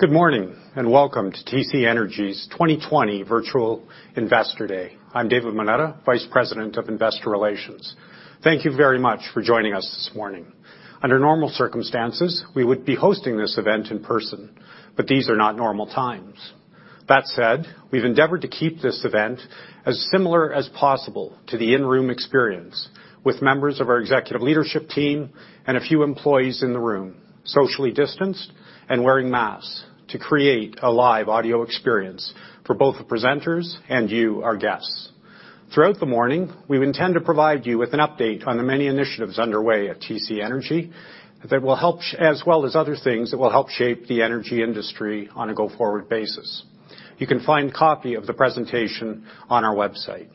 Good morning, welcome to TC Energy's 2020 Virtual Investor Day. I'm David Moneta, Vice President of Investor Relations. Thank you very much for joining us this morning. Under normal circumstances, we would be hosting this event in person, these are not normal times. That said, we've endeavored to keep this event as similar as possible to the in-room experience, with members of our executive leadership team and a few employees in the room, socially distanced and wearing masks to create a live audio experience for both the presenters and you, our guests. Throughout the morning, we intend to provide you with an update on the many initiatives underway at TC Energy, as well as other things that will help shape the energy industry on a go-forward basis. You can find copy of the presentation on our website.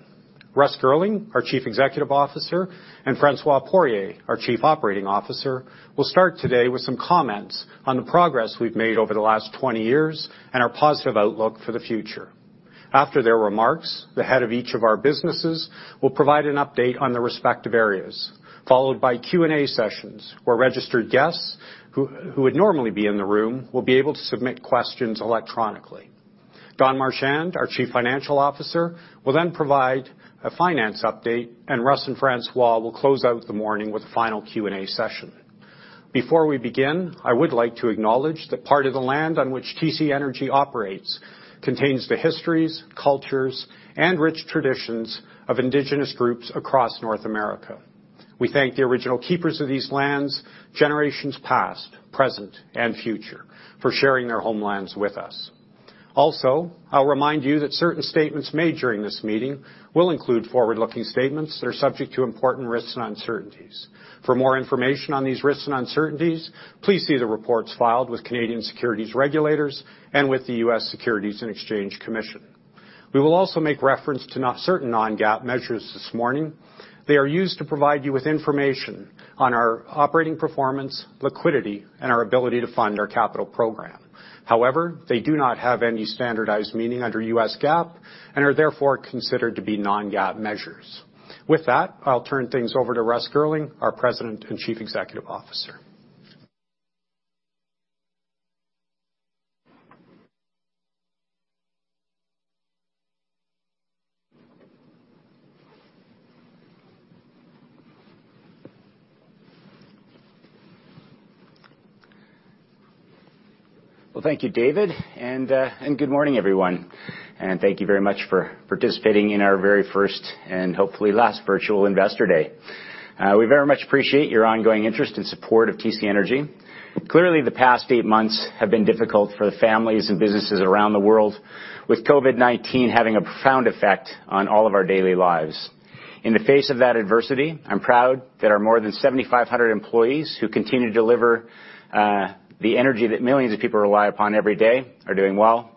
Russ Girling, our Chief Executive Officer, and François Poirier, our Chief Operating Officer, will start today with some comments on the progress we've made over the last 20 years and our positive outlook for the future. After their remarks, the head of each of our businesses will provide an update on their respective areas, followed by Q&A sessions where registered guests who would normally be in the room will be able to submit questions electronically. Don Marchand, our Chief Financial Officer, will then provide a finance update, and Russ and François will close out the morning with a final Q&A session. Before we begin, I would like to acknowledge that part of the land on which TC Energy operates contains the histories, cultures, and rich traditions of Indigenous groups across North America. We thank the original keepers of these lands, generations past, present, and future, for sharing their homelands with us. I'll remind you that certain statements made during this meeting will include forward-looking statements that are subject to important risks and uncertainties. For more information on these risks and uncertainties, please see the reports filed with Canadian securities regulators and with the U.S. Securities and Exchange Commission. We will also make reference to certain non-GAAP measures this morning. They are used to provide you with information on our operating performance, liquidity, and our ability to fund our capital program. They do not have any standardized meaning under U.S. GAAP and are therefore considered to be non-GAAP measures. With that, I'll turn things over to Russ Girling, our President and Chief Executive Officer. Thank you, David, and good morning, everyone. Thank you very much for participating in our very first and hopefully last virtual investor day. We very much appreciate your ongoing interest and support of TC Energy. Clearly, the past eight months have been difficult for the families and businesses around the world, with COVID-19 having a profound effect on all of our daily lives. In the face of that adversity, I am proud that our more than 7,500 employees who continue to deliver the energy that millions of people rely upon every day are doing well.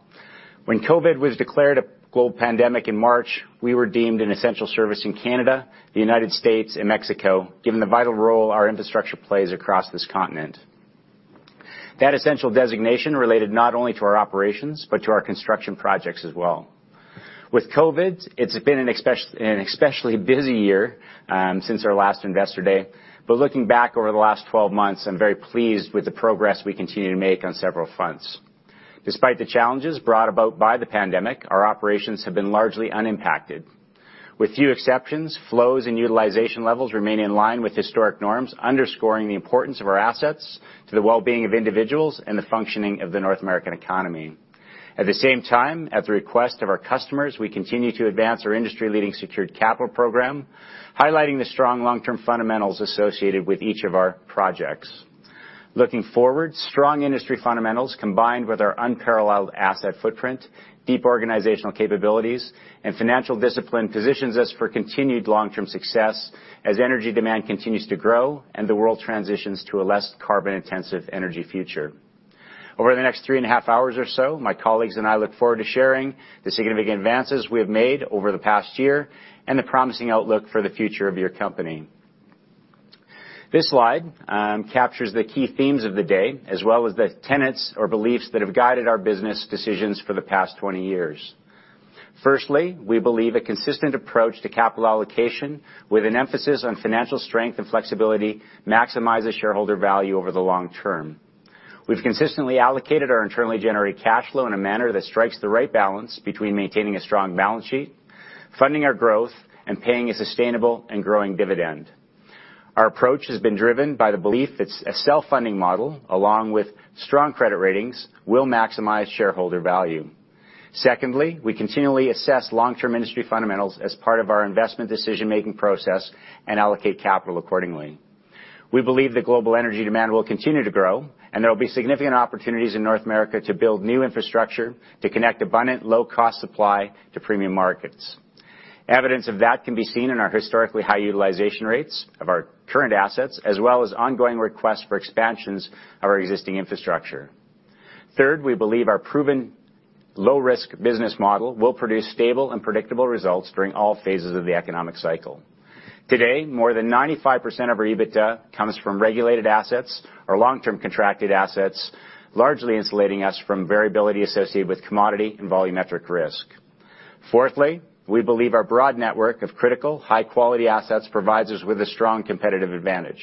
When COVID was declared a global pandemic in March, we were deemed an essential service in Canada, the U.S., and Mexico, given the vital role our infrastructure plays across this continent. That essential designation related not only to our operations but to our construction projects as well. With COVID, it has been an especially busy year since our last Investor Day. Looking back over the last 12 months, I am very pleased with the progress we continue to make on several fronts. Despite the challenges brought about by the pandemic, our operations have been largely unimpacted. With few exceptions, flows and utilization levels remain in line with historic norms, underscoring the importance of our assets to the well-being of individuals and the functioning of the North American economy. At the same time, at the request of our customers, we continue to advance our industry-leading secured capital program, highlighting the strong long-term fundamentals associated with each of our projects. Looking forward, strong industry fundamentals combined with our unparalleled asset footprint, deep organizational capabilities, and financial discipline positions us for continued long-term success as energy demand continues to grow and the world transitions to a less carbon-intensive energy future. Over the next three and a half hours or so, my colleagues and I look forward to sharing the significant advances we have made over the past year and the promising outlook for the future of your company. This slide captures the key themes of the day, as well as the tenets or beliefs that have guided our business decisions for the past 20 years. Firstly, we believe a consistent approach to capital allocation with an emphasis on financial strength and flexibility maximizes shareholder value over the long term. We've consistently allocated our internally generated cash flow in a manner that strikes the right balance between maintaining a strong balance sheet, funding our growth, and paying a sustainable and growing dividend. Our approach has been driven by the belief that a self-funding model, along with strong credit ratings, will maximize shareholder value. Secondly, we continually assess long-term industry fundamentals as part of our investment decision-making process and allocate capital accordingly. We believe that global energy demand will continue to grow, and there will be significant opportunities in North America to build new infrastructure to connect abundant, low-cost supply to premium markets. Evidence of that can be seen in our historically high utilization rates of our current assets, as well as ongoing requests for expansions of our existing infrastructure. Third, we believe our proven low-risk business model will produce stable and predictable results during all phases of the economic cycle. Today, more than 95% of our EBITDA comes from regulated assets or long-term contracted assets, largely insulating us from variability associated with commodity and volumetric risk. Fourthly, we believe our broad network of critical high-quality assets provides us with a strong competitive advantage.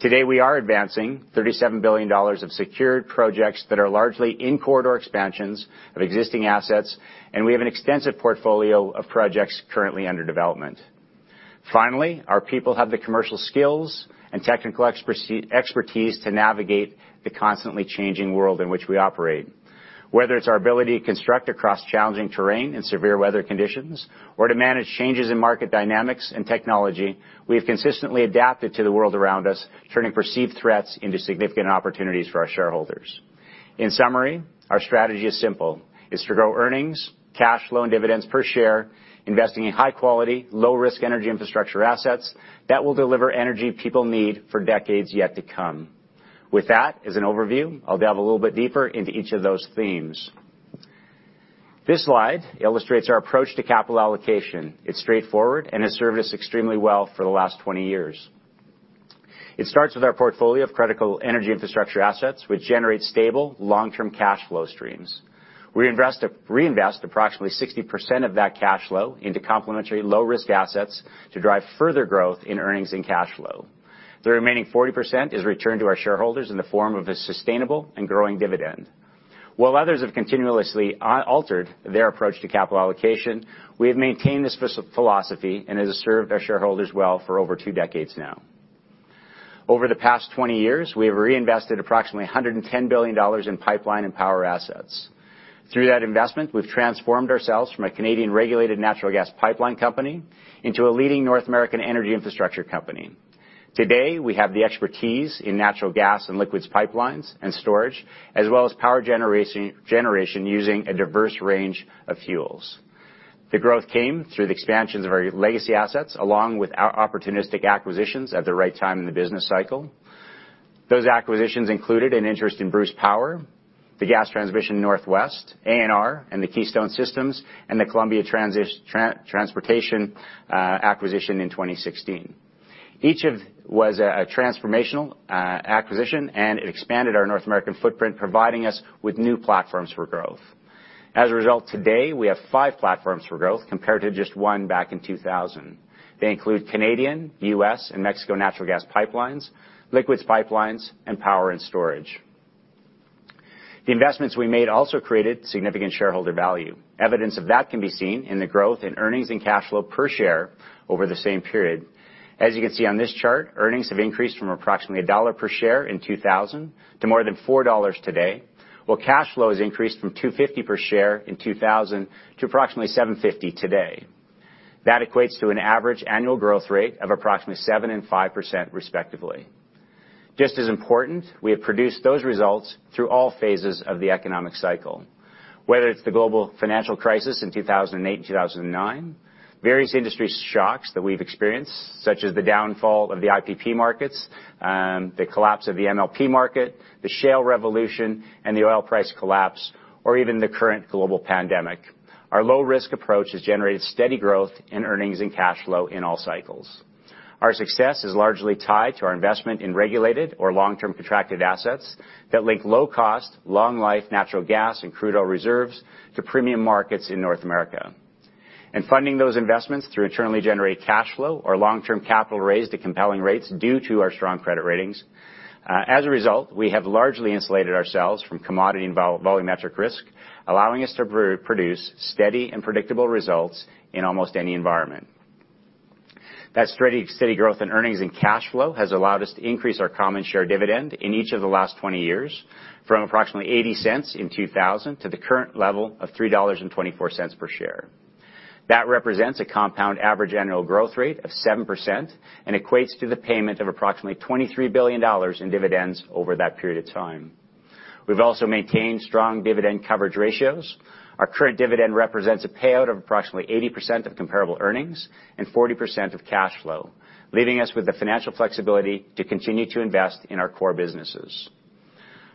Today, we are advancing 37 billion dollars of secured projects that are largely in corridor expansions of existing assets, and we have an extensive portfolio of projects currently under development. Finally, our people have the commercial skills and technical expertise to navigate the constantly changing world in which we operate. Whether it's our ability to construct across challenging terrain and severe weather conditions, or to manage changes in market dynamics and technology, we have consistently adapted to the world around us, turning perceived threats into significant opportunities for our shareholders. In summary, our strategy is simple. It's to grow earnings, cash flow, and dividends per share, investing in high quality, low risk energy infrastructure assets that will deliver energy people need for decades yet to come. With that as an overview, I'll delve a little bit deeper into each of those themes. This slide illustrates our approach to capital allocation. It is straightforward and has served us extremely well for the last 20 years. It starts with our portfolio of critical energy infrastructure assets, which generate stable, long-term cash flow streams. We invest approximately 60% of that cash flow into complementary low-risk assets to drive further growth in earnings and cash flow. The remaining 40% is returned to our shareholders in the form of a sustainable and growing dividend. While others have continuously altered their approach to capital allocation, we have maintained this philosophy and it has served our shareholders well for over two decades now. Over the past 20 years, we have reinvested approximately $110 billion in pipeline and power assets. Through that investment, we have transformed ourselves from a Canadian regulated natural gas pipeline company into a leading North American energy infrastructure company. Today, we have the expertise in natural gas and liquids pipelines and storage, as well as power generation using a diverse range of fuels. The growth came through the expansions of our legacy assets, along with our opportunistic acquisitions at the right time in the business cycle. Those acquisitions included an interest in Bruce Power, the Gas Transmission Northwest, ANR, and the Keystone Pipeline System, and the Columbia Pipeline Group acquisition in 2016. Each was a transformational acquisition, and it expanded our North American footprint, providing us with new platforms for growth. As a result, today we have five platforms for growth compared to just one back in 2000. They include Canadian, U.S., and Mexico natural gas pipelines, liquids pipelines, and power and storage. The investments we made also created significant shareholder value. Evidence of that can be seen in the growth in earnings and cash flow per share over the same period. As you can see on this chart, earnings have increased from approximately CAD 1 per share in 2000 to more than 4 dollars today, while cash flow has increased from 2.50 per share in 2000 to approximately 7.50 today. That equates to an average annual growth rate of approximately 7% and 5% respectively. Just as important, we have produced those results through all phases of the economic cycle, whether it's the global financial crisis in 2008 and 2009, various industry shocks that we've experienced, such as the downfall of the IPP markets, the collapse of the MLP market, the shale revolution, and the oil price collapse, or even the current global pandemic. Our low-risk approach has generated steady growth in earnings and cash flow in all cycles. Our success is largely tied to our investment in regulated or long-term contracted assets that link low cost, long life natural gas and crude oil reserves to premium markets in North America. Funding those investments through internally generated cash flow or long-term capital raised at compelling rates due to our strong credit ratings. As a result, we have largely insulated ourselves from commodity and volumetric risk, allowing us to produce steady and predictable results in almost any environment. That steady growth in earnings and cash flow has allowed us to increase our common share dividend in each of the last 20 years, from approximately 0.80 in 2000 to the current level of 3.24 dollars per share. That represents a compound average annual growth rate of 7% and equates to the payment of approximately 23 billion dollars in dividends over that period of time. We've also maintained strong dividend coverage ratios. Our current dividend represents a payout of approximately 80% of comparable earnings and 40% of cash flow, leaving us with the financial flexibility to continue to invest in our core businesses.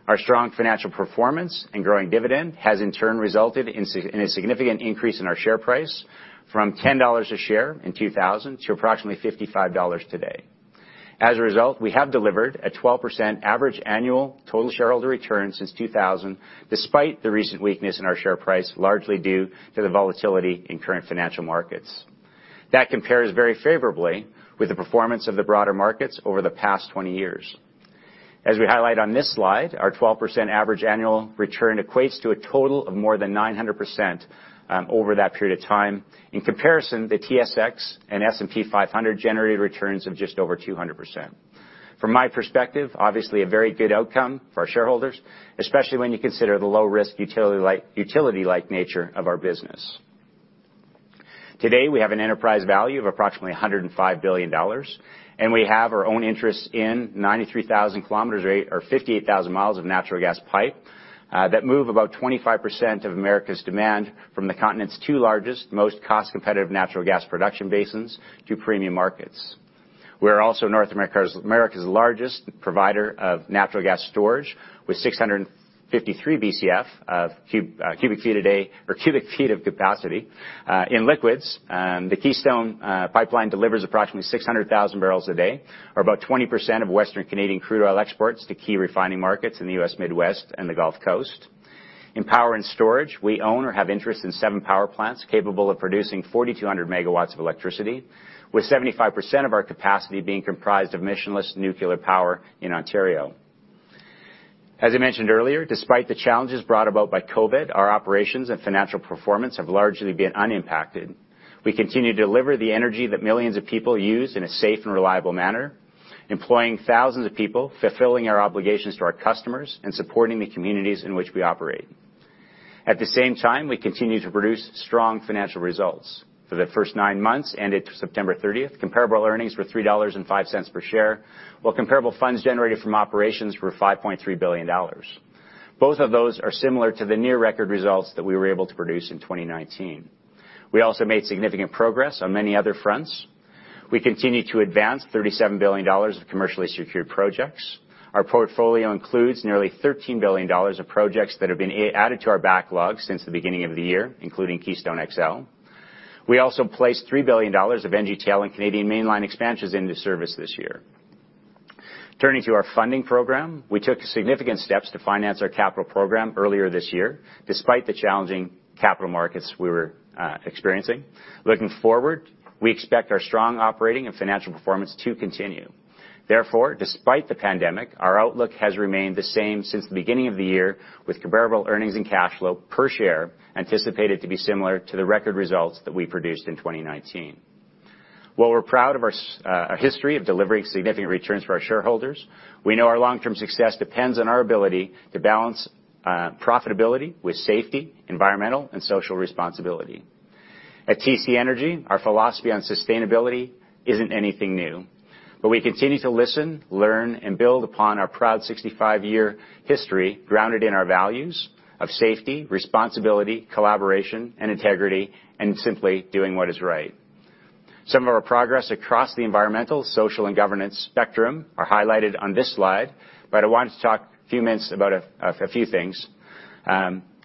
Our strong financial performance and growing dividend has in turn resulted in a significant increase in our share price from 10 dollars a share in 2000 to approximately 55 dollars today. As a result, we have delivered a 12% average annual total shareholder return since 2000, despite the recent weakness in our share price, largely due to the volatility in current financial markets. That compares very favorably with the performance of the broader markets over the past 20 years. As we highlight on this slide, our 12% average annual return equates to a total of more than 900% over that period of time. In comparison, the TSX and S&P 500 generated returns of just over 200%. From my perspective, obviously a very good outcome for our shareholders, especially when you consider the low risk utility-like nature of our business. Today, we have an enterprise value of approximately 105 billion dollars. We have our own interest in 93,000 kilometers or 58,000 miles of natural gas pipe, that move about 25% of America's demand from the continent's two largest, most cost-competitive natural gas production basins to premium markets. We are also North America's largest provider of natural gas storage, with 653 Bcf of cubic feet of capacity. In liquids, the Keystone Pipeline delivers approximately 600,000 barrels a day, or about 20% of Western Canadian crude oil exports to key refining markets in the U.S. Midwest and the Gulf Coast. In power and storage, we own or have interest in seven power plants capable of producing 4,200 megawatts of electricity, with 75% of our capacity being comprised of emissionless nuclear power in Ontario. As I mentioned earlier, despite the challenges brought about by COVID, our operations and financial performance have largely been unimpacted. We continue to deliver the energy that millions of people use in a safe and reliable manner, employing thousands of people, fulfilling our obligations to our customers, and supporting the communities in which we operate. At the same time, we continue to produce strong financial results. For the first nine months ended September 30th, comparable earnings were 3.05 dollars per share, while comparable funds generated from operations were 5.3 billion dollars. Both of those are similar to the near-record results that we were able to produce in 2019. We also made significant progress on many other fronts. We continue to advance 37 billion dollars of commercially secured projects. Our portfolio includes nearly 13 billion dollars of projects that have been added to our backlog since the beginning of the year, including Keystone XL. We also placed 3 billion dollars of NGTL and Canadian Mainline expansions into service this year. Turning to our funding program, we took significant steps to finance our capital program earlier this year, despite the challenging capital markets we were experiencing. Looking forward, we expect our strong operating and financial performance to continue. Therefore, despite the pandemic, our outlook has remained the same since the beginning of the year, with comparable earnings and cash flow per share anticipated to be similar to the record results that we produced in 2019. While we're proud of our history of delivering significant returns for our shareholders, we know our long-term success depends on our ability to balance profitability with safety, environmental, and social responsibility. At TC Energy, our philosophy on sustainability isn't anything new, but we continue to listen, learn, and build upon our proud 65-year history grounded in our values of safety, responsibility, collaboration, and integrity, and simply doing what is right. Some of our progress across the environmental, social, and governance spectrum are highlighted on this slide, but I wanted to talk a few minutes about a few things.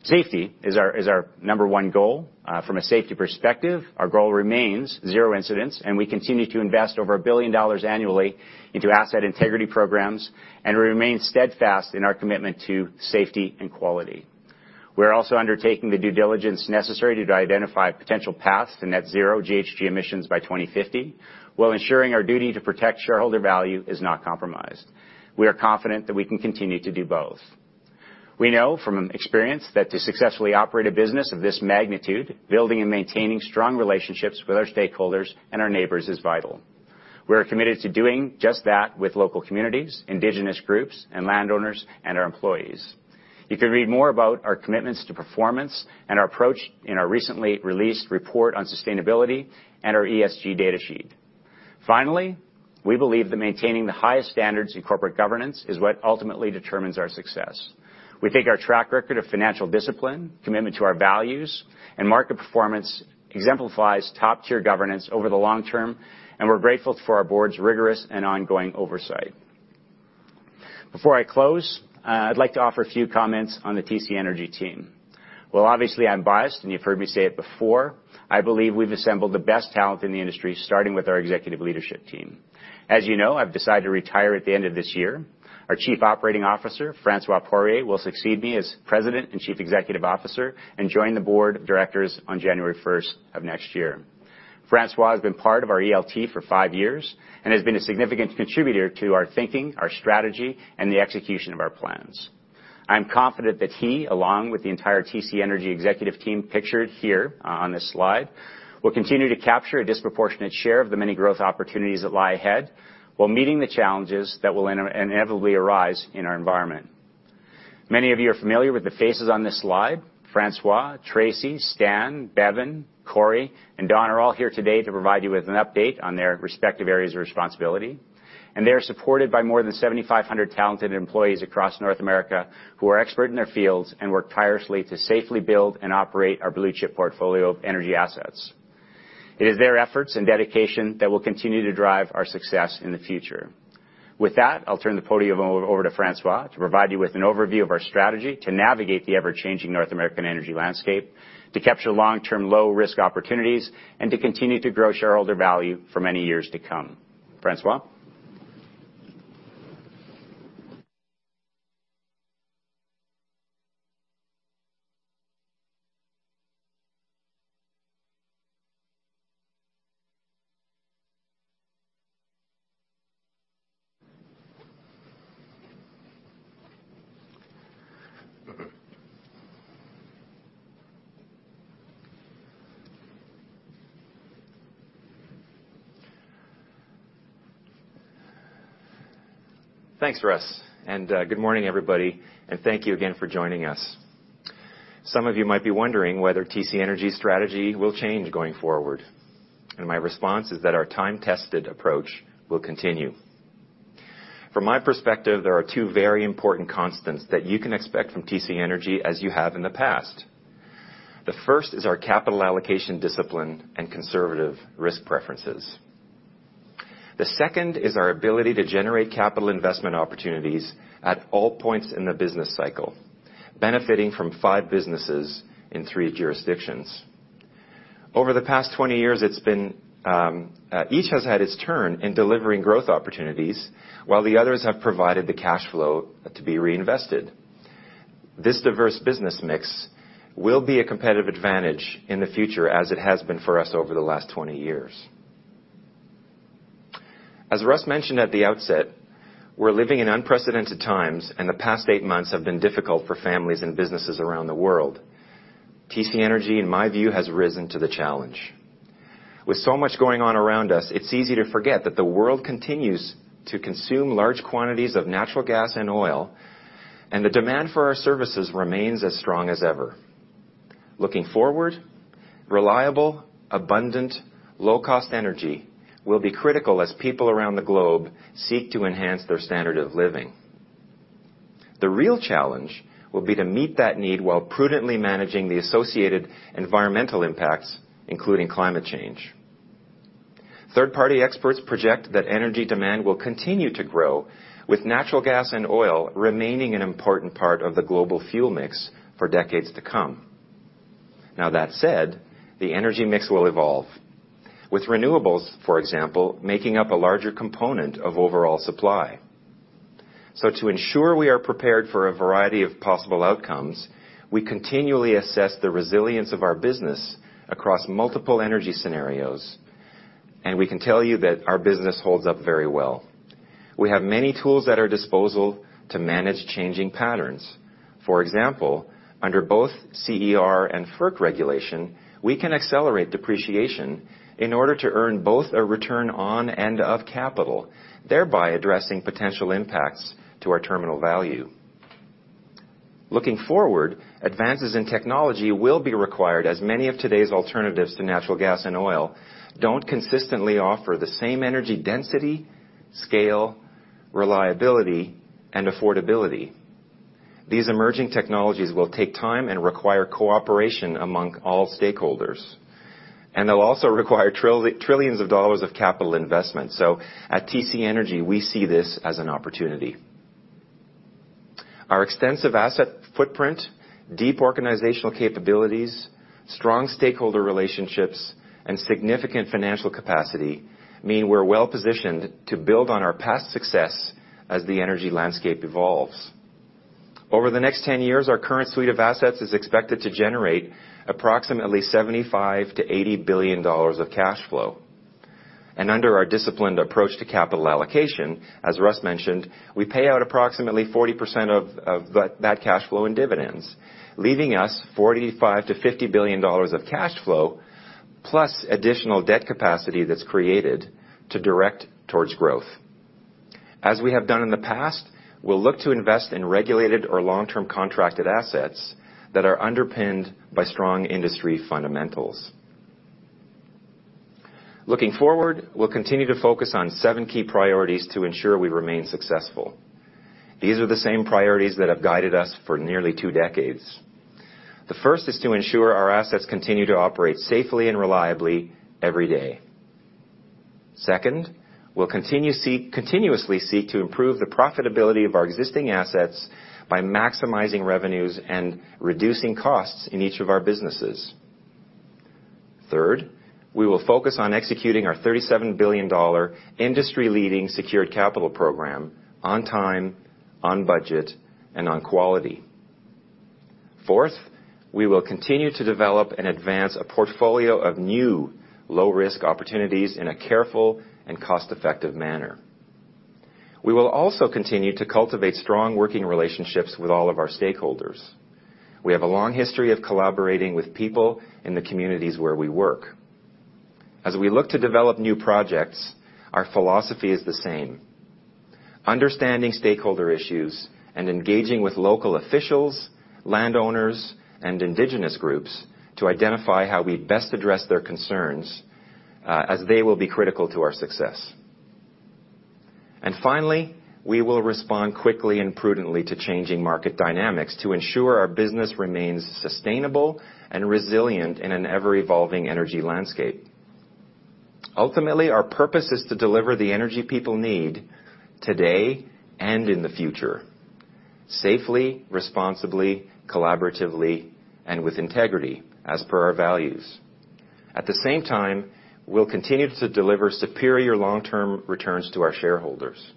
Safety is our number one goal. From a safety perspective, our goal remains zero incidents, and we continue to invest over 1 billion dollars annually into asset integrity programs, and we remain steadfast in our commitment to safety and quality. We are also undertaking the due diligence necessary to identify potential paths to net zero GHG emissions by 2050, while ensuring our duty to protect shareholder value is not compromised. We are confident that we can continue to do both. We know from experience that to successfully operate a business of this magnitude, building and maintaining strong relationships with our stakeholders and our neighbors is vital. We are committed to doing just that with local communities, Indigenous groups, and landowners, and our employees. You can read more about our commitments to performance and our approach in our recently released report on sustainability and our ESG data sheet. Finally, we believe that maintaining the highest standards in corporate governance is what ultimately determines our success. We think our track record of financial discipline, commitment to our values, and market performance exemplifies top-tier governance over the long term, and we're grateful for our board's rigorous and ongoing oversight. Before I close, I'd like to offer a few comments on the TC Energy team. Well, obviously, I'm biased, and you've heard me say it before, I believe we've assembled the best talent in the industry, starting with our executive leadership team. As you know, I've decided to retire at the end of this year. Our Chief Operating Officer, François Poirier, will succeed me as President and Chief Executive Officer and join the board of directors on January 1st of next year. François has been part of our ELT for five years and has been a significant contributor to our thinking, our strategy, and the execution of our plans. I'm confident that he, along with the entire TC Energy executive team pictured here on this slide, will continue to capture a disproportionate share of the many growth opportunities that lie ahead while meeting the challenges that will inevitably arise in our environment. Many of you are familiar with the faces on this slide. François, Tracy, Stan, Bevin, Corey, and Don are all here today to provide you with an update on their respective areas of responsibility, and they are supported by more than 7,500 talented employees across North America who are expert in their fields and work tirelessly to safely build and operate our blue-chip portfolio of energy assets. It is their efforts and dedication that will continue to drive our success in the future. With that, I'll turn the podium over to François to provide you with an overview of our strategy to navigate the ever-changing North American energy landscape, to capture long-term, low-risk opportunities, and to continue to grow shareholder value for many years to come. François? Thanks, Russ, and good morning, everybody, and thank you again for joining us. Some of you might be wondering whether TC Energy's strategy will change going forward. My response is that our time-tested approach will continue. From my perspective, there are two very important constants that you can expect from TC Energy as you have in the past. The first is our capital allocation discipline and conservative risk preferences. The second is our ability to generate capital investment opportunities at all points in the business cycle, benefiting from five businesses in three jurisdictions. Over the past 20 years, each has had its turn in delivering growth opportunities while the others have provided the cash flow to be reinvested. This diverse business mix will be a competitive advantage in the future, as it has been for us over the last 20 years. As Russ mentioned at the outset, we're living in unprecedented times. The past eight months have been difficult for families and businesses around the world. TC Energy, in my view, has risen to the challenge. With so much going on around us, it's easy to forget that the world continues to consume large quantities of natural gas and oil. The demand for our services remains as strong as ever. Looking forward, reliable, abundant, low-cost energy will be critical as people around the globe seek to enhance their standard of living. The real challenge will be to meet that need while prudently managing the associated environmental impacts, including climate change. Third-party experts project that energy demand will continue to grow, with natural gas and oil remaining an important part of the global fuel mix for decades to come. That said, the energy mix will evolve, with renewables, for example, making up a larger component of overall supply. To ensure we are prepared for a variety of possible outcomes, we continually assess the resilience of our business across multiple energy scenarios. We can tell you that our business holds up very well. We have many tools at our disposal to manage changing patterns. For example, under both CER and FERC regulation, we can accelerate depreciation in order to earn both a return on and of capital, thereby addressing potential impacts to our terminal value. Looking forward, advances in technology will be required, as many of today's alternatives to natural gas and oil don't consistently offer the same energy density, scale, reliability, and affordability. These emerging technologies will take time and require cooperation among all stakeholders. They'll also require trillions of dollars of capital investment. At TC Energy, we see this as an opportunity. Our extensive asset footprint, deep organizational capabilities, strong stakeholder relationships, and significant financial capacity mean we are well-positioned to build on our past success as the energy landscape evolves. Over the next 10 years, our current suite of assets is expected to generate approximately 75 billion to 80 billion dollars of cash flow. Under our disciplined approach to capital allocation, as Russ mentioned, we pay out approximately 40% of that cash flow in dividends, leaving us 45 billion to 50 billion dollars of cash flow, plus additional debt capacity that is created to direct towards growth. As we have done in the past, we will look to invest in regulated or long-term contracted assets that are underpinned by strong industry fundamentals. Looking forward, we will continue to focus on seven key priorities to ensure we remain successful. These are the same priorities that have guided us for nearly two decades. The first is to ensure our assets continue to operate safely and reliably every day. Second, we will continuously seek to improve the profitability of our existing assets by maximizing revenues and reducing costs in each of our businesses. Third, we will focus on executing our 37 billion dollar industry-leading secured capital program on time, on budget, and on quality. Fourth, we will continue to develop and advance a portfolio of new low-risk opportunities in a careful and cost-effective manner. We will also continue to cultivate strong working relationships with all of our stakeholders. We have a long history of collaborating with people in the communities where we work. As we look to develop new projects, our philosophy is the same. Understanding stakeholder issues and engaging with local officials, landowners, and Indigenous groups to identify how we best address their concerns, as they will be critical to our success. Finally, we will respond quickly and prudently to changing market dynamics to ensure our business remains sustainable and resilient in an ever-evolving energy landscape. Ultimately, our purpose is to deliver the energy people need today and in the future safely, responsibly, collaboratively, and with integrity, as per our values. At the same time, we'll continue to deliver superior long-term returns to our shareholders.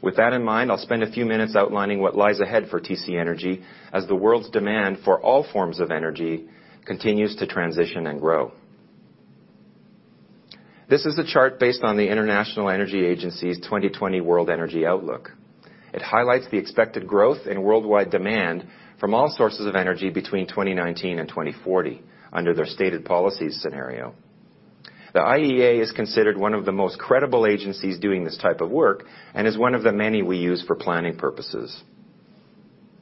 With that in mind, I'll spend a few minutes outlining what lies ahead for TC Energy as the world's demand for all forms of energy continues to transition and grow. This is a chart based on the International Energy Agency's 2020 World Energy Outlook. It highlights the expected growth in worldwide demand from all sources of energy between 2019 and 2040 under their Stated Policies Scenario. The IEA is considered one of the most credible agencies doing this type of work and is one of the many we use for planning purposes.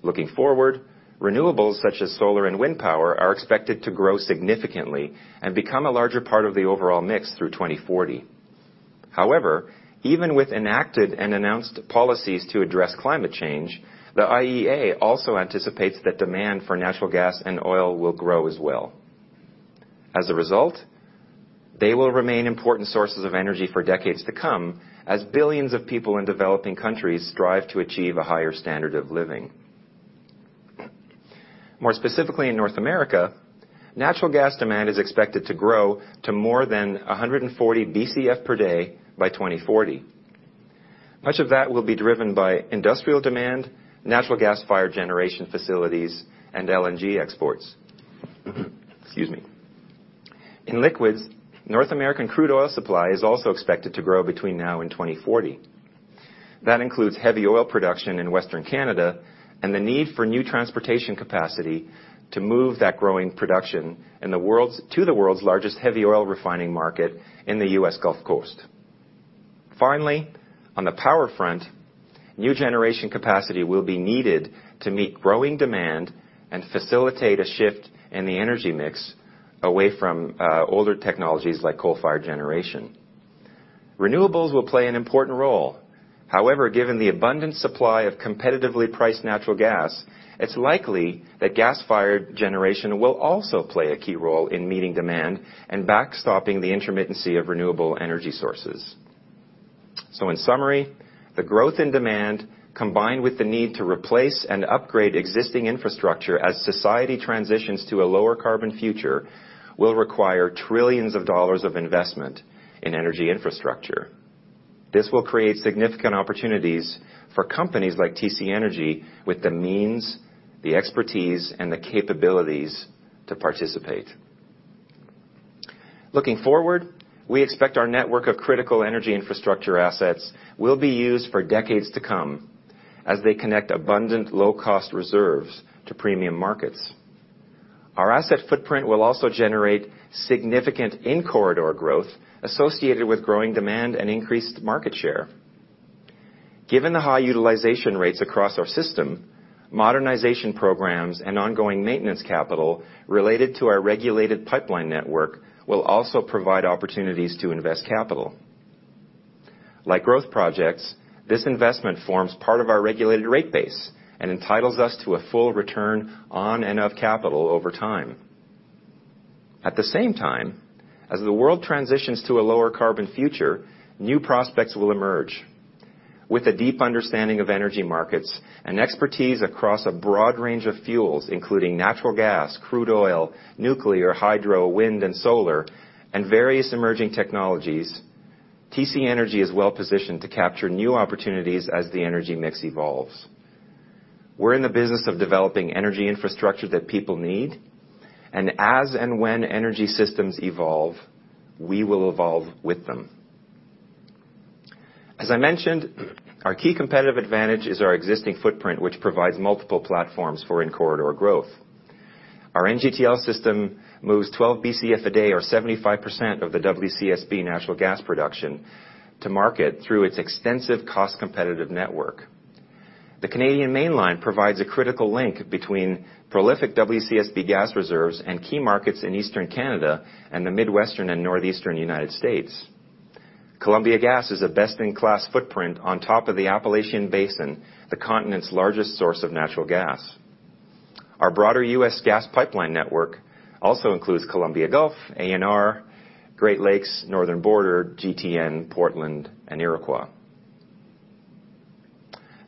Looking forward, renewables such as solar and wind power are expected to grow significantly and become a larger part of the overall mix through 2040. However, even with enacted and announced policies to address climate change, the IEA also anticipates that demand for natural gas and oil will grow as well. As a result, they will remain important sources of energy for decades to come as billions of people in developing countries strive to achieve a higher standard of living. More specifically in North America, natural gas demand is expected to grow to more than 140 BCF per day by 2040. Much of that will be driven by industrial demand, natural gas-fired generation facilities, and LNG exports. Excuse me. In liquids, North American crude oil supply is also expected to grow between now and 2040. That includes heavy oil production in Western Canada and the need for new transportation capacity to move that growing production to the world's largest heavy oil refining market in the U.S. Gulf Coast. Finally, on the power front, new generation capacity will be needed to meet growing demand and facilitate a shift in the energy mix away from older technologies like coal-fired generation. Renewables will play an important role. However, given the abundant supply of competitively priced natural gas, it's likely that gas-fired generation will also play a key role in meeting demand and backstopping the intermittency of renewable energy sources. In summary, the growth in demand, combined with the need to replace and upgrade existing infrastructure as society transitions to a lower carbon future, will require trillions of dollars of investment in energy infrastructure. This will create significant opportunities for companies like TC Energy, with the means, the expertise, and the capabilities to participate. Looking forward, we expect our network of critical energy infrastructure assets will be used for decades to come as they connect abundant low-cost reserves to premium markets. Our asset footprint will also generate significant in-corridor growth associated with growing demand and increased market share. Given the high utilization rates across our system, modernization programs and ongoing maintenance capital related to our regulated pipeline network will also provide opportunities to invest capital. Like growth projects, this investment forms part of our regulated rate base and entitles us to a full return on and of capital over time. At the same time, as the world transitions to a lower carbon future, new prospects will emerge. With a deep understanding of energy markets and expertise across a broad range of fuels, including natural gas, crude oil, nuclear, hydro, wind and solar, and various emerging technologies, TC Energy is well-positioned to capture new opportunities as the energy mix evolves. We're in the business of developing energy infrastructure that people need, and as and when energy systems evolve, we will evolve with them. As I mentioned, our key competitive advantage is our existing footprint, which provides multiple platforms for in-corridor growth. Our NGTL system moves 12 BCF a day, or 75% of the WCSB natural gas production, to market through its extensive cost-competitive network. The Canadian Mainline provides a critical link between prolific WCSB gas reserves and key markets in Eastern Canada and the Midwestern and Northeastern U.S. Columbia Gas is a best-in-class footprint on top of the Appalachian Basin, the continent's largest source of natural gas. Our broader U.S. gas pipeline network also includes Columbia Gulf, ANR, Great Lakes, Northern Border, GTN, Portland, and Iroquois.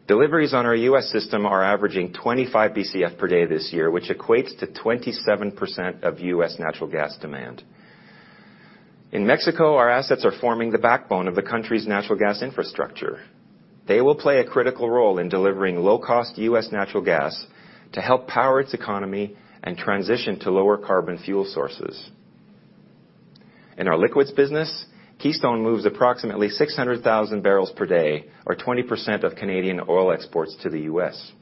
Deliveries on our U.S. system are averaging 25 BCF per day this year, which equates to 27% of U.S. natural gas demand. In Mexico, our assets are forming the backbone of the country's natural gas infrastructure. They will play a critical role in delivering low-cost U.S. natural gas to help power its economy and transition to lower carbon fuel sources. In our liquids business, Keystone moves approximately 600,000 barrels per day, or 20% of Canadian oil exports to the U.S.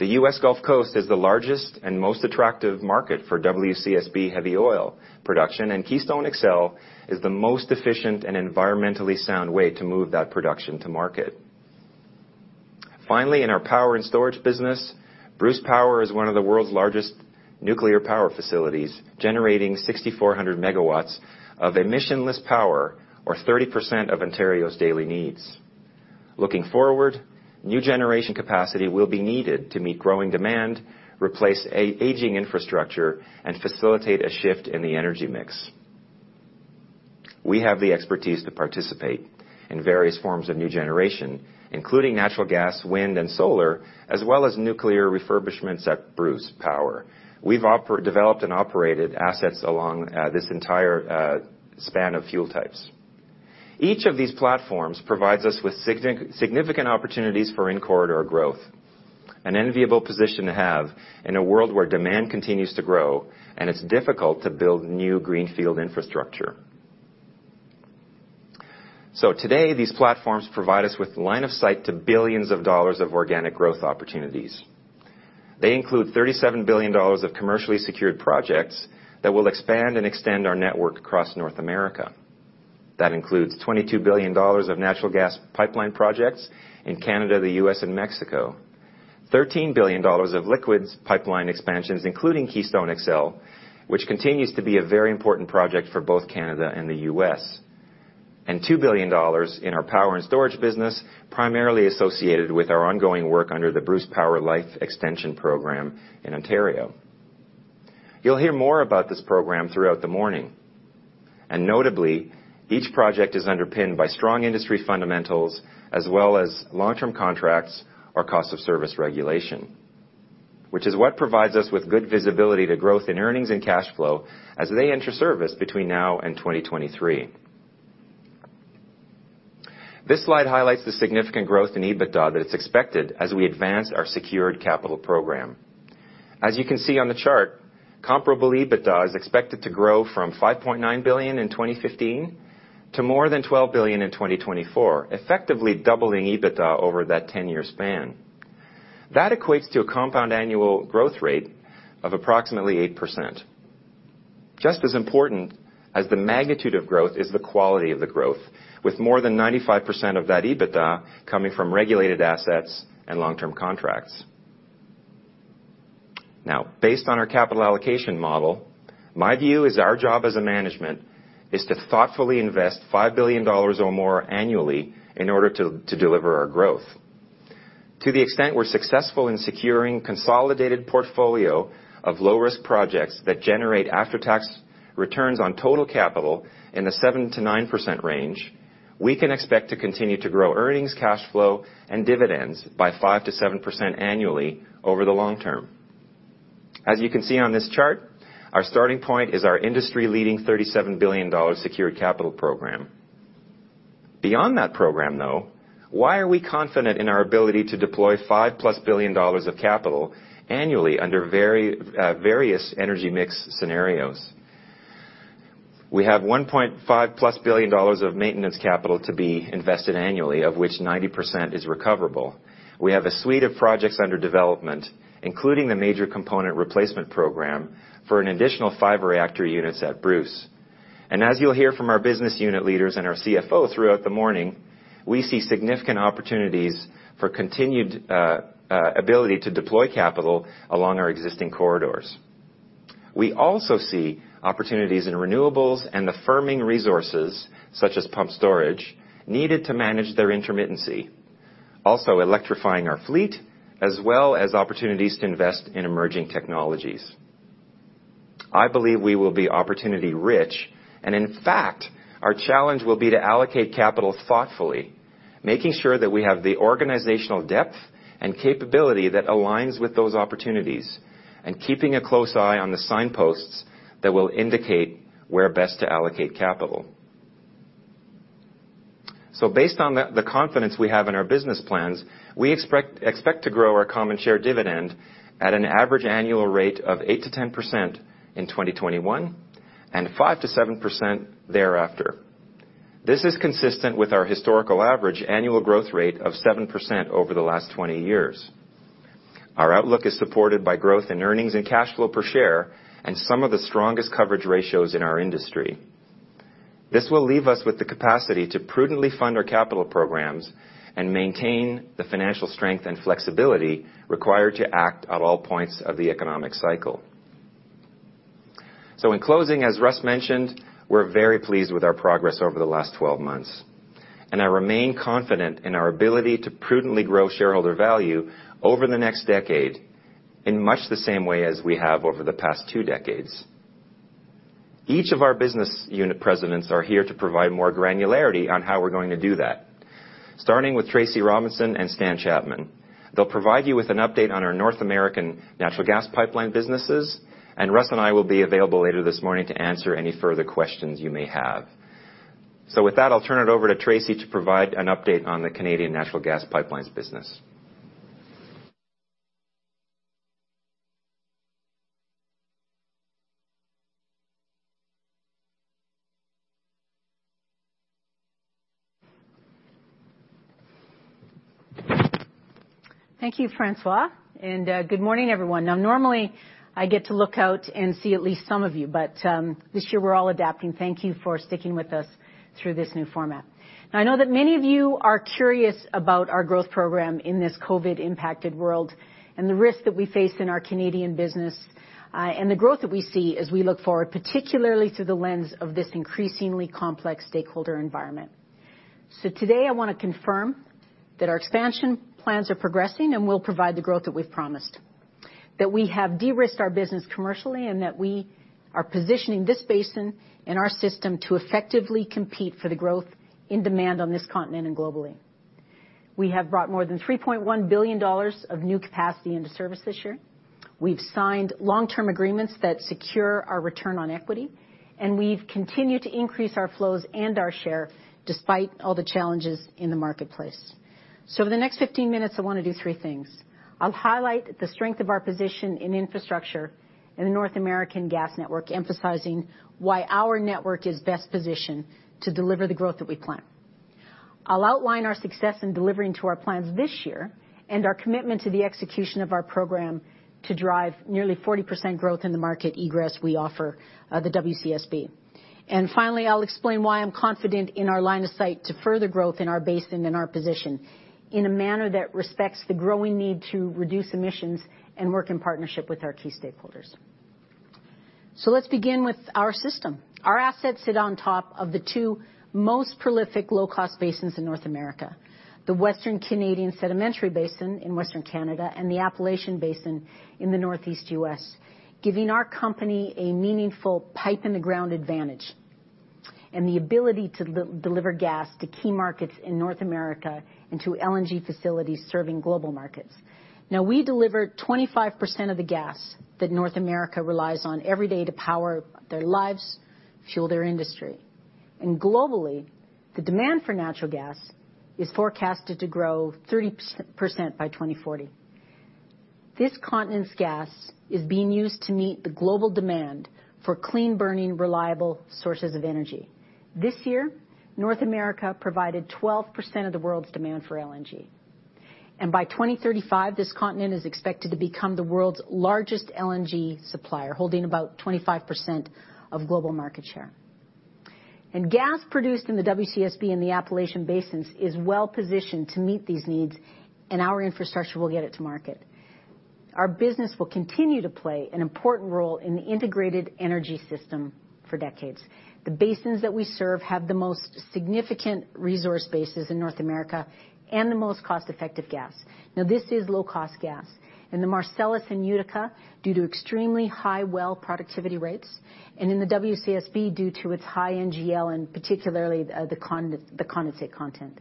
The U.S. Gulf Coast is the largest and most attractive market for WCSB heavy oil production. Keystone XL is the most efficient and environmentally sound way to move that production to market. Finally, in our power and storage business, Bruce Power is one of the world's largest nuclear power facilities, generating 6,400 megawatts of emissionless power, or 30% of Ontario's daily needs. Looking forward, new generation capacity will be needed to meet growing demand, replace aging infrastructure, and facilitate a shift in the energy mix. We have the expertise to participate in various forms of new generation, including natural gas, wind, and solar, as well as nuclear refurbishments at Bruce Power. We've developed and operated assets along this entire span of fuel types. Each of these platforms provides us with significant opportunities for in-corridor growth, an enviable position to have in a world where demand continues to grow and it is difficult to build new greenfield infrastructure. Today, these platforms provide us with line of sight to billions of dollars of organic growth opportunities. They include 37 billion dollars of commercially secured projects that will expand and extend our network across North America. That includes 22 billion dollars of natural gas pipeline projects in Canada, the U.S., and Mexico, 13 billion dollars of liquids pipeline expansions, including Keystone XL, which continues to be a very important project for both Canada and the U.S. 2 billion dollars in our power and storage business, primarily associated with our ongoing work under the Bruce Power Life-Extension Program in Ontario. You will hear more about this program throughout the morning. Notably, each project is underpinned by strong industry fundamentals as well as long-term contracts or cost of service regulation, which is what provides us with good visibility to growth in earnings and cash flow as they enter service between now and 2023. This slide highlights the significant growth in EBITDA that is expected as we advance our secured capital program. As you can see on the chart, comparable EBITDA is expected to grow from 5.9 billion in 2015 to more than 12 billion in 2024, effectively doubling EBITDA over that 10-year span. That equates to a Compound Annual Growth Rate of approximately 8%. Just as important as the magnitude of growth is the quality of the growth, with more than 95% of that EBITDA coming from regulated assets and long-term contracts. Based on our capital allocation model, my view is our job as a management is to thoughtfully invest 5 billion dollars or more annually in order to deliver our growth. To the extent we're successful in securing consolidated portfolio of low-risk projects that generate after-tax returns on total capital in the 7%-9% range, we can expect to continue to grow earnings, cash flow, and dividends by 5%-7% annually over the long term. As you can see on this chart, our starting point is our industry-leading 37 billion dollars secured capital program. Beyond that program, why are we confident in our ability to deploy 5-plus billion dollars of capital annually under various energy mix scenarios? We have 1.5-plus billion dollars of maintenance capital to be invested annually, of which 90% is recoverable. We have a suite of projects under development, including the Major Component Replacement program, for an additional five reactor units at Bruce. As you'll hear from our business unit leaders and our CFO throughout the morning, we see significant opportunities for continued ability to deploy capital along our existing corridors. We also see opportunities in renewables and the firming resources, such as pumped storage, needed to manage their intermittency, also electrifying our fleet, as well as opportunities to invest in emerging technologies. I believe we will be opportunity-rich, and in fact, our challenge will be to allocate capital thoughtfully, making sure that we have the organizational depth and capability that aligns with those opportunities and keeping a close eye on the signposts that will indicate where best to allocate capital. Based on the confidence we have in our business plans, we expect to grow our common share dividend at an average annual rate of 8%-10% in 2021, and 5%-7% thereafter. This is consistent with our historical average annual growth rate of 7% over the last 20 years. Our outlook is supported by growth in earnings and cash flow per share and some of the strongest coverage ratios in our industry. This will leave us with the capacity to prudently fund our capital programs and maintain the financial strength and flexibility required to act at all points of the economic cycle. In closing, as Russ mentioned, we're very pleased with our progress over the last 12 months. I remain confident in our ability to prudently grow shareholder value over the next decade in much the same way as we have over the past two decades. Each of our business unit presidents are here to provide more granularity on how we're going to do that, starting with Tracy Robinson and Stan Chapman. They'll provide you with an update on our North American natural gas pipeline businesses, and Russ and I will be available later this morning to answer any further questions you may have. With that, I'll turn it over to Tracy to provide an update on the Canadian Natural Gas Pipelines business. Thank you, François. Good morning, everyone. Normally, I get to look out and see at least some of you, but this year we're all adapting. Thank you for sticking with us through this new format. I know that many of you are curious about our growth program in this COVID-impacted world and the risks that we face in our Canadian business and the growth that we see as we look forward, particularly through the lens of this increasingly complex stakeholder environment. Today, I want to confirm that our expansion plans are progressing and will provide the growth that we've promised, that we have de-risked our business commercially, and that we are positioning this basin and our system to effectively compete for the growth in demand on this continent and globally. We have brought more than 3.1 billion dollars of new capacity into service this year. We've signed long-term agreements that secure our return on equity, and we've continued to increase our flows and our share despite all the challenges in the marketplace. For the next 15 minutes, I want to do three things. I'll highlight the strength of our position in infrastructure in the North American gas network, emphasizing why our network is best positioned to deliver the growth that we plan. I'll outline our success in delivering to our plans this year and our commitment to the execution of our program to drive nearly 40% growth in the market egress we offer the WCSB. Finally, I'll explain why I'm confident in our line of sight to further growth in our basin and our position in a manner that respects the growing need to reduce emissions and work in partnership with our key stakeholders. Let's begin with our system. Our assets sit on top of the two most prolific low-cost basins in North America, the Western Canadian Sedimentary Basin in Western Canada, and the Appalachian Basin in the Northeast U.S., giving our company a meaningful pipe-in-the-ground advantage and the ability to deliver gas to key markets in North America and to LNG facilities serving global markets. We deliver 25% of the gas that North America relies on every day to power their lives, fuel their industry. Globally, the demand for natural gas is forecasted to grow 30% by 2040. This continent's gas is being used to meet the global demand for clean-burning, reliable sources of energy. This year, North America provided 12% of the world's demand for LNG. By 2035, this continent is expected to become the world's largest LNG supplier, holding about 25% of global market share. Gas produced in the WCSB and the Appalachian basins is well-positioned to meet these needs, and our infrastructure will get it to market. Our business will continue to play an important role in the integrated energy system for decades. The basins that we serve have the most significant resource bases in North America and the most cost-effective gas. This is low-cost gas. In the Marcellus and Utica, due to extremely high well productivity rates, and in the WCSB, due to its high NGL and particularly the condensate content.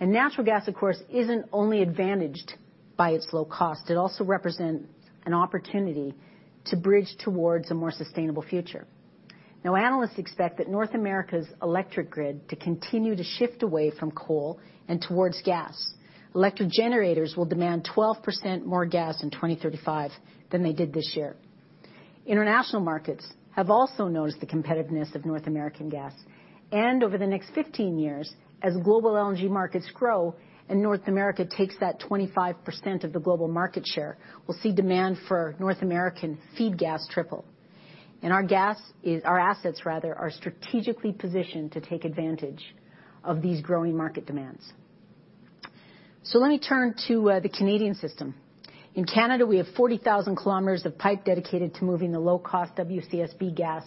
Natural gas, of course, isn't only advantaged by its low cost. It also represents an opportunity to bridge towards a more sustainable future. Analysts expect that North America's electric grid to continue to shift away from coal and towards gas. Electric generators will demand 12% more gas in 2035 than they did this year. International markets have also noticed the competitiveness of North American gas, and over the next 15 years, as global LNG markets grow and North America takes that 25% of the global market share, we'll see demand for North American feed gas triple. Our assets are strategically positioned to take advantage of these growing market demands. Let me turn to the Canadian system. In Canada, we have 40,000 kilometers of pipe dedicated to moving the low-cost WCSB gas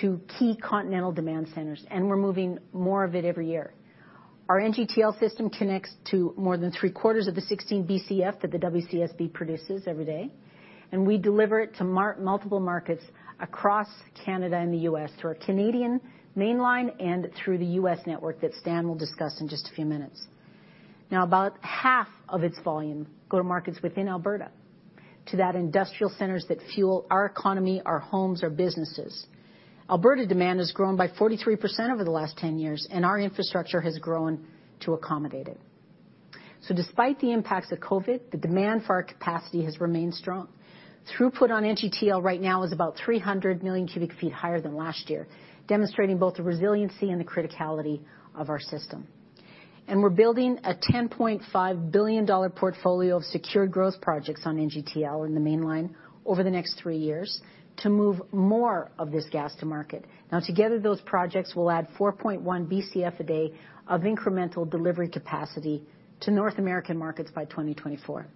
to key continental demand centers, and we're moving more of it every year. Our NGTL system connects to more than three-quarters of the 16 Bcf that the WCSB produces every day, and we deliver it to multiple markets across Canada and the U.S. through our Canadian Mainline and through the U.S. network that Stan will discuss in just a few minutes. About half of its volume go to markets within Alberta, to that industrial centers that fuel our economy, our homes, our businesses. Alberta demand has grown by 43% over the last 10 years, and our infrastructure has grown to accommodate it. Despite the impacts of COVID, the demand for our capacity has remained strong. Throughput on NGTL right now is about 300 million cubic feet higher than last year, demonstrating both the resiliency and the criticality of our system. We're building a 10.5 billion dollar portfolio of secured growth projects on NGTL in the Canadian Mainline over the next three years to move more of this gas to market. Together, those projects will add 4.1 Bcf a day of incremental delivery capacity to North American markets by 2024.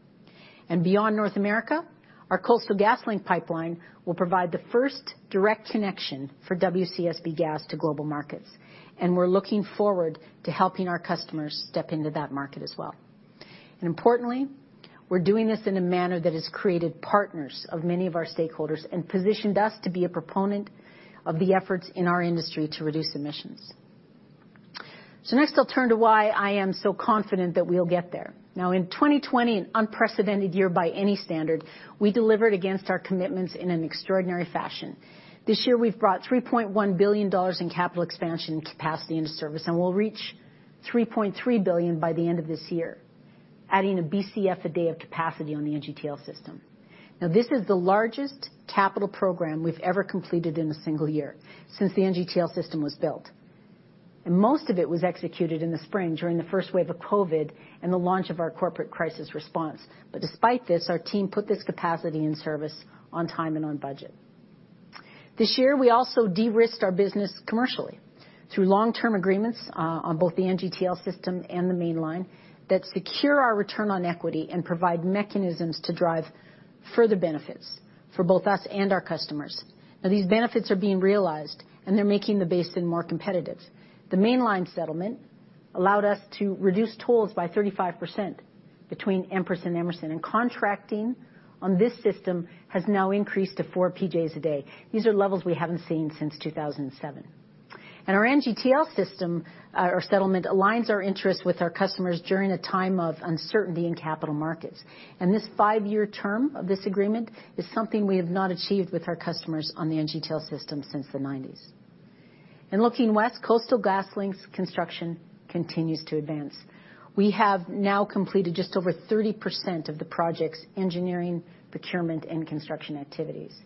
Beyond North America, our Coastal GasLink pipeline will provide the first direct connection for WCSB gas to global markets, and we're looking forward to helping our customers step into that market as well. Importantly, we're doing this in a manner that has created partners of many of our stakeholders and positioned us to be a proponent of the efforts in our industry to reduce emissions. Next, I'll turn to why I am so confident that we'll get there. In 2020, an unprecedented year by any standard, we delivered against our commitments in an extraordinary fashion. This year, we've brought $3.1 billion in capital expansion capacity into service, and we'll reach $3.3 billion by the end of this year, adding a Bcf a day of capacity on the NGTL system. This is the largest capital program we've ever completed in a single year since the NGTL system was built. Most of it was executed in the spring during the first wave of COVID and the launch of our corporate crisis response. Despite this, our team put this capacity in service on time and on budget. This year, we also de-risked our business commercially through long-term agreements on both the NGTL system and the Mainline that secure our return on equity and provide mechanisms to drive further benefits for both us and our customers. These benefits are being realized, and they're making the basin more competitive. The Mainline settlement allowed us to reduce tolls by 35% between Empress and Emerson, and contracting on this system has now increased to four PJ a day. These are levels we haven't seen since 2007. Our NGTL system, our settlement aligns our interests with our customers during a time of uncertainty in capital markets. This five-year term of this agreement is something we have not achieved with our customers on the NGTL system since the '90s. Looking west, Coastal GasLink's construction continues to advance. We have now completed just over 30% of the project's engineering, procurement, and construction activities.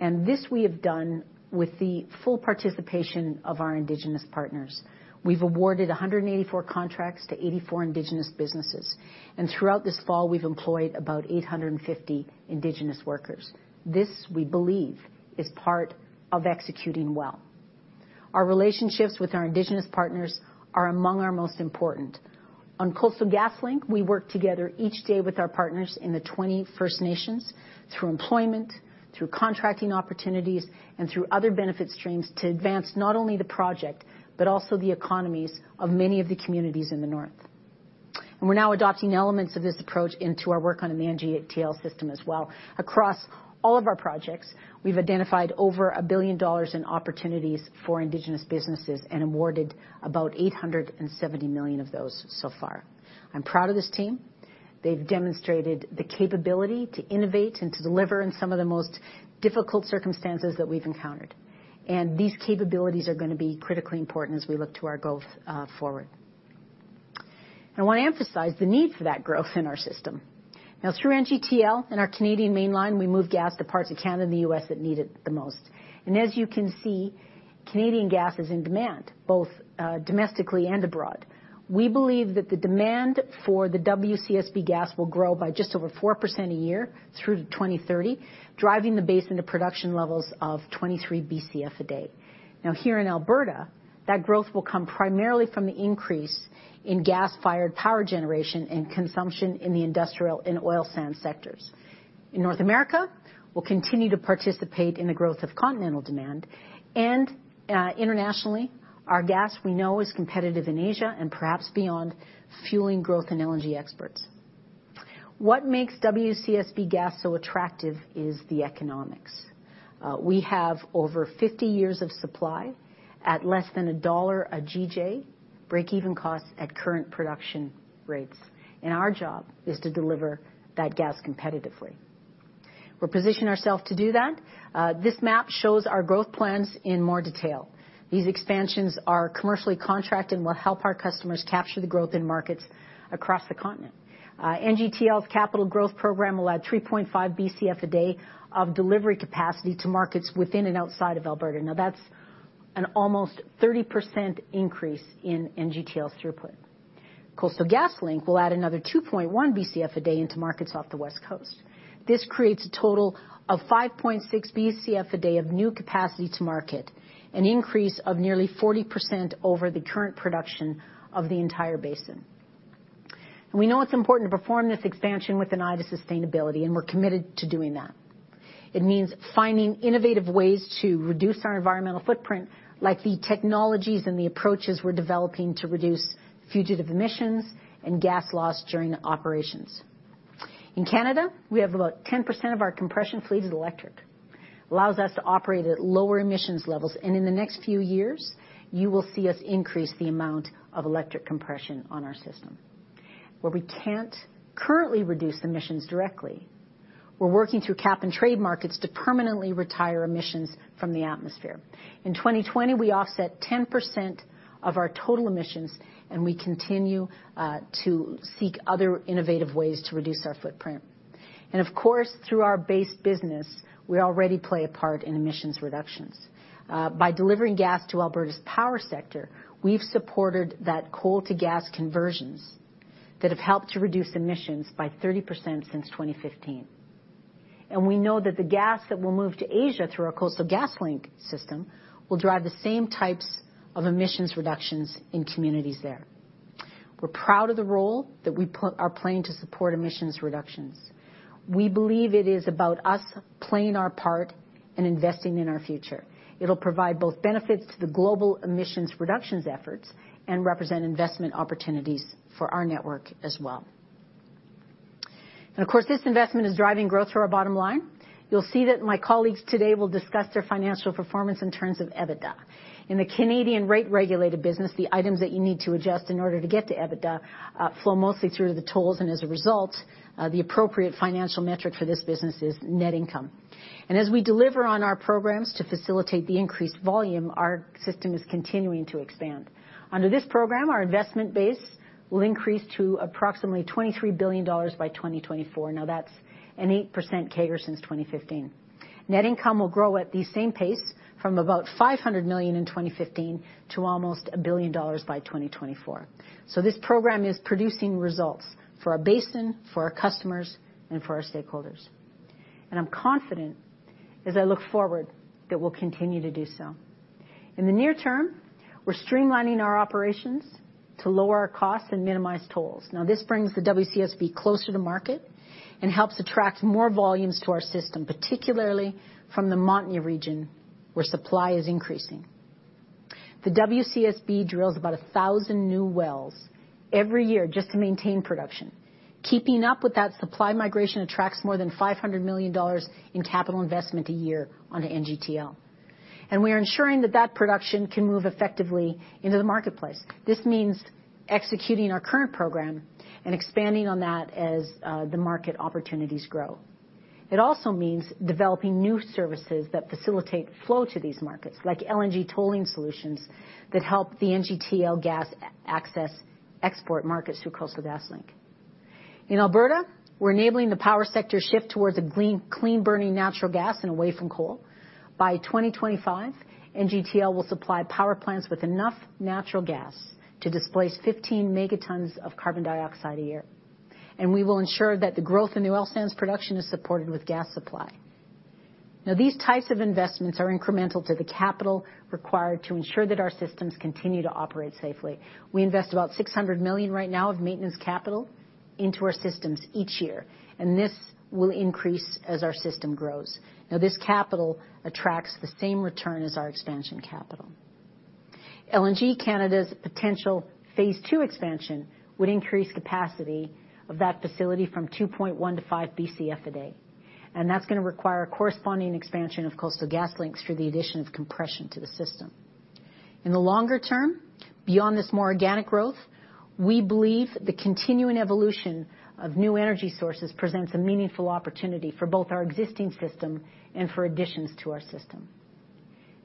This we have done with the full participation of our Indigenous partners. We've awarded 184 contracts to 84 Indigenous businesses, and throughout this fall, we've employed about 850 Indigenous workers. This, we believe, is part of executing well. Our relationships with our Indigenous partners are among our most important. On Coastal GasLink, we work together each day with our partners in the 20 First Nations through employment, through contracting opportunities, and through other benefit streams to advance not only the project, but also the economies of many of the communities in the north. We are now adopting elements of this approach into our work on the NGTL system as well. Across all of our projects, we have identified over 1 billion dollars in opportunities for Indigenous businesses and awarded about 870 million of those so far. I am proud of this team. They have demonstrated the capability to innovate and to deliver in some of the most difficult circumstances that we have encountered. These capabilities are going to be critically important as we look to our growth forward. I want to emphasize the need for that growth in our system. Through NGTL and our Canadian Mainline, we move gas to parts of Canada and the U.S. that need it the most. As you can see, Canadian gas is in demand, both domestically and abroad. We believe that the demand for the WCSB gas will grow by just over 4% a year through to 2030, driving the basin to production levels of 23 Bcf a day. Here in Alberta, that growth will come primarily from the increase in gas-fired power generation and consumption in the industrial and oil sands sectors. In North America, we'll continue to participate in the growth of continental demand, and internationally, our gas, we know, is competitive in Asia and perhaps beyond, fueling growth in LNG exports. What makes WCSB gas so attractive is the economics. We have over 50 years of supply at less than CAD 1 a GJ, breakeven costs at current production rates. Our job is to deliver that gas competitively. We will position ourselves to do that. This map shows our growth plans in more detail. These expansions are commercially contracted and will help our customers capture the growth in markets across the continent. NGTL's capital growth program will add 3.5 Bcf a day of delivery capacity to markets within and outside of Alberta. That's an almost 30% increase in NGTL throughput. Coastal GasLink will add another 2.1 Bcf a day into markets off the West Coast. This creates a total of 5.6 Bcf a day of new capacity to market, an increase of nearly 40% over the current production of the entire basin. We know it's important to perform this expansion with an eye to sustainability, and we're committed to doing that. It means finding innovative ways to reduce our environmental footprint, like the technologies and the approaches we're developing to reduce fugitive emissions and gas loss during operations. In Canada, we have about 10% of our compression fleet is electric. Allows us to operate at lower emissions levels. In the next few years, you will see us increase the amount of electric compression on our system. Where we can't currently reduce emissions directly, we're working through cap and trade markets to permanently retire emissions from the atmosphere. In 2020, we offset 10% of our total emissions, and we continue to seek other innovative ways to reduce our footprint. Of course, through our base business, we already play a part in emissions reductions. By delivering gas to Alberta's power sector, we've supported coal to gas conversions that have helped to reduce emissions by 30% since 2015. We know that the gas that will move to Asia through our Coastal GasLink system will drive the same types of emissions reductions in communities there. We're proud of the role that we are playing to support emissions reductions. We believe it is about us playing our part and investing in our future. It'll provide both benefits to the global emissions reductions efforts and represent investment opportunities for our network as well. Of course, this investment is driving growth to our bottom line. You'll see that my colleagues today will discuss their financial performance in terms of EBITDA. In the Canadian rate-regulated business, the items that you need to adjust in order to get to EBITDA flow mostly through the tolls. As a result, the appropriate financial metric for this business is net income. As we deliver on our programs to facilitate the increased volume, our system is continuing to expand. Under this program, our investment base will increase to approximately 23 billion dollars by 2024. That's an 8% CAGR since 2015. Net income will grow at the same pace from about 500 million in 2015 to almost 1 billion dollars by 2024. This program is producing results for our basin, for our customers, and for our stakeholders. I'm confident as I look forward that we'll continue to do so. In the near term, we're streamlining our operations to lower our costs and minimize tolls. This brings the WCSB closer to market and helps attract more volumes to our system, particularly from the Montney region, where supply is increasing. The WCSB drills about 1,000 new wells every year just to maintain production. Keeping up with that supply migration attracts more than 500 million dollars in capital investment a year onto NGTL. We are ensuring that that production can move effectively into the marketplace. This means executing our current program and expanding on that as the market opportunities grow. It also means developing new services that facilitate flow to these markets, like LNG tolling solutions that help the NGTL gas access export markets through Coastal GasLink. In Alberta, we're enabling the power sector shift towards a clean-burning natural gas and away from coal. By 2025, NGTL will supply power plants with enough natural gas to displace 15 megatons of carbon dioxide a year. We will ensure that the growth in the oil sands production is supported with gas supply. Now, these types of investments are incremental to the capital required to ensure that our systems continue to operate safely. We invest about 600 million right now of maintenance capital into our systems each year, this will increase as our system grows. Now, this capital attracts the same return as our expansion capital. LNG Canada's potential phase II expansion would increase capacity of that facility from 2.1 Bcf to 5 Bcf a day, that is going to require a corresponding expansion of Coastal GasLink through the addition of compression to the system. In the longer term, beyond this more organic growth, we believe the continuing evolution of new energy sources presents a meaningful opportunity for both our existing system and for additions to our system.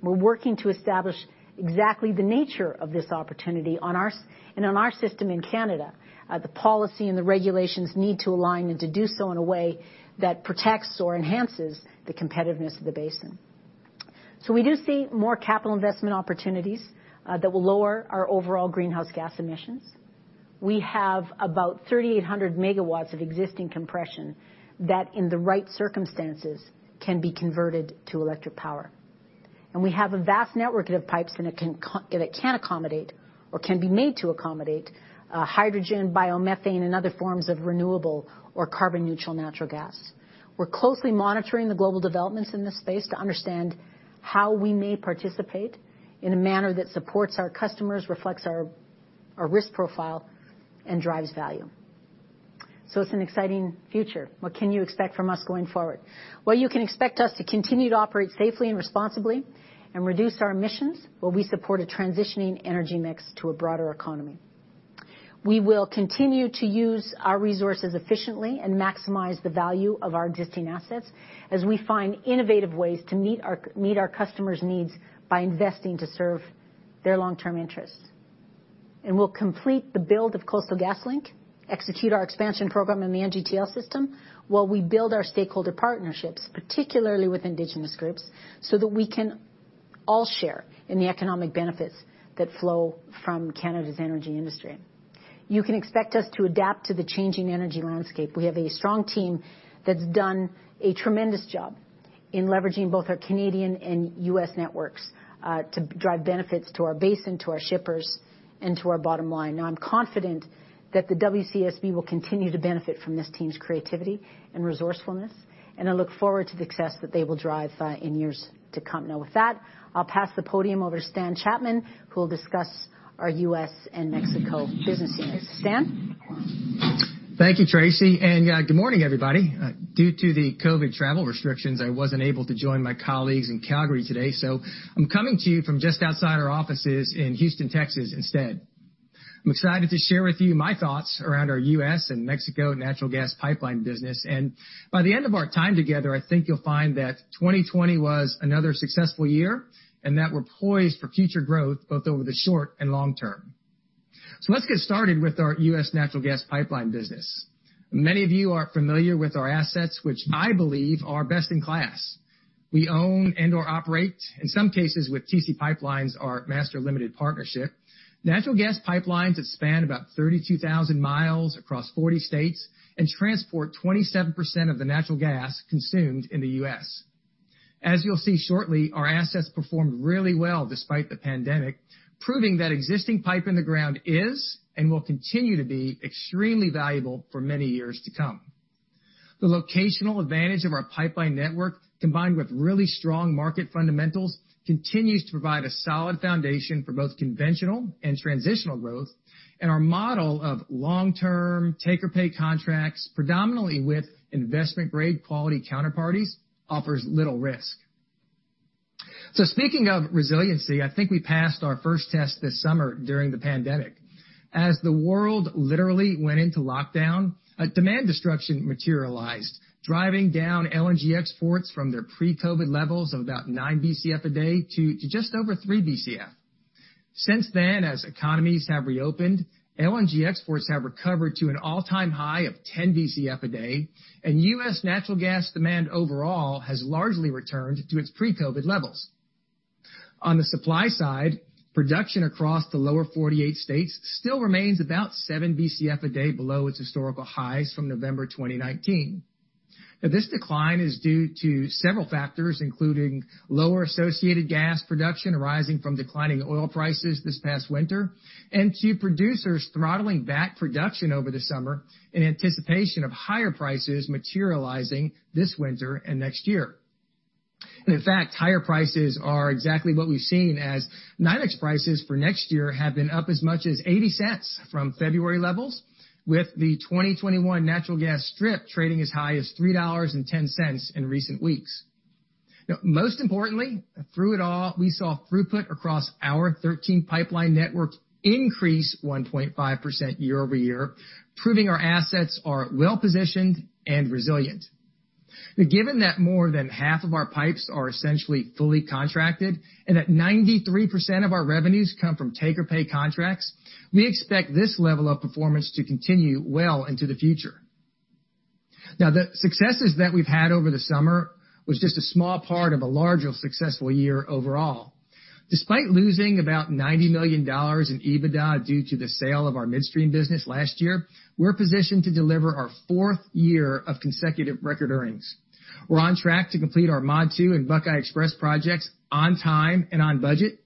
We're working to establish exactly the nature of this opportunity and on our system in Canada. The policy and the regulations need to align and to do so in a way that protects or enhances the competitiveness of the basin. We do see more capital investment opportunities that will lower our overall greenhouse gas emissions. We have about 3,800 megawatts of existing compression that, in the right circumstances, can be converted to electric power. We have a vast network of pipes, and it can accommodate or can be made to accommodate hydrogen, biomethane, and other forms of renewable or carbon-neutral natural gas. We're closely monitoring the global developments in this space to understand how we may participate in a manner that supports our customers, reflects our risk profile, and drives value. It's an exciting future. What can you expect from us going forward? You can expect us to continue to operate safely and responsibly and reduce our emissions, while we support a transitioning energy mix to a broader economy. We will continue to use our resources efficiently and maximize the value of our existing assets as we find innovative ways to meet our customers' needs by investing to serve their long-term interests. We'll complete the build of Coastal GasLink, execute our expansion program in the NGTL system while we build our stakeholder partnerships, particularly with Indigenous groups, so that we can all share in the economic benefits that flow from Canada's energy industry. You can expect us to adapt to the changing energy landscape. We have a strong team that's done a tremendous job in leveraging both our Canadian and U.S. networks to drive benefits to our basin, to our shippers, and to our bottom line. I'm confident that the WCSB will continue to benefit from this team's creativity and resourcefulness, and I look forward to the success that they will drive in years to come. With that, I'll pass the podium over to Stan Chapman, who will discuss our U.S. and Mexico business units. Stan? Thank you, Tracy, and good morning, everybody. Due to the COVID travel restrictions, I wasn't able to join my colleagues in Calgary today. I'm coming to you from just outside our offices in Houston, Texas, instead. I'm excited to share with you my thoughts around our U.S. and Mexico natural gas pipeline business. By the end of our time together, I think you'll find that 2020 was another successful year and that we're poised for future growth, both over the short and long term. Let's get started with our U.S. natural gas pipeline business. Many of you are familiar with our assets, which I believe are best in class. We own and/or operate, in some cases, with TC PipeLines, our master limited partnership, natural gas pipelines that span about 32,000 miles across 40 states and transport 27% of the natural gas consumed in the U.S. As you'll see shortly, our assets performed really well despite the pandemic, proving that existing pipe in the ground is and will continue to be extremely valuable for many years to come. The locational advantage of our pipeline network, combined with really strong market fundamentals, continues to provide a solid foundation for both conventional and transitional growth, and our model of long-term take-or-pay contracts, predominantly with investment-grade quality counterparties, offers little risk. Speaking of resiliency, I think we passed our first test this summer during the pandemic. As the world literally went into lockdown, a demand destruction materialized, driving down LNG exports from their pre-COVID levels of about nine Bcf a day to just over three Bcf. Since then, as economies have reopened, LNG exports have recovered to an all-time high of 10 Bcf a day, and U.S. natural gas demand overall has largely returned to its pre-COVID levels. On the supply side, production across the lower 48 states still remains about 7 BCF a day below its historical highs from November 2019. Now, this decline is due to several factors, including lower associated gas production arising from declining oil prices this past winter, and to producers throttling back production over the summer in anticipation of higher prices materializing this winter and next year. In fact, higher prices are exactly what we've seen, as NYMEX prices for next year have been up as much as $0.80 from February levels, with the 2021 natural gas strip trading as high as $3.10 in recent weeks. Now, most importantly, through it all, we saw throughput across our 13 pipeline network increase 1.5% year-over-year, proving our assets are well-positioned and resilient. Given that more than half of our pipes are essentially fully contracted and that 93% of our revenues come from take-or-pay contracts, we expect this level of performance to continue well into the future. The successes that we've had over the summer was just a small part of a larger successful year overall. Despite losing about 90 million dollars in EBITDA due to the sale of our midstream business last year, we're positioned to deliver our fourth year of consecutive record earnings. We're on track to complete our Mod II and Buckeye XPress projects on time and on budget.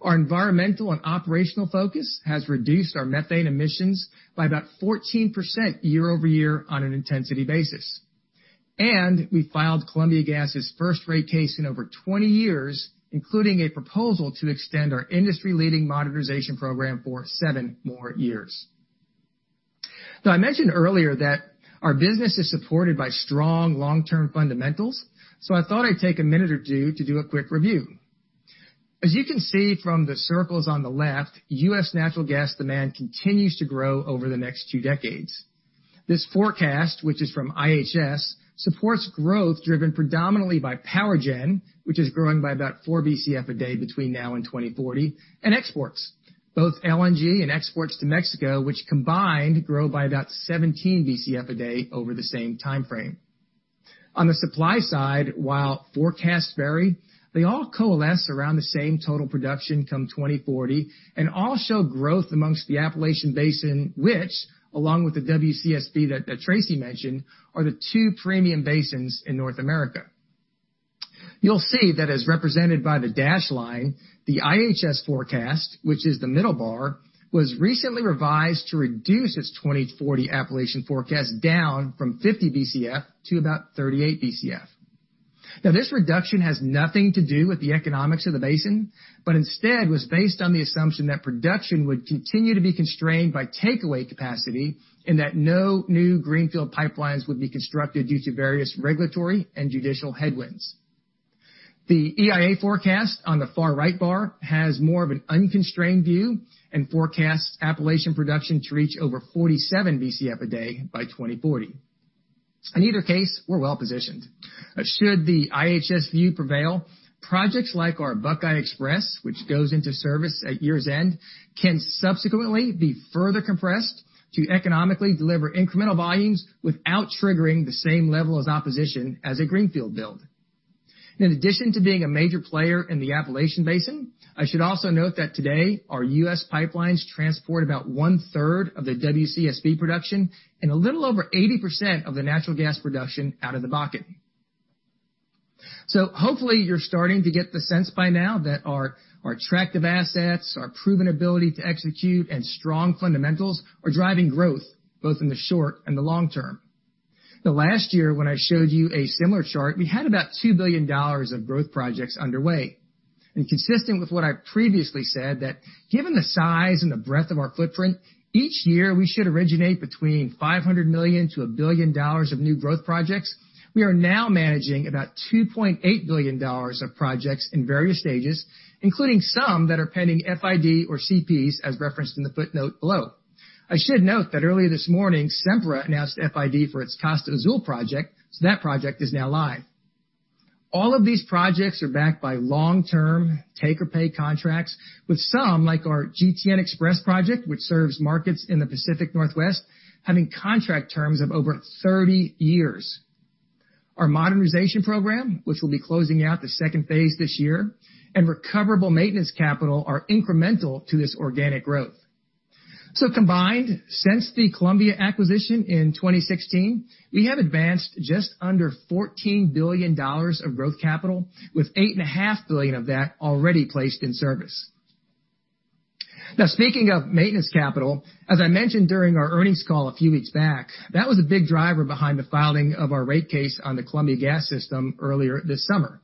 Our environmental and operational focus has reduced our methane emissions by about 14% year-over-year on an intensity basis. We filed Columbia Gas' first rate case in over 20 years, including a proposal to extend our industry-leading modernization program for seven more years. I mentioned earlier that our business is supported by strong long-term fundamentals, I thought I'd take a minute or two to do a quick review. As you can see from the circles on the left, U.S. natural gas demand continues to grow over the next two decades. This forecast, which is from IHS, supports growth driven predominantly by power gen, which is growing by about 4 BCF a day between now and 2040, and exports, both LNG and exports to Mexico, which combined grow by about 17 BCF a day over the same timeframe. On the supply side, while forecasts vary, they all coalesce around the same total production come 2040 and all show growth amongst the Appalachian Basin, which, along with the WCSB that Tracy mentioned, are the two premium basins in North America. You'll see that as represented by the dashed line, the IHS forecast, which is the middle bar, was recently revised to reduce its 2040 Appalachian forecast down from 50 BCF to about 38 BCF. This reduction has nothing to do with the economics of the basin, but instead was based on the assumption that production would continue to be constrained by takeaway capacity, and that no new greenfield pipelines would be constructed due to various regulatory and judicial headwinds. The EIA forecast on the far right bar has more of an unconstrained view and forecasts Appalachian production to reach over 47 BCF a day by 2040. In either case, we're well-positioned. Should the IHS view prevail, projects like our Buckeye XPress, which goes into service at year's end, can subsequently be further compressed to economically deliver incremental volumes without triggering the same level as opposition as a greenfield build. In addition to being a major player in the Appalachian Basin, I should also note that today, our U.S. pipelines transport about one-third of the WCSB production and a little over 80% of the natural gas production out of the Bakken. Hopefully you're starting to get the sense by now that our attractive assets, our proven ability to execute, and strong fundamentals are driving growth both in the short and the long term. Last year, when I showed you a similar chart, we had about 2 billion dollars of growth projects underway. Consistent with what I've previously said, that given the size and the breadth of our footprint, each year, we should originate between 500 million to 1 billion dollars of new growth projects. We are now managing about 2.8 billion dollars of projects in various stages, including some that are pending FID or CPs, as referenced in the footnote below. I should note that earlier this morning, Sempra announced FID for its Costa Azul project, so that project is now live. All of these projects are backed by long-term take or pay contracts with some, like our GTN XPress project, which serves markets in the Pacific Northwest, having contract terms of over 30 years. Our modernization program, which we'll be closing out the second phase this year, and recoverable maintenance capital are incremental to this organic growth. Combined, since the Columbia acquisition in 2016, we have advanced just under 14 billion dollars of growth capital, with 8.5 billion of that already placed in service. Speaking of maintenance capital, as I mentioned during our earnings call a few weeks back, that was a big driver behind the filing of our rate case on the Columbia Gas system earlier this summer.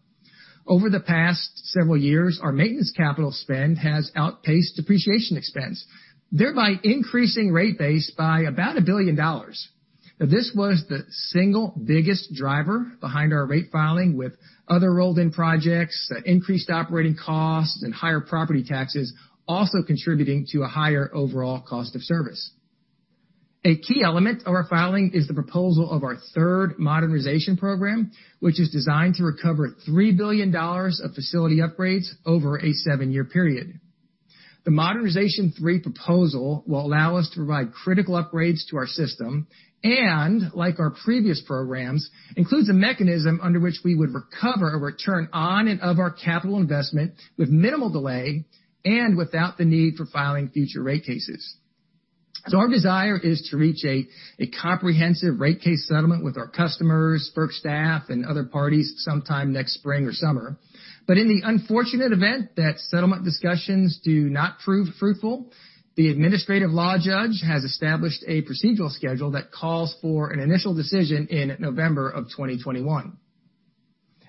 Over the past several years, our maintenance capital spend has outpaced depreciation expense, thereby increasing rate base by about 1 billion dollars. This was the single biggest driver behind our rate filing with other rolled-in projects, increased operating costs, and higher property taxes also contributing to a higher overall cost of service. A key element of our filing is the proposal of our Modernization III program, which is designed to recover 3 billion dollars of facility upgrades over a seven-year period. The Modernization III proposal will allow us to provide critical upgrades to our system and, like our previous programs, includes a mechanism under which we would recover a return on and of our capital investment with minimal delay and without the need for filing future rate cases. Our desire is to reach a comprehensive rate case settlement with our customers, FERC staff, and other parties sometime next spring or summer. In the unfortunate event that settlement discussions do not prove fruitful, the administrative law judge has established a procedural schedule that calls for an initial decision in November of 2021.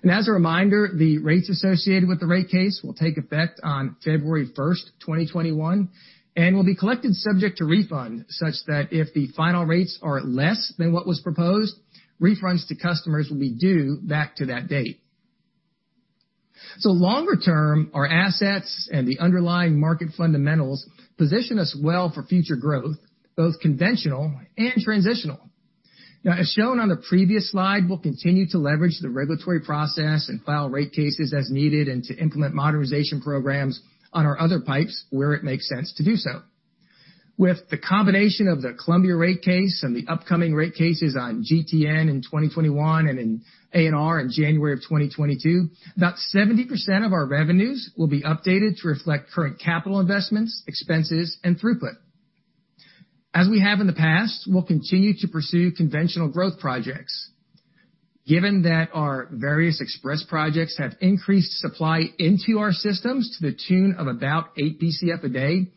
As a reminder, the rates associated with the rate case will take effect on February 1st, 2021 and will be collected subject to refund, such that if the final rates are less than what was proposed. Refunds to customers will be due back to that date. Longer term, our assets and the underlying market fundamentals position us well for future growth, both conventional and transitional. As shown on the previous slide, we'll continue to leverage the regulatory process and file rate cases as needed and to implement modernization programs on our other pipes where it makes sense to do so. With the combination of the Columbia rate case and the upcoming rate cases on GTN in 2021 and in ANR in January of 2022, about 70% of our revenues will be updated to reflect current capital investments, expenses, and throughput. As we have in the past, we'll continue to pursue conventional growth projects. Given that our various express projects have increased supply into our systems to the tune of about eight BCF a day,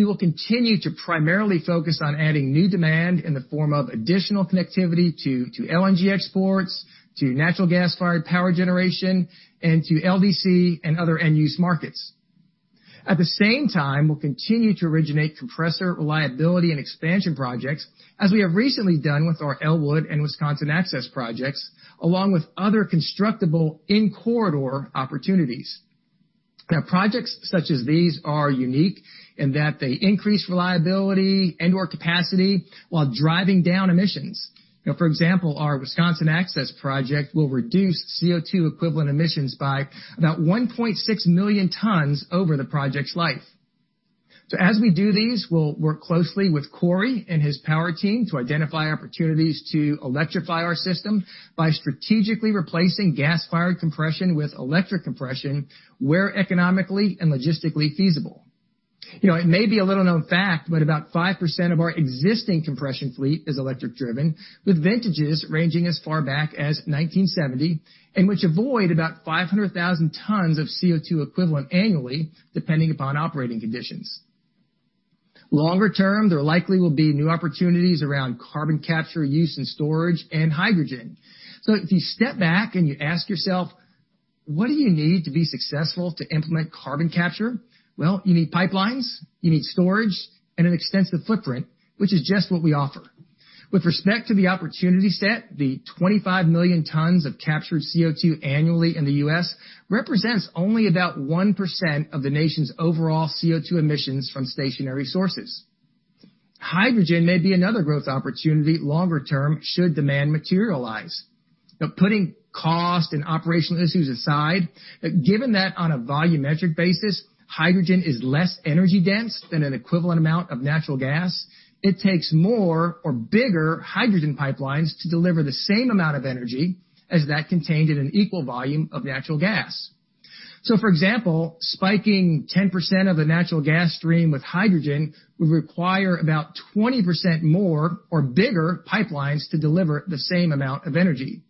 we will continue to primarily focus on adding new demand in the form of additional connectivity to LNG exports, to natural gas-fired power generation, and to LDC and other end-use markets. At the same time, we'll continue to originate compressor reliability and expansion projects, as we have recently done with our Elwood and Wisconsin Access projects, along with other constructible in-corridor opportunities. Now, projects such as these are unique in that they increase reliability and/or capacity while driving down emissions. Now, for example, our Wisconsin Access Project will reduce CO2-equivalent emissions by about 1.6 million tons over the project's life. As we do these, we'll work closely with Corey and his power team to identify opportunities to electrify our system by strategically replacing gas-fired compression with electric compression where economically and logistically feasible. It may be a little-known fact, but about 5% of our existing compression fleet is electric driven, with vintages ranging as far back as 1970 and which avoid about 500,000 tons of CO2 equivalent annually, depending upon operating conditions. Longer term, there likely will be new opportunities around Carbon Capture Use and Storage and hydrogen. If you step back and you ask yourself, what do you need to be successful to implement carbon capture? Well, you need pipelines, you need storage, and an extensive footprint, which is just what we offer. With respect to the opportunity set, the 25 million tons of captured CO2 annually in the U.S. represents only about 1% of the nation's overall CO2 emissions from stationary sources. Hydrogen may be another growth opportunity longer term, should demand materialize. Putting cost and operational issues aside, given that on a volumetric basis, hydrogen is less energy-dense than an equivalent amount of natural gas, it takes more or bigger hydrogen pipelines to deliver the same amount of energy as that contained in an equal volume of natural gas. For example, spiking 10% of a natural gas stream with hydrogen would require about 20% more or bigger pipelines to deliver the same amount of energy.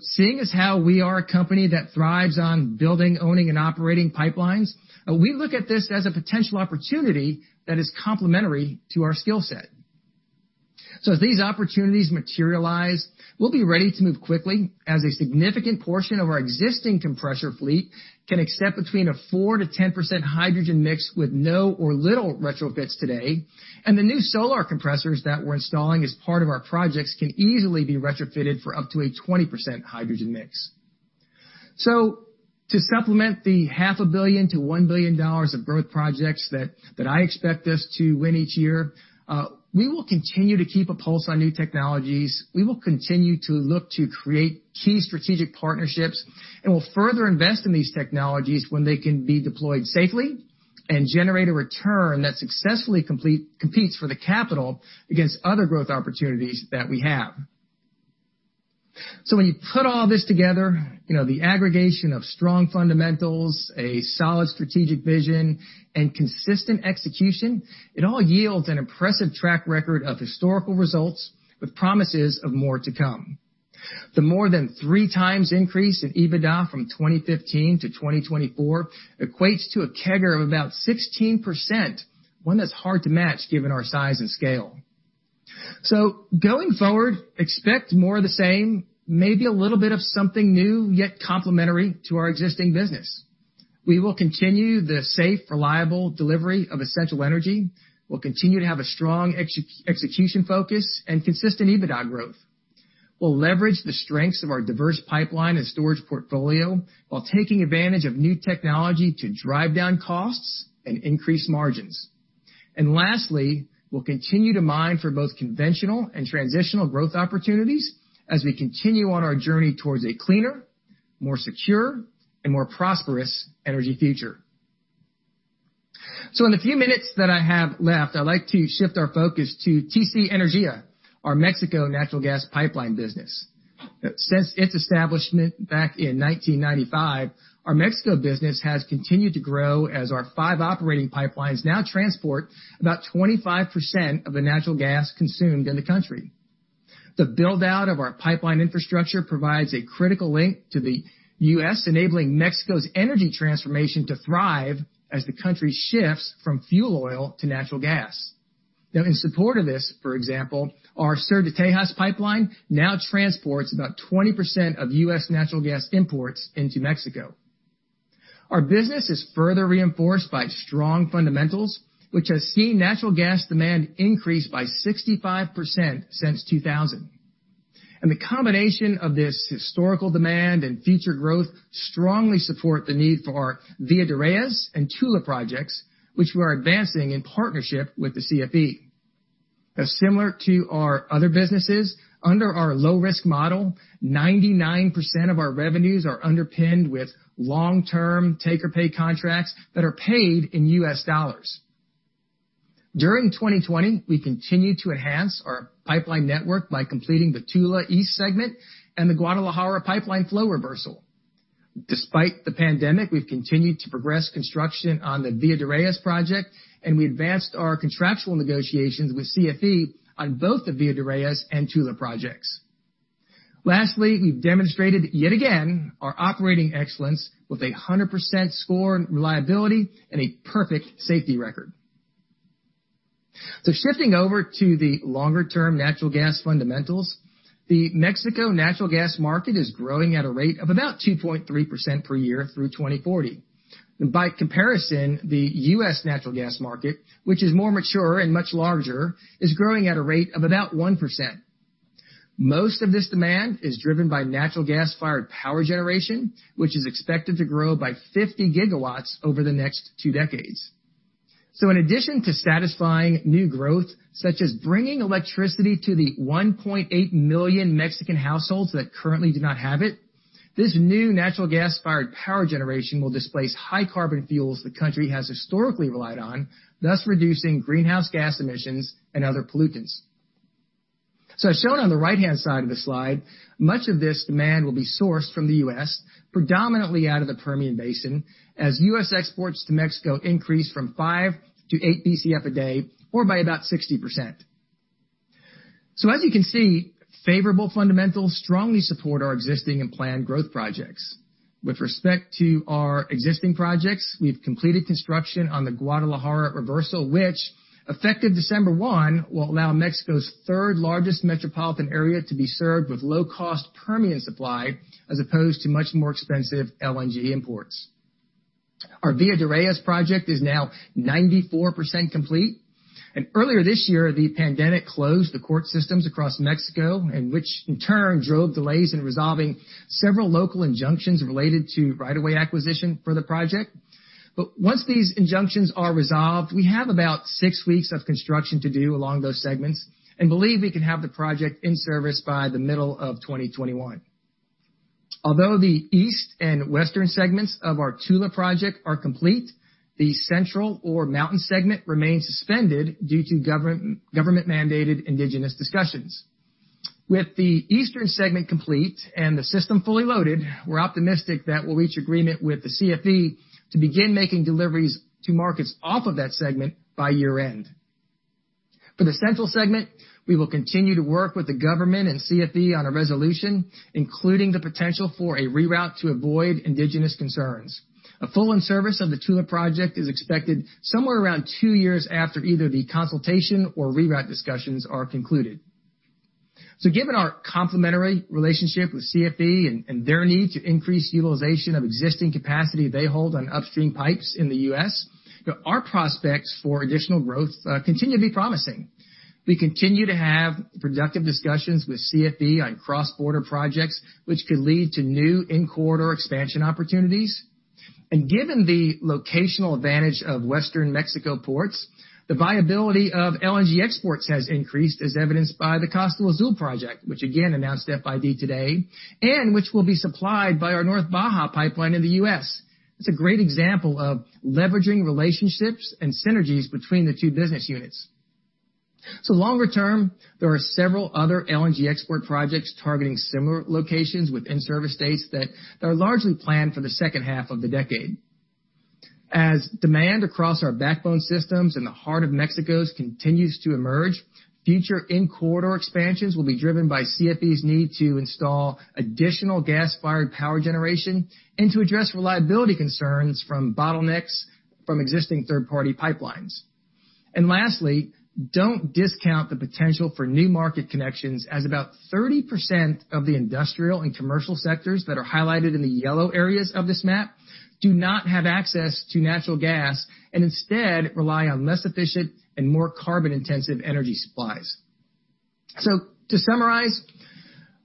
Seeing as how we are a company that thrives on building, owning, and operating pipelines, we look at this as a potential opportunity that is complementary to our skill set. As these opportunities materialize, we'll be ready to move quickly as a significant portion of our existing compressor fleet can accept between a 4%-10% hydrogen mix with no or little retrofits today, and the new Solar compressors that we're installing as part of our projects can easily be retrofitted for up to a 20% hydrogen mix. To supplement the half a billion to $1 billion of growth projects that I expect us to win each year, we will continue to keep a pulse on new technologies. We will continue to look to create key strategic partnerships, and we'll further invest in these technologies when they can be deployed safely and generate a return that successfully competes for the capital against other growth opportunities that we have. When you put all this together, the aggregation of strong fundamentals, a solid strategic vision, and consistent execution, it all yields an impressive track record of historical results with promises of more to come. The more than three times increase in EBITDA from 2015 to 2024 equates to a CAGR of about 16%, one that's hard to match given our size and scale. Going forward, expect more of the same, maybe a little bit of something new, yet complementary to our existing business. We will continue the safe, reliable delivery of essential energy. We'll continue to have a strong execution focus and consistent EBITDA growth. We'll leverage the strengths of our diverse pipeline and storage portfolio while taking advantage of new technology to drive down costs and increase margins. Lastly, we'll continue to mine for both conventional and transitional growth opportunities as we continue on our journey towards a cleaner, more secure, and more prosperous energy future. In the few minutes that I have left, I'd like to shift our focus to TC Energía, our Mexico natural gas pipeline business. Since its establishment back in 1995, our Mexico business has continued to grow as our five operating pipelines now transport about 25% of the natural gas consumed in the country. The build-out of our pipeline infrastructure provides a critical link to the U.S., enabling Mexico's energy transformation to thrive as the country shifts from fuel oil to natural gas. In support of this, for example, our Sur de Texas pipeline now transports about 20% of U.S. natural gas imports into Mexico. Our business is further reinforced by strong fundamentals, which has seen natural gas demand increase by 65% since 2000. The combination of this historical demand and future growth strongly support the need for our Villa de Reyes and Tula projects, which we are advancing in partnership with the CFE. Similar to our other businesses, under our low-risk model, 99% of our revenues are underpinned with long-term take or pay contracts that are paid in US dollars. During 2020, we continued to enhance our pipeline network by completing the Tula East segment and the Guadalajara pipeline flow reversal. Despite the pandemic, we've continued to progress construction on the Villa de Reyes project, and we advanced our contractual negotiations with CFE on both the Villa de Reyes and Tula projects. Lastly, we've demonstrated, yet again, our operating excellence with 100% score in reliability and a perfect safety record. Shifting over to the longer-term natural gas fundamentals, the Mexico natural gas market is growing at a rate of about 2.3% per year through 2040. By comparison, the U.S. natural gas market, which is more mature and much larger, is growing at a rate of about 1%. Most of this demand is driven by natural gas-fired power generation, which is expected to grow by 50 gigawatts over the next two decades. In addition to satisfying new growth, such as bringing electricity to the 1.8 million Mexican households that currently do not have it, this new natural gas-fired power generation will displace high carbon fuels the country has historically relied on, thus reducing greenhouse gas emissions and other pollutants. As shown on the right-hand side of the slide, much of this demand will be sourced from the U.S., predominantly out of the Permian Basin, as U.S. exports to Mexico increase from 5 Bcf to 8 Bcf a day, or by about 60%. As you can see, favorable fundamentals strongly support our existing and planned growth projects. With respect to our existing projects, we've completed construction on the Guadalajara reversal, which effective December 1, will allow Mexico's third-largest metropolitan area to be served with low-cost Permian supply as opposed to much more expensive LNG imports. Our Villa de Reyes Project is now 94% complete. Earlier this year, the pandemic closed the court systems across Mexico, and which in turn drove delays in resolving several local injunctions related to right-of-way acquisition for the project. Once these injunctions are resolved, we have about six weeks of construction to do along those segments, and believe we can have the project in service by the middle of 2021. Although the east and western segments of our Tula Project are complete, the central or mountain segment remains suspended due to government-mandated indigenous discussions. With the eastern segment complete and the system fully loaded, we're optimistic that we'll reach agreement with the CFE to begin making deliveries to markets off of that segment by year-end. For the central segment, we will continue to work with the government and CFE on a resolution, including the potential for a reroute to avoid indigenous concerns. A full in-service of the Tula Project is expected somewhere around two years after either the consultation or reroute discussions are concluded. Given our complementary relationship with CFE and their need to increase utilization of existing capacity they hold on upstream pipes in the U.S., our prospects for additional growth continue to be promising. We continue to have productive discussions with CFE on cross-border projects, which could lead to new in-corridor expansion opportunities. Given the locational advantage of Western Mexico ports, the viability of LNG exports has increased as evidenced by the Costa Azul project, which again announced FID today, and which will be supplied by our North Baja Pipeline in the U.S. It's a great example of leveraging relationships and synergies between the two business units. Longer term, there are several other LNG export projects targeting similar locations with in-service dates that are largely planned for the second half of the decade. As demand across our backbone systems in the heart of Mexico's continues to emerge, future in-corridor expansions will be driven by CFE's need to install additional gas-fired power generation and to address reliability concerns from bottlenecks from existing third-party pipelines. Lastly, don't discount the potential for new market connections as about 30% of the industrial and commercial sectors that are highlighted in the yellow areas of this map do not have access to natural gas, and instead rely on less efficient and more carbon-intensive energy supplies. To summarize,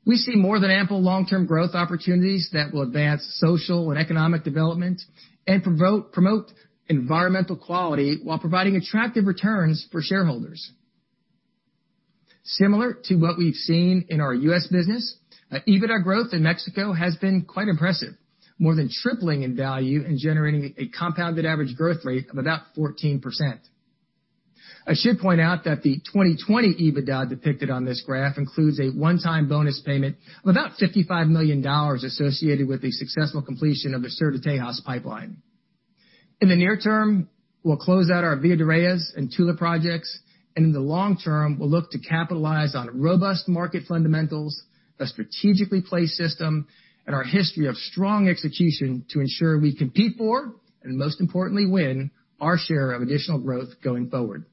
we see more than ample long-term growth opportunities that will advance social and economic development and promote environmental quality while providing attractive returns for shareholders. Similar to what we've seen in our U.S. business, EBITDA growth in Mexico has been quite impressive, more than tripling in value and generating a compounded average growth rate of about 14%. I should point out that the 2020 EBITDA depicted on this graph includes a one-time bonus payment of about $55 million associated with the successful completion of the Sur de Texas pipeline. In the near term, we'll close out our Villa de Reyes and Tula projects, and in the long term, we'll look to capitalize on robust market fundamentals, a strategically placed system, and our history of strong execution to ensure we compete for, and most importantly win, our share of additional growth going forward.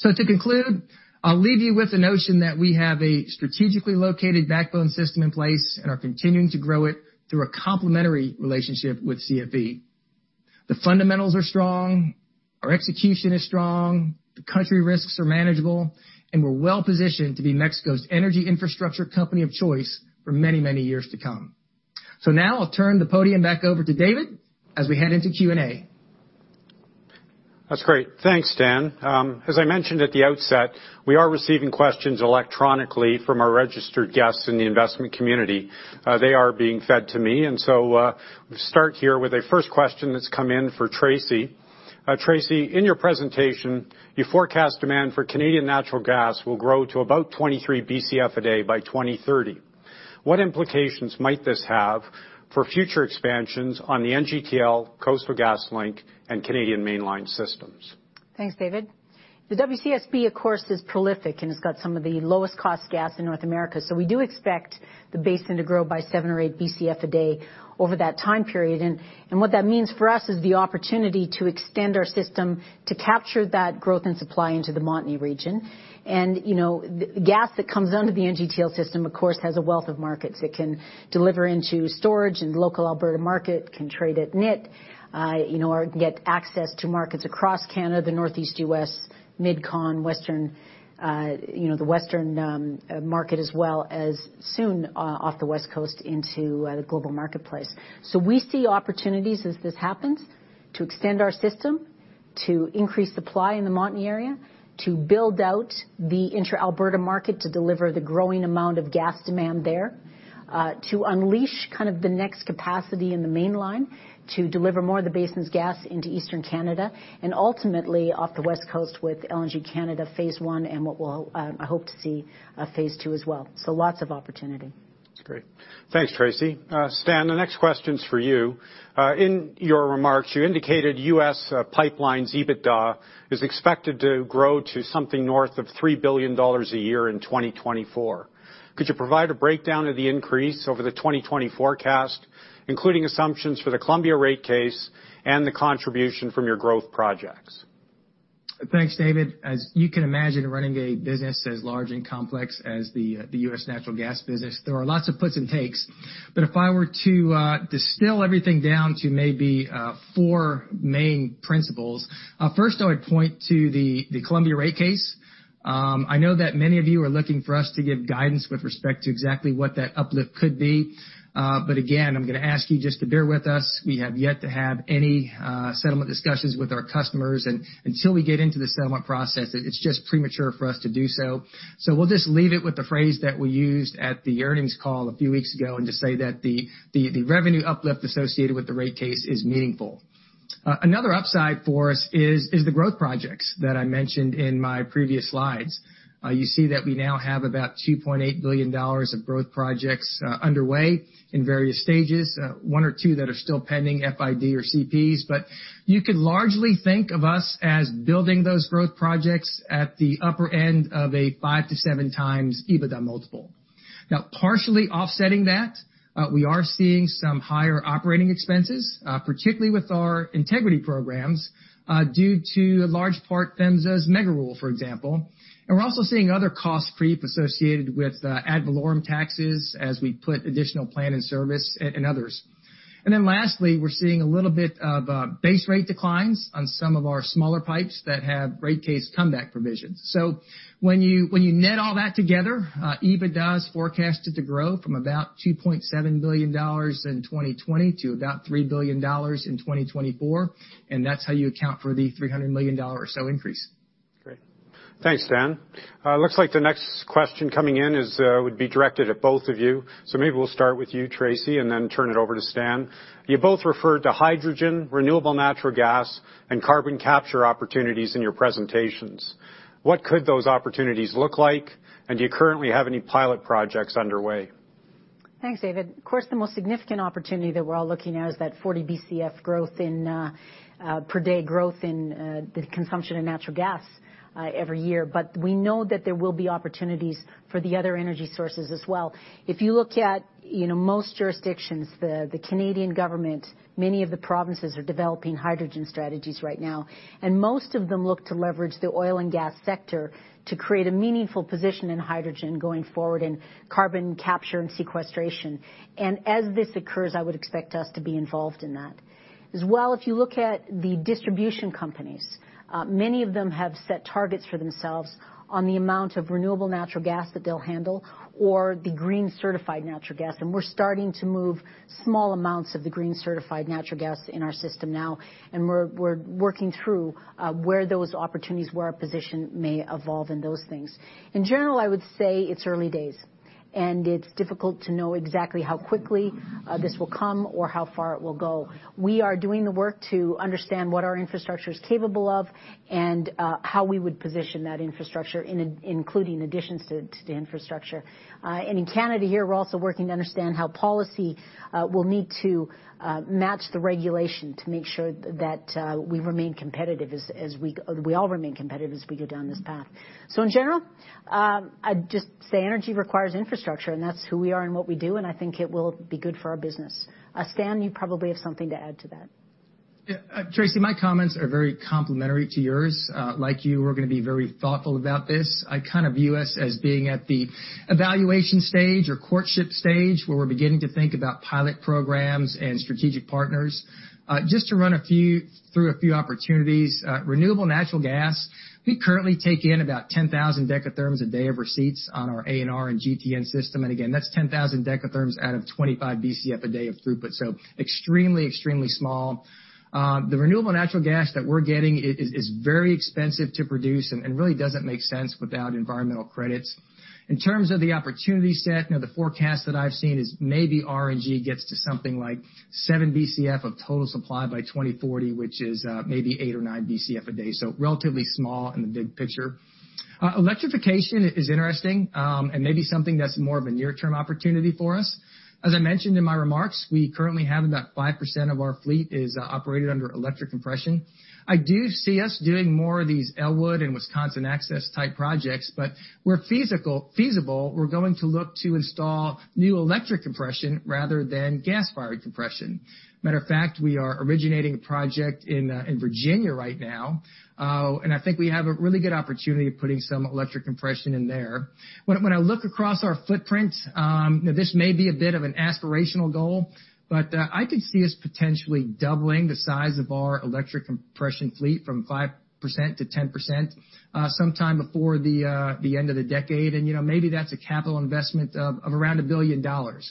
To conclude, I'll leave you with the notion that we have a strategically located backbone system in place and are continuing to grow it through a complementary relationship with CFE. The fundamentals are strong, our execution is strong, the country risks are manageable, and we're well-positioned to be Mexico's energy infrastructure company of choice for many, many years to come. Now I'll turn the podium back over to David as we head into Q&A. That's great. Thanks, Stan. As I mentioned at the outset, we are receiving questions electronically from our registered guests in the investment community. They are being fed to me. Let's start here with a first question that's come in for Tracy. Tracy, in your presentation, you forecast demand for Canadian natural gas will grow to about 23 BCF a day by 2030. What implications might this have for future expansions on the NGTL, Coastal GasLink, and Canadian Mainline systems? Thanks, David. The WCSB, of course, is prolific, and it's got some of the lowest-cost gas in North America. We do expect the basin to grow by 7 or 8 BCF a day over that time period. What that means for us is the opportunity to extend our system to capture that growth and supply into the Montney region. The gas that comes under the NGTL system, of course, has a wealth of markets. It can deliver into storage in the local Alberta market, can trade at NIT, or get access to markets across Canada, the Northeast U.S., Mid-Continent, the Western market, as well as soon off the West Coast into the global marketplace. We see opportunities as this happens to extend our system, to increase supply in the Montney area, to build out the intra-Alberta market to deliver the growing amount of gas demand there, to unleash the excess capacity in the Mainline, to deliver more of the basin's gas into Eastern Canada, and ultimately off the West Coast with LNG Canada phase I and what we'll, I hope to see, a phase II as well. Lots of opportunity. That's great. Thanks, Tracy. Stan, the next question's for you. In your remarks, you indicated U.S. pipelines EBITDA is expected to grow to something north of $3 billion a year in 2024. Could you provide a breakdown of the increase over the 2020 forecast, including assumptions for the Columbia rate case and the contribution from your growth projects? Thanks, David. As you can imagine, running a business as large and complex as the U.S. natural gas business, there are lots of puts and takes. If I were to distill everything down to maybe four main principles, first I would point to the Columbia rate case. I know that many of you are looking for us to give guidance with respect to exactly what that uplift could be. Again, I'm going to ask you just to bear with us. We have yet to have any settlement discussions with our customers, and until we get into the settlement process, it's just premature for us to do so. We'll just leave it with the phrase that we used at the earnings call a few weeks ago, and just say that the revenue uplift associated with the rate case is meaningful. Another upside for us is the growth projects that I mentioned in my previous slides. You see that we now have about 2.8 billion dollars of growth projects underway in various stages. One or two that are still pending FID or CPs, but you could largely think of us as building those growth projects at the upper end of a five to seven times EBITDA multiple. Partially offsetting that, we are seeing some higher operating expenses, particularly with our integrity programs, due to large part PHMSA's Mega Rule, for example. We're also seeing other cost creep associated with ad valorem taxes as we put additional plant in service and others. Lastly, we're seeing a little bit of base rate declines on some of our smaller pipes that have rate case comeback provisions. When you net all that together, EBITDA is forecasted to grow from about $2.7 billion in 2020 to about $3 billion in 2024, and that's how you account for the $300 million or so increase. Great. Thanks, Stan. Looks like the next question coming in would be directed at both of you. Maybe we'll start with you, Tracy, and then turn it over to Stan. You both referred to hydrogen, renewable natural gas, and carbon capture opportunities in your presentations. What could those opportunities look like, and do you currently have any pilot projects underway? Thanks, David. Of course, the most significant opportunity that we're all looking at is that 40 BCF growth in per-day growth in the consumption of natural gas every year. We know that there will be opportunities for the other energy sources as well. If you look at most jurisdictions, the Canadian government, many of the provinces are developing hydrogen strategies right now, and most of them look to leverage the oil and gas sector to create a meaningful position in hydrogen going forward and carbon capture and sequestration. As this occurs, I would expect us to be involved in that. As well, if you look at the distribution companies, many of them have set targets for themselves on the amount of renewable natural gas that they'll handle or the green-certified natural gas, and we're starting to move small amounts of the green-certified natural gas in our system now, and we're working through where those opportunities, where our position may evolve in those things. In general, I would say it's early days, and it's difficult to know exactly how quickly this will come or how far it will go. We are doing the work to understand what our infrastructure's capable of and how we would position that infrastructure, including additions to the infrastructure. In Canada here, we're also working to understand how policy will need to match the regulation to make sure that we all remain competitive as we go down this path. In general, I'd just say energy requires infrastructure, and that's who we are and what we do, and I think it will be good for our business. Stan, you probably have something to add to that. Tracy, my comments are very complimentary to yours. Like you, we're going to be very thoughtful about this. I kind of view us as being at the evaluation stage or courtship stage, where we're beginning to think about pilot programs and strategic partners. Just to run through a few opportunities. Renewable natural gas, we currently take in about 10,000 dekatherms a day of receipts on our ANR and GTN system. Again, that's 10,000 dekatherms out of 25 Bcf a day of throughput, extremely small. The renewable natural gas that we're getting is very expensive to produce and really doesn't make sense without environmental credits. In terms of the opportunity set, the forecast that I've seen is maybe RNG gets to something like seven Bcf of total supply by 2040, which is maybe eight or nine Bcf a day. Relatively small in the big picture. Electrification is interesting, and maybe something that's more of a near-term opportunity for us. As I mentioned in my remarks, we currently have about 5% of our fleet is operated under electric compression. I do see us doing more of these Elwood and Wisconsin Access-type projects, but where feasible, we're going to look to install new electric compression rather than gas-fired compression. Matter of fact, we are originating a project in Virginia right now, and I think we have a really good opportunity of putting some electric compression in there. When I look across our footprint, this may be a bit of an aspirational goal, but I could see us potentially doubling the size of our electric compression fleet from 5% to 10% sometime before the end of the decade. Maybe that's a capital investment of around 1 billion dollars.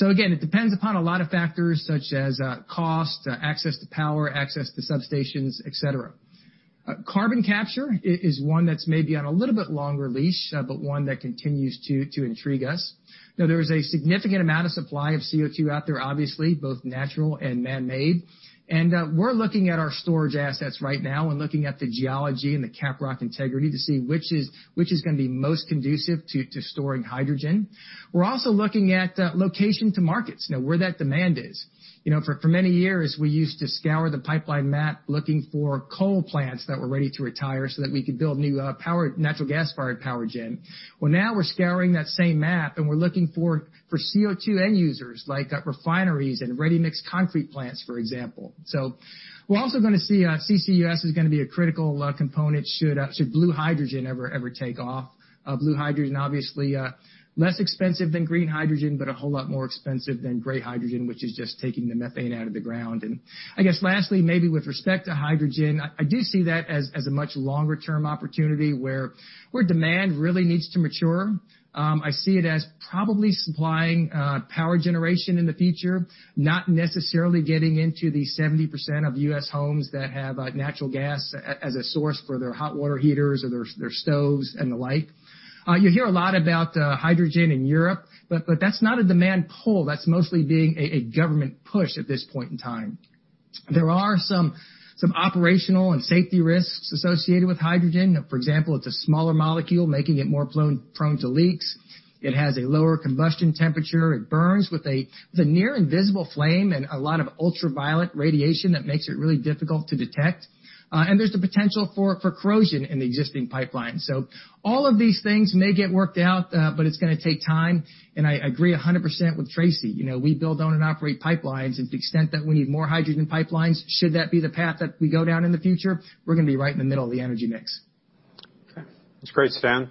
Again, it depends upon a lot of factors such as cost, access to power, access to substations, et cetera. Carbon capture is one that's maybe on a little bit longer leash, but one that continues to intrigue us. Now, there is a significant amount of supply of CO2 out there, obviously, both natural and man-made. We're looking at our storage assets right now and looking at the geology and the caprock integrity to see which is going to be most conducive to storing hydrogen. We're also looking at location to markets, where that demand is. For many years, we used to scour the pipeline map looking for coal plants that were ready to retire so that we could build new natural gas-fired power gen. Now we're scouring that same map, and we're looking for CO2 end users like refineries and ready-mix concrete plants, for example. We're also going to see CCUS is going to be a critical component should blue hydrogen ever take off. Blue hydrogen, obviously, less expensive than green hydrogen, but a whole lot more expensive than gray hydrogen, which is just taking the methane out of the ground. I guess lastly, maybe with respect to hydrogen, I do see that as a much longer-term opportunity where demand really needs to mature. I see it as probably supplying power generation in the future, not necessarily getting into the 70% of U.S. homes that have natural gas as a source for their hot water heaters or their stoves and the like. You hear a lot about hydrogen in Europe, but that's not a demand pull. That's mostly being a government push at this point in time. There are some operational and safety risks associated with hydrogen. For example, it's a smaller molecule, making it more prone to leaks. It has a lower combustion temperature. It burns with a near-invisible flame and a lot of ultraviolet radiation that makes it really difficult to detect. There's the potential for corrosion in the existing pipeline. All of these things may get worked out, but it's going to take time. I agree 100% with Tracy. We build, own, and operate pipelines, and to the extent that we need more hydrogen pipelines, should that be the path that we go down in the future, we're going to be right in the middle of the energy mix. That's great, Stan.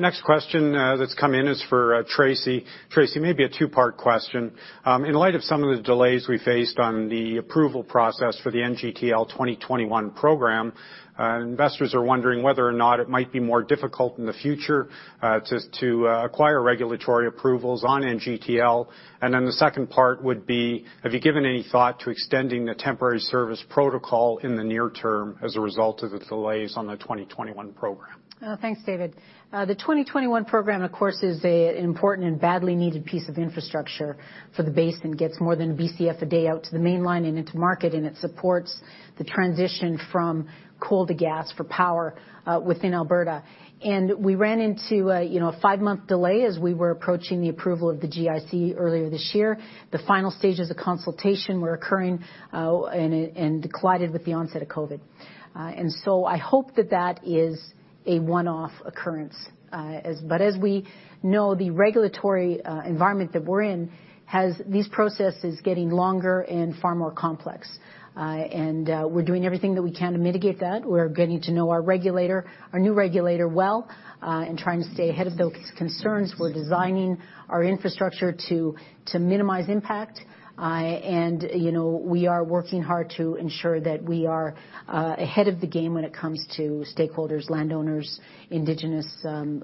Next question that's come in is for Tracy. Tracy, maybe a two-part question. In light of some of the delays we faced on the approval process for the NGTL 2021 program, investors are wondering whether or not it might be more difficult in the future to acquire regulatory approvals on NGTL. The second part would be, have you given any thought to extending the Temporary Service Protocol in the near term as a result of the delays on the 2021 program? Thanks, David. The 2021 program, of course, is an important and badly needed piece of infrastructure for the basin. Gets more than a BCF a day out to the Canadian Mainline and into market, and it supports the transition from coal to gas for power within Alberta. We ran into a five-month delay as we were approaching the approval of the GIC earlier this year. The final stages of consultation were occurring and collided with the onset of COVID. I hope that that is a one-off occurrence. As we know, the regulatory environment that we're in has these processes getting longer and far more complex. We're doing everything that we can to mitigate that. We're getting to know our new regulator well and trying to stay ahead of those concerns. We're designing our infrastructure to minimize impact. We are working hard to ensure that we are ahead of the game when it comes to stakeholders, landowners, Indigenous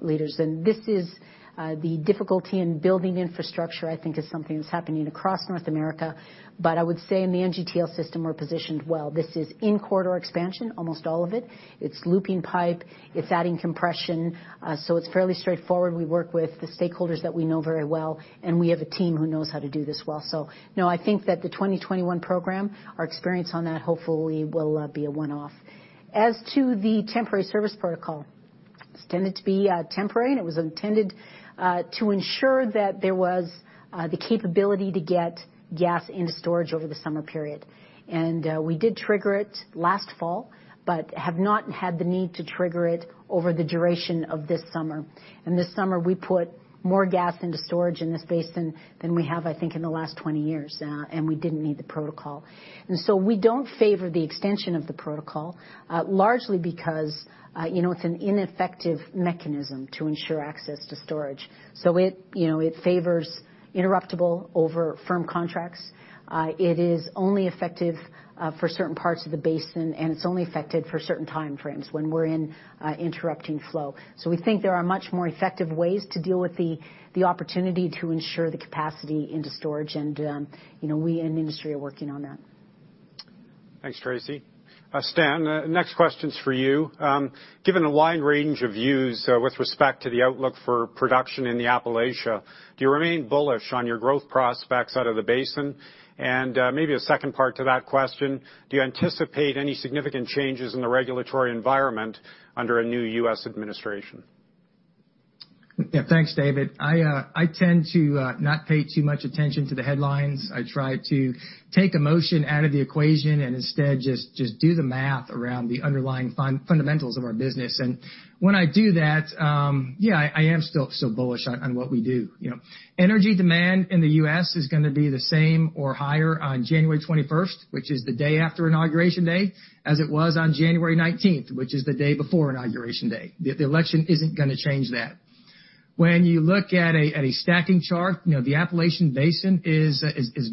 leaders. This is the difficulty in building infrastructure, I think, is something that's happening across North America. I would say in the NGTL system, we're positioned well. This is in-corridor expansion, almost all of it. It's looping pipe. It's adding compression. It's fairly straightforward. We work with the stakeholders that we know very well, and we have a team who knows how to do this well. No, I think that the 2021 program, our experience on that hopefully will be a one-off. As to the Temporary Service Protocol, it's tended to be temporary, and it was intended to ensure that there was the capability to get gas into storage over the summer period. We did trigger it last fall, but have not had the need to trigger it over the duration of this summer. This summer, we put more gas into storage in this basin than we have, I think, in the last 20 years, and we didn't need the protocol. We don't favor the extension of the protocol, largely because it's an ineffective mechanism to ensure access to storage. It favors interruptible over firm contracts. It is only effective for certain parts of the basin, and it's only effective for certain time frames, when we're in interrupting flow. We think there are much more effective ways to deal with the opportunity to ensure the capacity into storage, and we in the industry are working on that. Thanks, Tracy. Stan, next question's for you. Given a wide range of views with respect to the outlook for production in the Appalachia, do you remain bullish on your growth prospects out of the basin? Maybe a second part to that question, do you anticipate any significant changes in the regulatory environment under a new U.S. administration? Yeah. Thanks, David. I tend to not pay too much attention to the headlines. I try to take emotion out of the equation and instead just do the math around the underlying fundamentals of our business. When I do that, yeah, I am still bullish on what we do. Energy demand in the U.S. is gonna be the same or higher on January 21st, which is the day after Inauguration Day, as it was on January 19th, which is the day before Inauguration Day. The election isn't gonna change that. When you look at a stacking chart, the Appalachian Basin is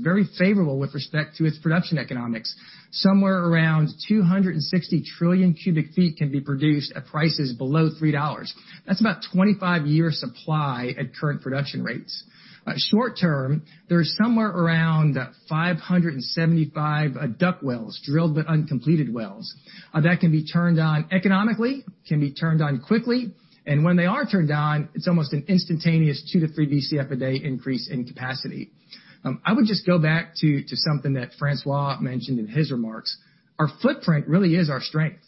very favorable with respect to its production economics. Somewhere around 260 trillion cubic feet can be produced at prices below $3. That's about 25-year supply at current production rates. Short-term, there is somewhere around 575 DUC wells, drilled but uncompleted wells, that can be turned on economically, can be turned on quickly. When they are turned on, it is almost an instantaneous two to three Bcf a day increase in capacity. I would just go back to something that François mentioned in his remarks. Our footprint really is our strength.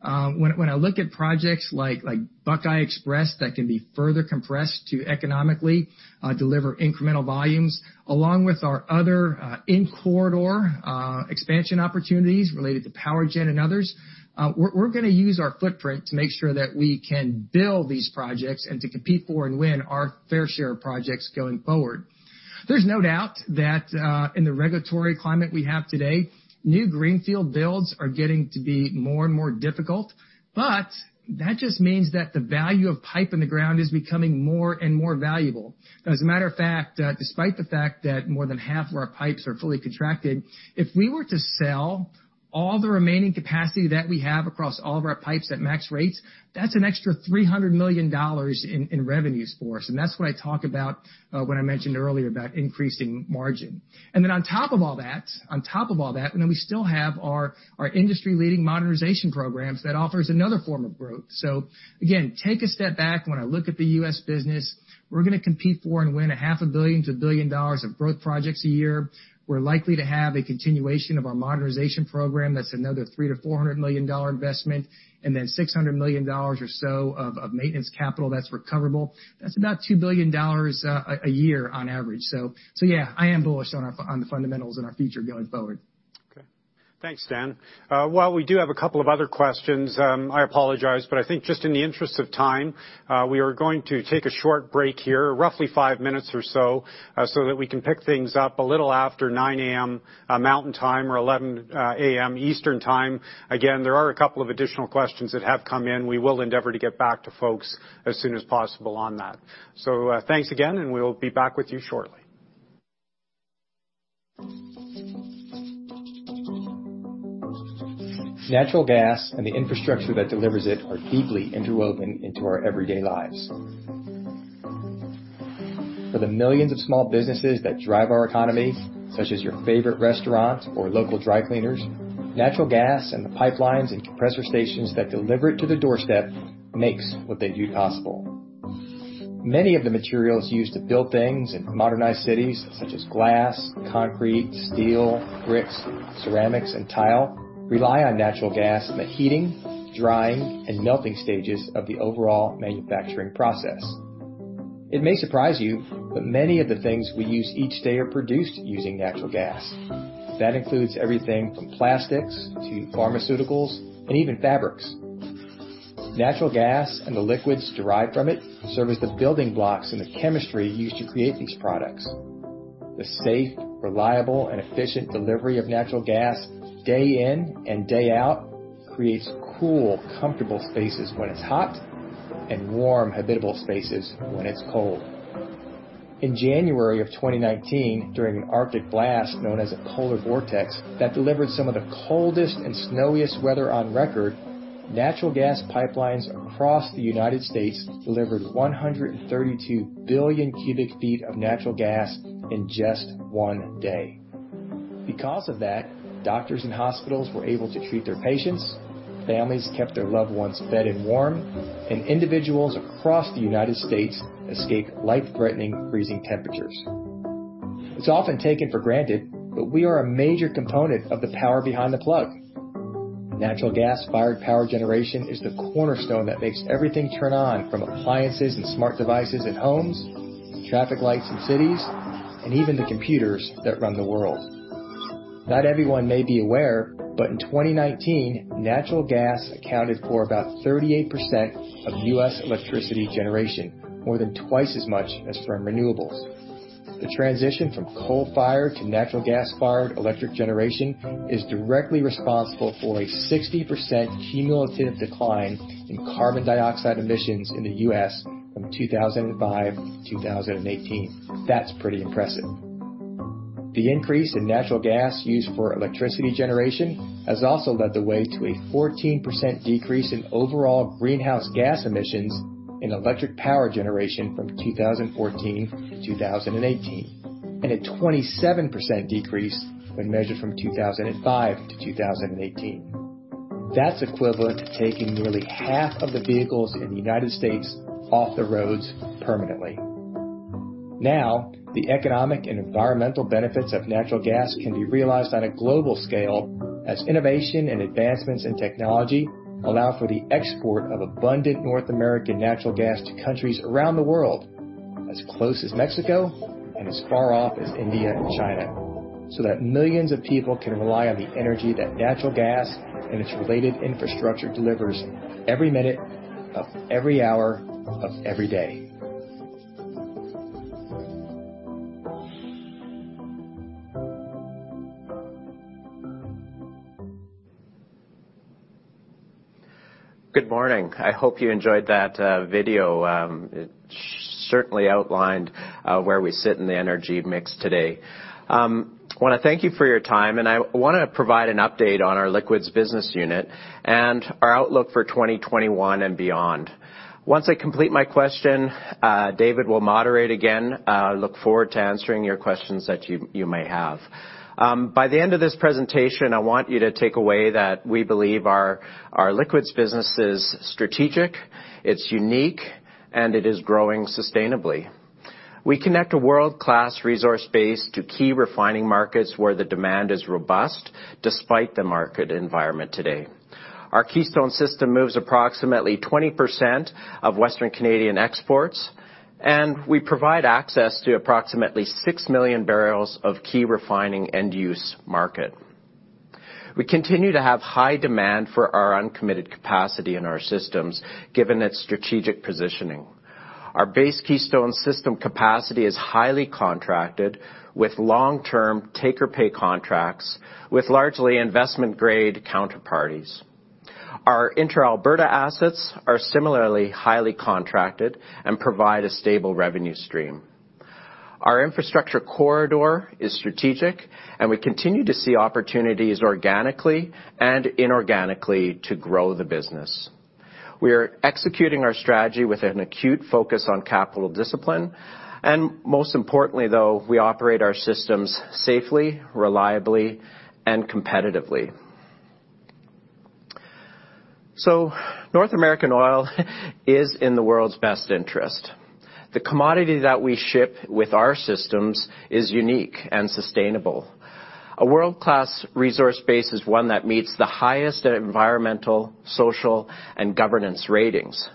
When I look at projects like Buckeye XPress that can be further compressed to economically deliver incremental volumes, along with our other in-corridor expansion opportunities related to power gen and others, we are going to use our footprint to make sure that we can build these projects and to compete for and win our fair share of projects going forward. There is no doubt that in the regulatory climate we have today, new greenfield builds are getting to be more and more difficult. That just means that the value of pipe in the ground is becoming more and more valuable. As a matter of fact, despite the fact that more than half of our pipes are fully contracted, if we were to sell all the remaining capacity that we have across all of our pipes at max rates, that's an extra 300 million dollars in revenues for us. That's what I talk about when I mentioned earlier about increasing margin. On top of all that, we still have our industry-leading modernization programs that offers another form of growth. Again, take a step back. When I look at the U.S. business, we're gonna compete for and win CAD half a billion to 1 billion dollars of growth projects a year. We're likely to have a continuation of our modernization program. That's another 300 million-400 million dollar investment. 600 million dollars or so of maintenance capital that's recoverable. That's about 2 billion dollars a year on average. Yeah, I am bullish on the fundamentals and our future going forward. Okay. Thanks, Stan. While we do have a couple of other questions, I apologize, but I think just in the interest of time, we are going to take a short break here, roughly five minutes or so that we can pick things up a little after 9:00 A.M. Mountain Time or 11:00 A.M. Eastern Time. Again, there are a couple of additional questions that have come in. We will endeavor to get back to folks as soon as possible on that. Thanks again, and we'll be back with you shortly. Natural gas and the infrastructure that delivers it are deeply interwoven into our everyday lives. For the millions of small businesses that drive our economy, such as your favorite restaurants or local dry cleaners, natural gas and the pipelines and compressor stations that deliver it to their doorstep makes what they do possible. Many of the materials used to build things in modernized cities, such as glass, concrete, steel, bricks, ceramics, and tile, rely on natural gas in the heating, drying, and melting stages of the overall manufacturing process. It may surprise you, but many of the things we use each day are produced using natural gas. That includes everything from plastics to pharmaceuticals and even fabrics. Natural gas and the liquids derived from it serve as the building blocks and the chemistry used to create these products. The safe, reliable, and efficient delivery of natural gas day in and day out creates cool, comfortable spaces when it is hot and warm, habitable spaces when it is cold. In January of 2019, during an Arctic blast known as a polar vortex, that delivered some of the coldest and snowiest weather on record, natural gas pipelines across the U.S. delivered 132 billion cubic feet of natural gas in just one day. Because of that, doctors and hospitals were able to treat their patients, families kept their loved ones fed and warm, and individuals across the U.S. escaped life-threatening freezing temperatures. It is often taken for granted, but we are a major component of the power behind the plug. Natural gas-fired power generation is the cornerstone that makes everything turn on, from appliances and smart devices at homes, traffic lights in cities, and even the computers that run the world. Not everyone may be aware, in 2019, natural gas accounted for about 38% of U.S. electricity generation, more than twice as much as from renewables. The transition from coal-fired to natural gas-fired electric generation is directly responsible for a 60% cumulative decline in carbon dioxide emissions in the U.S. from 2005 to 2018. That's pretty impressive. The increase in natural gas used for electricity generation has also led the way to a 14% decrease in overall greenhouse gas emissions in electric power generation from 2014 to 2018, and a 27% decrease when measured from 2005 to 2018. That's equivalent to taking nearly half of the vehicles in the United States off the roads permanently. The economic and environmental benefits of natural gas can be realized on a global scale as innovation and advancements in technology allow for the export of abundant North American natural gas to countries around the world as close as Mexico and as far off as India and China, so that millions of people can rely on the energy that natural gas and its related infrastructure delivers every minute of every hour of every day. Good morning. I hope you enjoyed that video. It certainly outlined where we sit in the energy mix today. I want to thank you for your time, and I want to provide an update on our liquids business unit and our outlook for 2021 and beyond. Once I complete my question, David will moderate again. I look forward to answering your questions that you may have. By the end of this presentation, I want you to take away that we believe our liquids business is strategic, it's unique, and it is growing sustainably. We connect a world-class resource base to key refining markets where the demand is robust despite the market environment today. Our Keystone System moves approximately 20% of Western Canadian exports, and we provide access to approximately six million barrels of key refining end-use market. We continue to have high demand for our uncommitted capacity in our systems, given its strategic positioning. Our base Keystone system capacity is highly contracted with long-term take-or-pay contracts with largely investment-grade counterparties. Our intra-Alberta assets are similarly highly contracted and provide a stable revenue stream. Our infrastructure corridor is strategic and we continue to see opportunities organically and inorganically to grow the business. Most importantly, though, we operate our systems safely, reliably, and competitively. North American oil is in the world's best interest. The commodity that we ship with our systems is unique and sustainable. A world-class resource base is one that meets the highest Environmental, Social, and Governance ratings.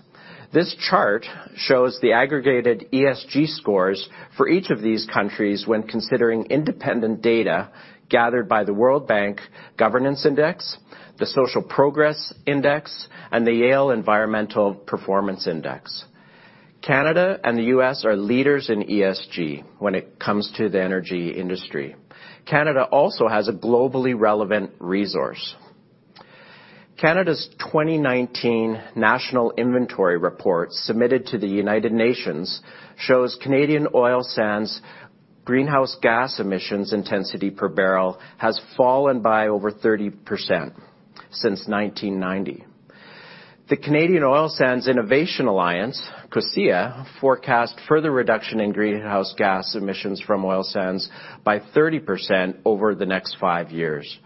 This chart shows the aggregated ESG scores for each of these countries when considering independent data gathered by the Worldwide Governance Indicators, the Social Progress Index, and the Environmental Performance Index. Canada and the U.S. are leaders in ESG when it comes to the energy industry. Canada also has a globally relevant resource. Canada's 2019 national inventory report submitted to the United Nations shows Canadian oil sands greenhouse gas emissions intensity per barrel has fallen by over 30% since 1990. The Canadian Oil Sands Innovation Alliance, COSIA, forecast further reduction in greenhouse gas emissions from oil sands by 30% over the next five years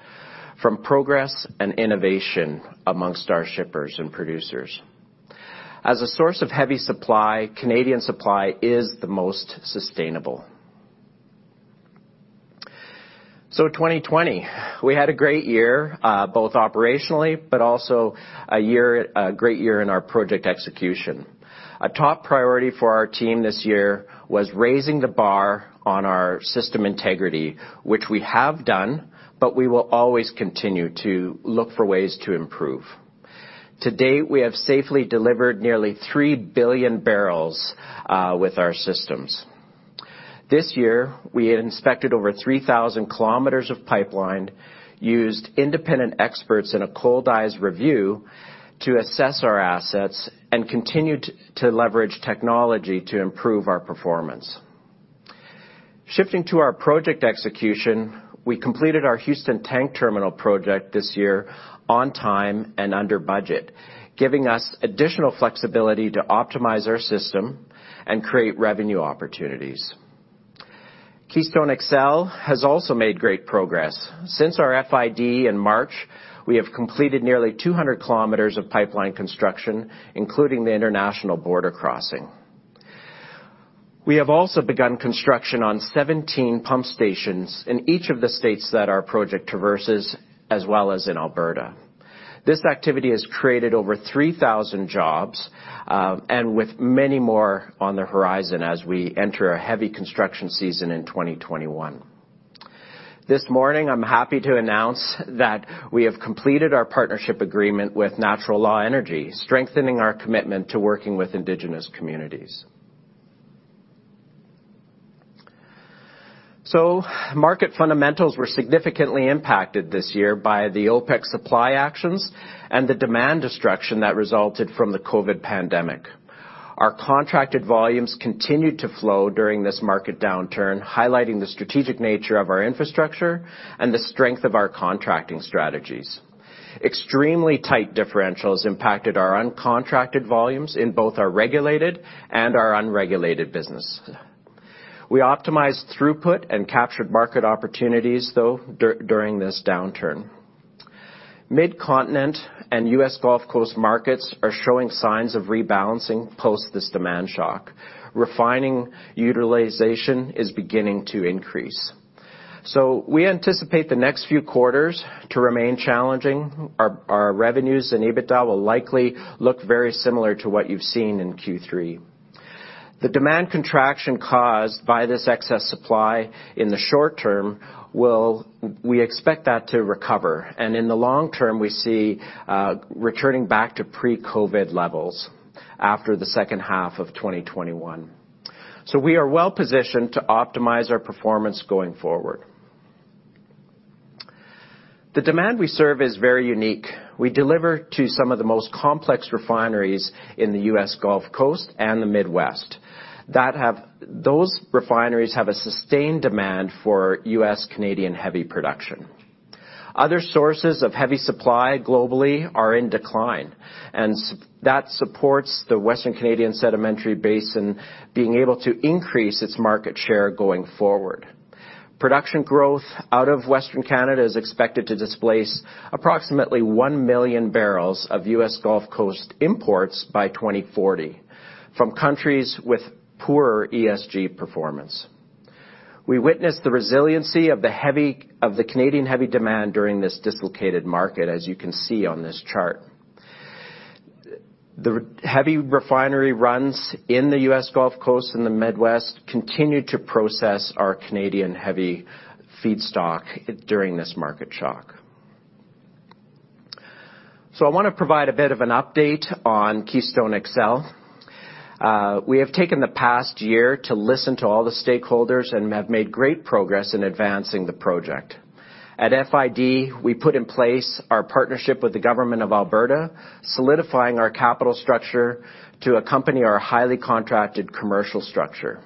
from progress and innovation amongst our shippers and producers. As a source of heavy supply, Canadian supply is the most sustainable. 2020, we had a great year, both operationally, but also a great year in our project execution. A top priority for our team this year was raising the bar on our system integrity, which we have done, but we will always continue to look for ways to improve. To date, we have safely delivered nearly 3 billion barrels with our systems. This year, we inspected over 3,000 km of pipeline, used independent experts in a cold eyes review to assess our assets, and continued to leverage technology to improve our performance. Shifting to our project execution, we completed our Houston Tank Terminal project this year on time and under budget, giving us additional flexibility to optimize our system and create revenue opportunities. Keystone XL has also made great progress. Since our FID in March, we have completed nearly 200 km of pipeline construction, including the international border crossing. We have also begun construction on 17 pump stations in each of the states that our project traverses, as well as in Alberta. This activity has created over 3,000 jobs, and with many more on the horizon as we enter a heavy construction season in 2021. This morning, I'm happy to announce that we have completed our partnership agreement with Natural Law Energy, strengthening our commitment to working with Indigenous communities. Market fundamentals were significantly impacted this year by the OPEC supply actions and the demand destruction that resulted from the COVID pandemic. Our contracted volumes continued to flow during this market downturn, highlighting the strategic nature of our infrastructure and the strength of our contracting strategies. Extremely tight differentials impacted our uncontracted volumes in both our regulated and our unregulated business. We optimized throughput and captured market opportunities, though, during this downturn. Mid-Continent and U.S. Gulf Coast markets are showing signs of rebalancing post this demand shock. Refining utilization is beginning to increase. We anticipate the next few quarters to remain challenging. Our revenues and EBITDA will likely look very similar to what you've seen in Q3. The demand contraction caused by this excess supply in the short term, we expect that to recover. In the long term, we see returning back to pre-COVID levels after the second half of 2021. We are well positioned to optimize our performance going forward. The demand we serve is very unique. We deliver to some of the most complex refineries in the U.S. Gulf Coast and the Midwest. Those refineries have a sustained demand for U.S.-Canadian heavy production. That supports the Western Canadian Sedimentary Basin being able to increase its market share going forward. Production growth out of Western Canada is expected to displace approximately 1 million barrels of U.S. Gulf Coast imports by 2040 from countries with poorer ESG performance. We witnessed the resiliency of the Canadian heavy demand during this dislocated market, as you can see on this chart. The heavy refinery runs in the U.S. Gulf Coast and the Midwest continued to process our Canadian heavy feedstock during this market shock. I want to provide a bit of an update on Keystone XL. We have taken the past year to listen to all the stakeholders and have made great progress in advancing the project. At FID, we put in place our partnership with the Government of Alberta, solidifying our capital structure to accompany our highly contracted commercial structure.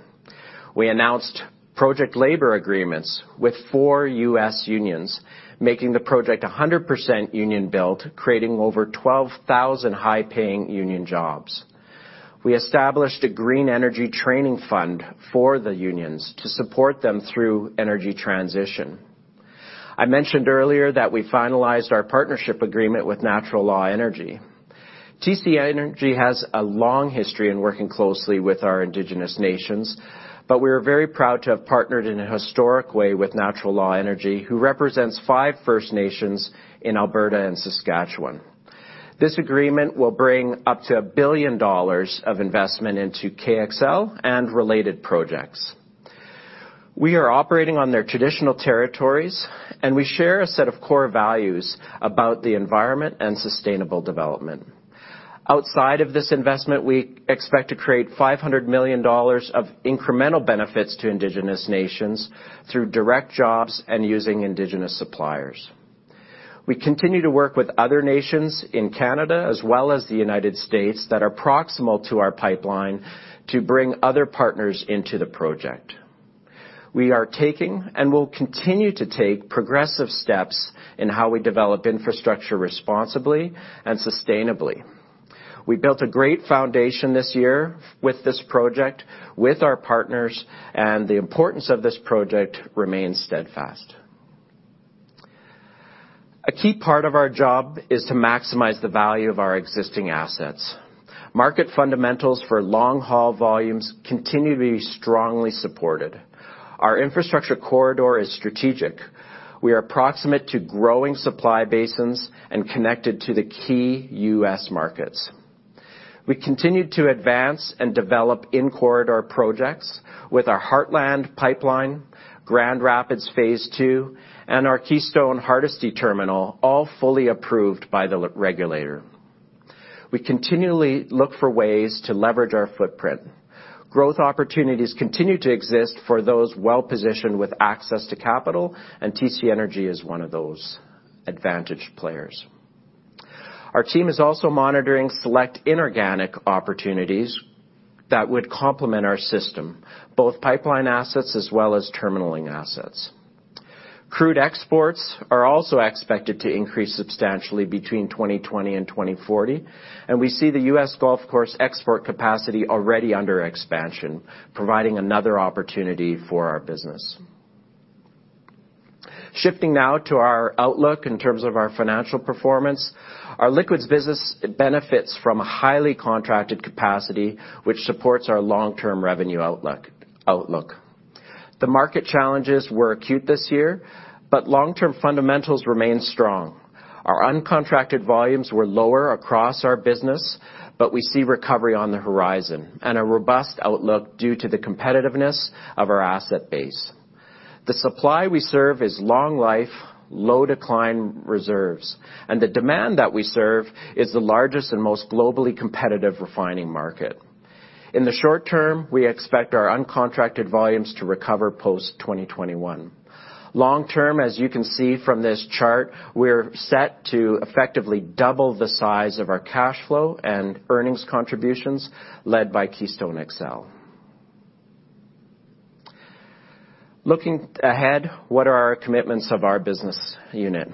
We announced project labor agreements with four U.S. unions, making the project 100% union-built, creating over 12,000 high-paying union jobs. We established a Green Energy Training Fund for the unions to support them through energy transition. I mentioned earlier that we finalized our partnership agreement with Natural Law Energy. TC Energy has a long history in working closely with our Indigenous nations. We are very proud to have partnered in a historic way with Natural Law Energy, who represents five First Nations in Alberta and Saskatchewan. This agreement will bring up to $1 billion of investment into KXL and related projects. We are operating on their traditional territories. We share a set of core values about the environment and sustainable development. Outside of this investment, we expect to create 500 million dollars of incremental benefits to Indigenous nations through direct jobs and using Indigenous suppliers. We continue to work with other nations in Canada as well as the United States that are proximal to our pipeline to bring other partners into the project. We are taking and will continue to take progressive steps in how we develop infrastructure responsibly and sustainably. We built a great foundation this year with this project, with our partners, and the importance of this project remains steadfast. A key part of our job is to maximize the value of our existing assets. Market fundamentals for long-haul volumes continue to be strongly supported. Our infrastructure corridor is strategic. We are proximate to growing supply basins and connected to the key U.S. markets. We continue to advance and develop in-corridor projects with our Heartland Pipeline, Grand Rapids Phase II, and our Keystone Hardisty Terminal, all fully approved by the regulator. We continually look for ways to leverage our footprint. Growth opportunities continue to exist for those well-positioned with access to capital. TC Energy is one of those advantaged players. Our team is also monitoring select inorganic opportunities that would complement our system, both pipeline assets as well as terminaling assets. Crude exports are also expected to increase substantially between 2020 and 2040. We see the U.S. Gulf Coast export capacity already under expansion, providing another opportunity for our business. Shifting now to our outlook in terms of our financial performance. Our liquids business benefits from a highly contracted capacity, which supports our long-term revenue outlook. The market challenges were acute this year. Long-term fundamentals remain strong. Our uncontracted volumes were lower across our business, but we see recovery on the horizon, and a robust outlook due to the competitiveness of our asset base. The supply we serve is long life, low decline reserves, and the demand that we serve is the largest and most globally competitive refining market. In the short term, we expect our uncontracted volumes to recover post-2021. Long term, as you can see from this chart, we're set to effectively double the size of our cash flow and earnings contributions led by Keystone XL. Looking ahead, what are our commitments of our business unit?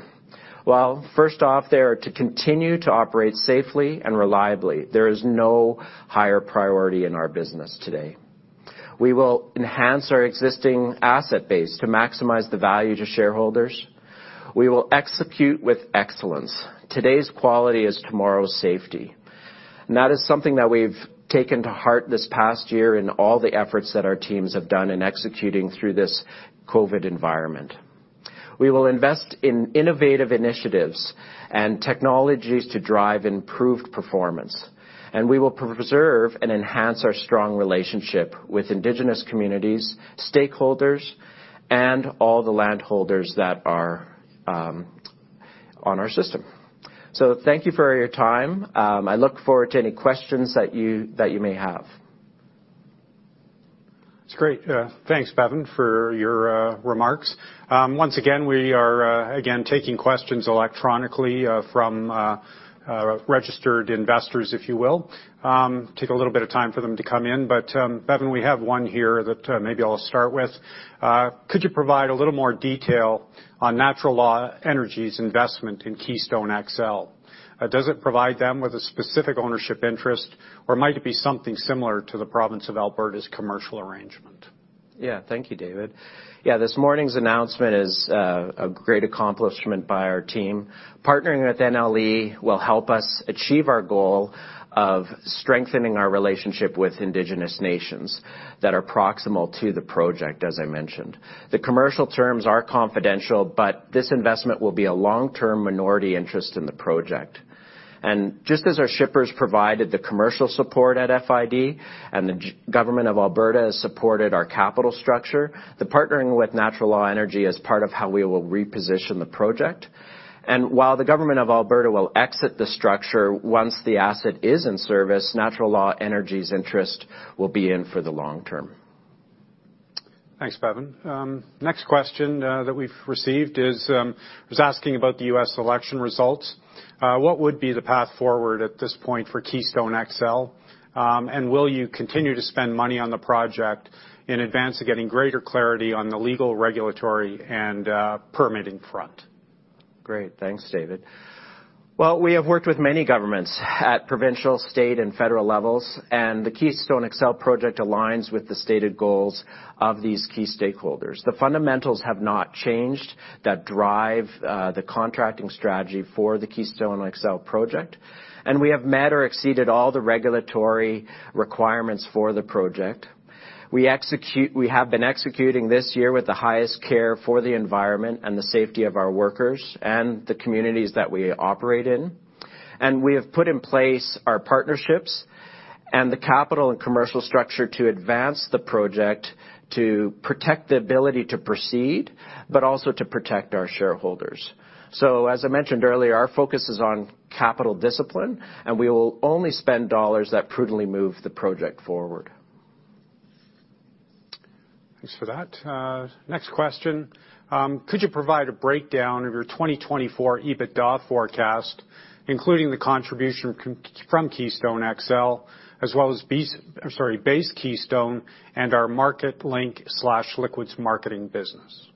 Well, first off, they are to continue to operate safely and reliably. There is no higher priority in our business today. We will enhance our existing asset base to maximize the value to shareholders. We will execute with excellence. Today's quality is tomorrow's safety. That is something that we've taken to heart this past year in all the efforts that our teams have done in executing through this COVID environment. We will invest in innovative initiatives and technologies to drive improved performance, and we will preserve and enhance our strong relationship with Indigenous communities, stakeholders, and all the land holders that are on our system. Thank you for your time. I look forward to any questions that you may have. That's great. Thanks, Bevin, for your remarks. Once again, we are taking questions electronically from registered investors, if you will. Take a little bit of time for them to come in. Bevin, we have one here that maybe I'll start with. Could you provide a little more detail on Natural Law Energy's investment in Keystone XL? Does it provide them with a specific ownership interest, or might it be something similar to the province of Alberta's commercial arrangement? Yeah. Thank you, David. This morning's announcement is a great accomplishment by our team. Partnering with NLE will help us achieve our goal of strengthening our relationship with indigenous nations that are proximal to the project, as I mentioned. The commercial terms are confidential. This investment will be a long-term minority interest in the project. Just as our shippers provided the commercial support at FID and the Government of Alberta has supported our capital structure, the partnering with Natural Law Energy as part of how we will reposition the project. While the Government of Alberta will exit the structure once the asset is in service, Natural Law Energy's interest will be in for the long term. Thanks, Bevin. Next question that we've received is asking about the U.S. election results. What would be the path forward at this point for Keystone XL? Will you continue to spend money on the project in advance of getting greater clarity on the legal, regulatory, and permitting front? Great. Thanks, David. Well, we have worked with many governments at provincial, state, and federal levels, and the Keystone XL project aligns with the stated goals of these key stakeholders. The fundamentals have not changed that drive the contracting strategy for the Keystone XL project, and we have met or exceeded all the regulatory requirements for the project. We have been executing this year with the highest care for the environment and the safety of our workers and the communities that we operate in. We have put in place our partnerships and the capital and commercial structure to advance the project to protect the ability to proceed, but also to protect our shareholders. As I mentioned earlier, our focus is on capital discipline, and we will only spend dollars that prudently move the project forward. Thanks for that. Next question. Could you provide a breakdown of your 2024 EBITDA forecast, including the contribution from Keystone XL as well as Base Keystone and our Marketlink/liquids marketing business?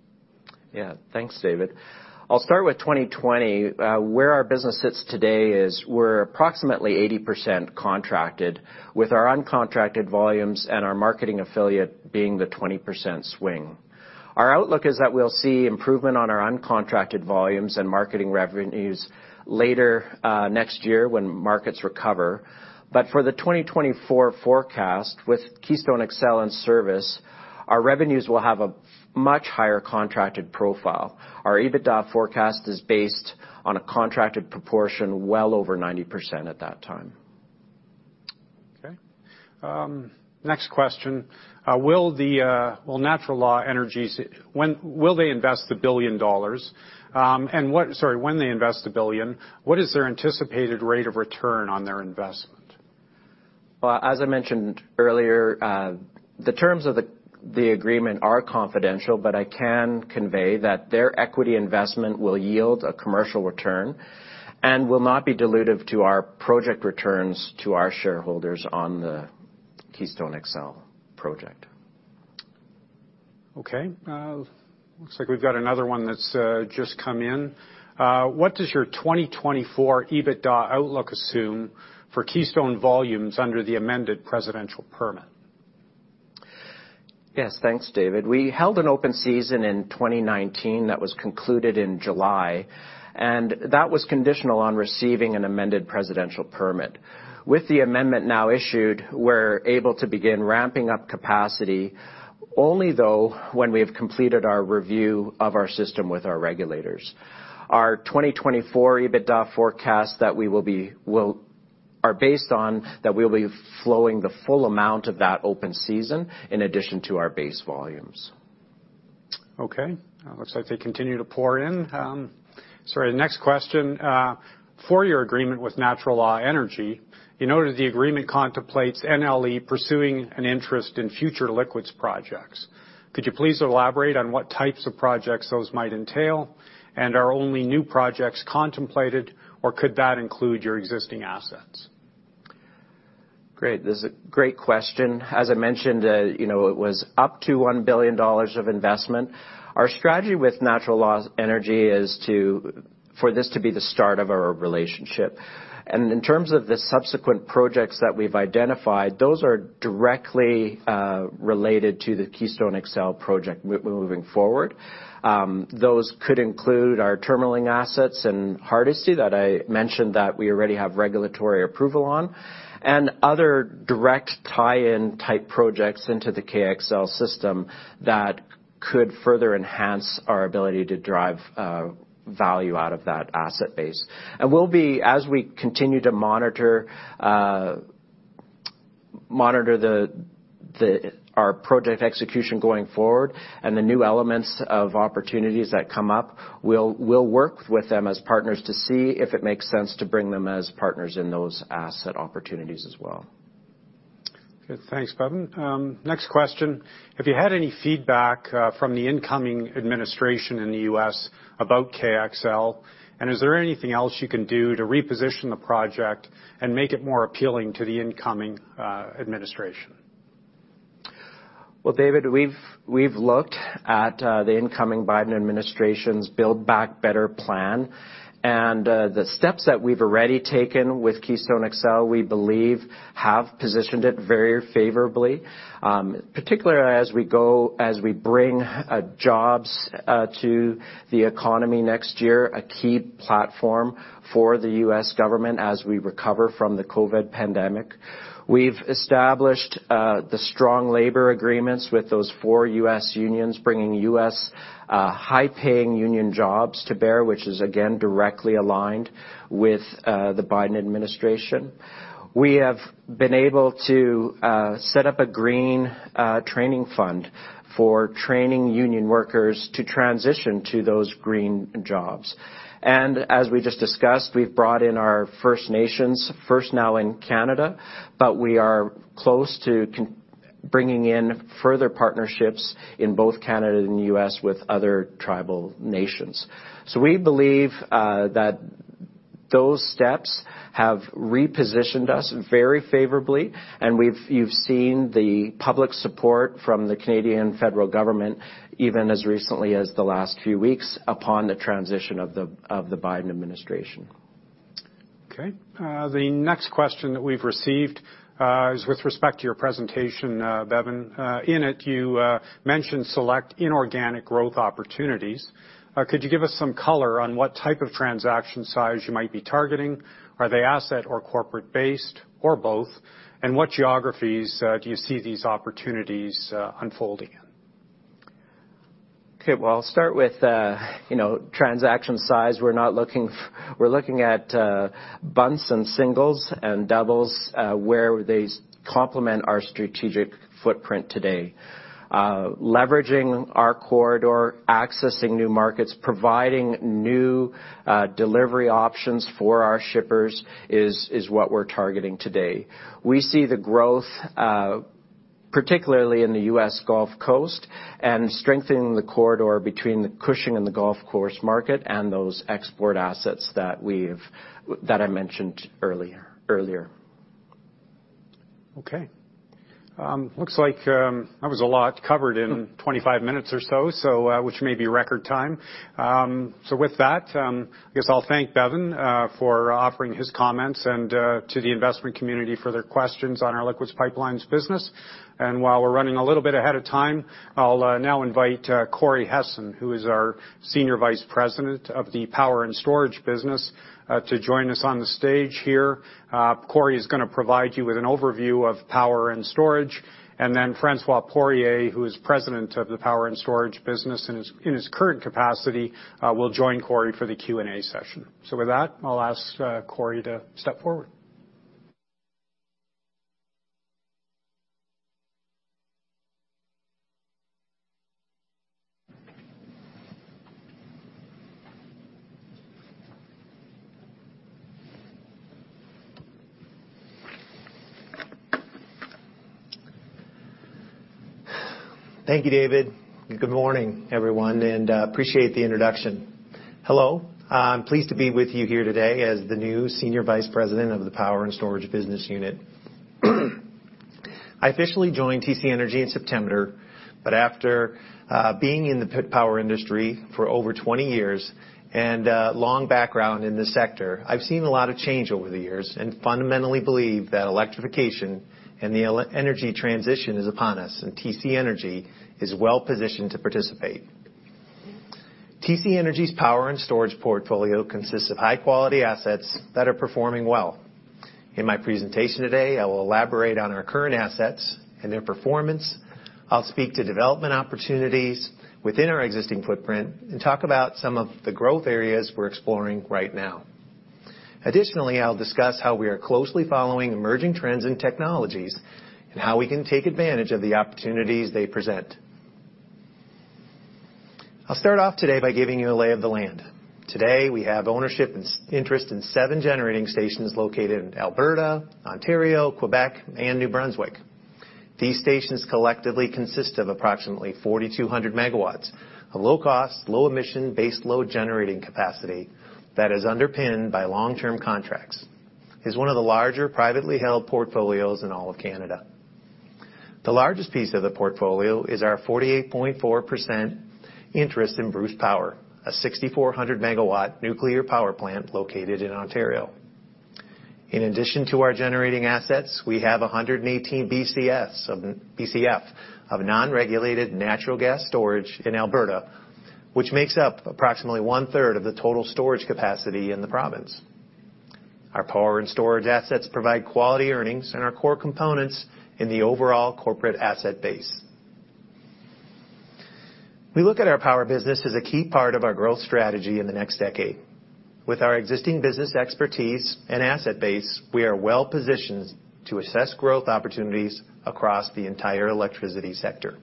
Yeah. Thanks, David. I'll start with 2020. Where our business sits today is we're approximately 80% contracted with our uncontracted volumes and our marketing affiliate being the 20% swing. Our outlook is that we'll see improvement on our uncontracted volumes and marketing revenues later next year when markets recover. For the 2024 forecast with Keystone XL in service, our revenues will have a much higher contracted profile. Our EBITDA forecast is based on a contracted proportion well over 90% at that time. Okay. Next question. Will Natural Law Energy invest the 1 billion dollars? When they invest 1 billion, what is their anticipated rate of return on their investment? Well, as I mentioned earlier, the terms of the agreement are confidential, but I can convey that their equity investment will yield a commercial return and will not be dilutive to our project returns to our shareholders on the Keystone XL project. Okay. Looks like we've got another one that's just come in. What does your 2024 EBITDA outlook assume for Keystone volumes under the amended presidential permit? Yes. Thanks, David. We held an open season in 2019 that was concluded in July, and that was conditional on receiving an amended presidential permit. With the amendment now issued, we're able to begin ramping up capacity, only though when we have completed our review of our system with our regulators. Our 2024 EBITDA forecast are based on that we'll be flowing the full amount of that open season in addition to our base volumes. Okay. Looks like they continue to pour in. Sorry. The next question. For your agreement with Natural Law Energy, you noted the agreement contemplates NLE pursuing an interest in future liquids projects. Could you please elaborate on what types of projects those might entail? Are only new projects contemplated, or could that include your existing assets? Great. This is a great question. As I mentioned, it was up to 1 billion dollars of investment. Our strategy with Natural Law Energy is for this to be the start of our relationship. In terms of the subsequent projects that we've identified, those are directly related to the Keystone XL project moving forward. Those could include our terminalling assets in Hardisty that I mentioned that we already have regulatory approval on, and other direct tie-in type projects into the KXL system that could further enhance our ability to drive value out of that asset base. As we continue to monitor our project execution going forward and the new elements of opportunities that come up, we'll work with them as partners to see if it makes sense to bring them as partners in those asset opportunities as well. Good. Thanks, Bevin. Next question. Have you had any feedback from the incoming administration in the U.S. about KXL? Is there anything else you can do to reposition the project and make it more appealing to the incoming administration? Well, David, we've looked at the incoming Biden administration's Build Back Better plan, and the steps that we've already taken with Keystone XL, we believe, have positioned it very favorably. Particularly as we bring jobs to the economy next year, a key platform for the U.S. government as we recover from the COVID pandemic. We've established the strong labor agreements with those four U.S. unions, bringing U.S. high-paying union jobs to bear, which is again, directly aligned with the Biden administration. We have been able to set up a green training fund for training union workers to transition to those green jobs. As we just discussed, we've brought in our First Nations first now in Canada, but we are close to bringing in further partnerships in both Canada and the U.S. with other tribal nations. We believe that those steps have repositioned us very favorably, and you've seen the public support from the Canadian federal government, even as recently as the last few weeks upon the transition of the Biden administration. Okay. The next question that we've received is with respect to your presentation, Bevin. In it, you mentioned select inorganic growth opportunities. Could you give us some color on what type of transaction size you might be targeting? Are they asset or corporate-based, or both? What geographies do you see these opportunities unfolding in? Okay. Well, I'll start with transaction size. We're looking at ones and singles and doubles where they complement our strategic footprint today. Leveraging our corridor, accessing new markets, providing new delivery options for our shippers is what we're targeting today. We see the growth, particularly in the U.S. Gulf Coast, and strengthening the corridor between the Cushing and the Gulf Coast market and those export assets that I mentioned earlier. Looks like that was a lot covered in 25 minutes or so, which may be record time. With that, I guess I'll thank Bevin for offering his comments and to the investment community for their questions on our Liquids Pipelines business. While we're running a little bit ahead of time, I'll now invite Corey Hessen, who is our Senior Vice President of the Power & Storage business, to join us on the stage here. Corey is going to provide you with an overview of Power & Storage, and then François Poirier, who is President of the Power & Storage business in his current capacity, will join Corey for the Q&A session. With that, I'll ask Corey to step forward. Thank you, David. Good morning, everyone. I appreciate the introduction. Hello. I'm pleased to be with you here today as the new Senior Vice President of the Power and Storage business unit. I officially joined TC Energy in September. After being in the power industry for over 20 years and a long background in this sector, I've seen a lot of change over the years and fundamentally believe that electrification and the energy transition is upon us. TC Energy is well-positioned to participate. TC Energy's power and storage portfolio consists of high-quality assets that are performing well. In my presentation today, I will elaborate on our current assets and their performance. I'll speak to development opportunities within our existing footprint and talk about some of the growth areas we're exploring right now. Additionally, I'll discuss how we are closely following emerging trends and technologies and how we can take advantage of the opportunities they present. I'll start off today by giving you a lay of the land. Today, we have ownership interest in seven generating stations located in Alberta, Ontario, Quebec, and New Brunswick. These stations collectively consist of approximately 4,200 megawatts, a low-cost, low-emission, base-load generating capacity that is underpinned by long-term contracts. It's one of the larger privately held portfolios in all of Canada. The largest piece of the portfolio is our 48.4% interest in Bruce Power, a 6,400-megawatt nuclear power plant located in Ontario. In addition to our generating assets, we have 118 Bcf of non-regulated natural gas storage in Alberta, which makes up approximately one-third of the total storage capacity in the province. Our power and storage assets provide quality earnings and are core components in the overall corporate asset base. We look at our power business as a key part of our growth strategy in the next decade. With our existing business expertise and asset base, we are well-positioned to assess growth opportunities across the entire electricity sector.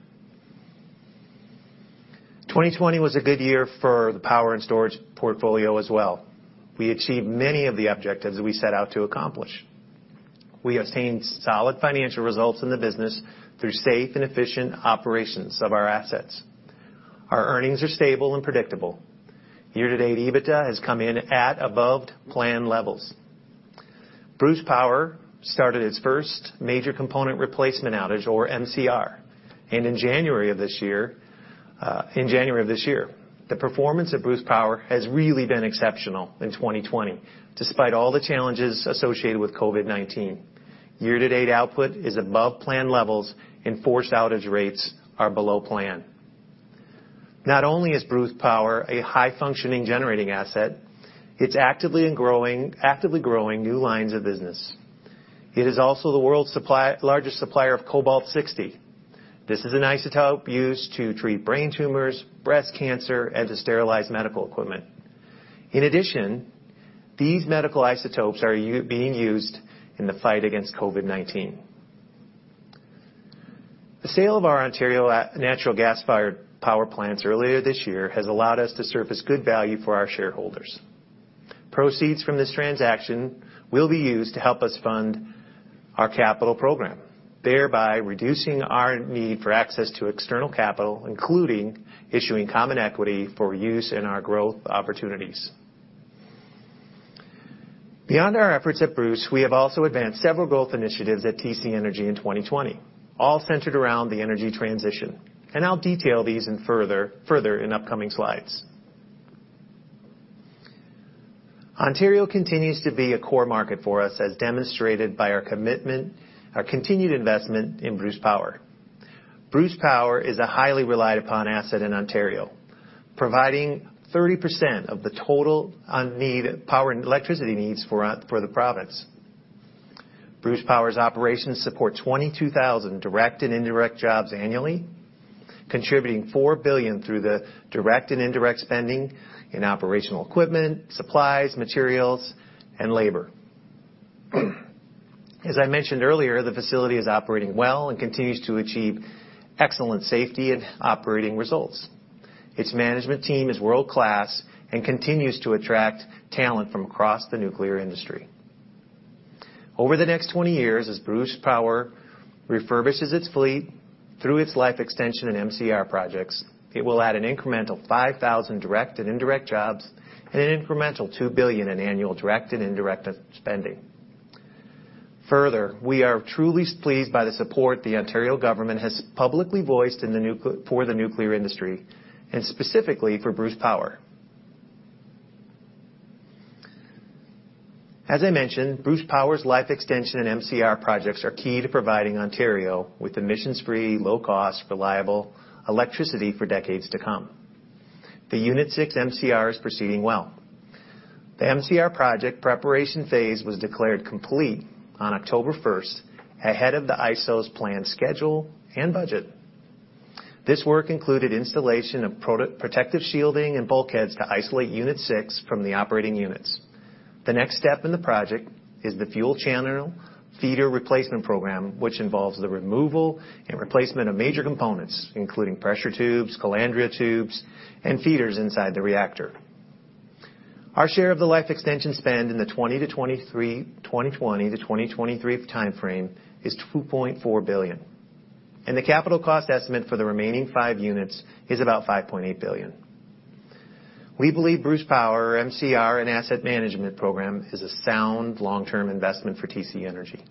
2020 was a good year for the power and storage portfolio as well. We achieved many of the objectives we set out to accomplish. We obtained solid financial results in the business through safe and efficient operations of our assets. Our earnings are stable and predictable. Year-to-date, EBITDA has come in at above planned levels. Bruce Power started its first major component replacement outage, or MCR, in January of this year. The performance at Bruce Power has really been exceptional in 2020, despite all the challenges associated with COVID-19. Year-to-date output is above plan levels, and forced outage rates are below plan. Not only is Bruce Power a high-functioning generating asset, it's actively growing new lines of business. It is also the world's largest supplier of cobalt-60. This is an isotope used to treat brain tumors, breast cancer, and to sterilize medical equipment. In addition, these medical isotopes are being used in the fight against COVID-19. The sale of our Ontario natural gas-fired power plants earlier this year has allowed us to surface good value for our shareholders. Proceeds from this transaction will be used to help us fund our capital program. Thereby reducing our need for access to external capital, including issuing common equity for use in our growth opportunities. Beyond our efforts at Bruce, we have also advanced several growth initiatives at TC Energy in 2020, all centered around the energy transition, and I'll detail these further in upcoming slides. Ontario continues to be a core market for us, as demonstrated by our continued investment in Bruce Power. Bruce Power is a highly relied upon asset in Ontario, providing 30% of the total power and electricity needs for the province. Bruce Power's operations support 22,000 direct and indirect jobs annually, contributing 4 billion through the direct and indirect spending in operational equipment, supplies, materials, and labor. As I mentioned earlier, the facility is operating well and continues to achieve excellent safety and operating results. Its management team is world-class and continues to attract talent from across the nuclear industry. Over the next 20 years, as Bruce Power refurbishes its fleet through its Life-Extension and MCR projects, it will add an incremental 5,000 direct and indirect jobs and an incremental 2 billion in annual direct and indirect spending. We are truly pleased by the support the Ontario government has publicly voiced for the nuclear industry, and specifically for Bruce Power. As I mentioned, Bruce Power's Life-Extension and MCR projects are key to providing Ontario with emissions-free, low-cost, reliable electricity for decades to come. The Unit 6 MCR is proceeding well. The MCR project preparation phase was declared complete on October 1st, ahead of the IESO's planned schedule and budget. This work included installation of protective shielding and bulkheads to isolate Unit 6 from the operating units. The next step in the project is the fuel channel feeder replacement program, which involves the removal and replacement of major components, including pressure tubes, calandria tubes, and feeders inside the reactor. Our share of the life extension spend in the 2020 to 2023 timeframe is CAD 2.4 billion, and the capital cost estimate for the remaining five units is about 5.8 billion. We believe Bruce Power MCR and asset management program is a sound long-term investment for TC Energy.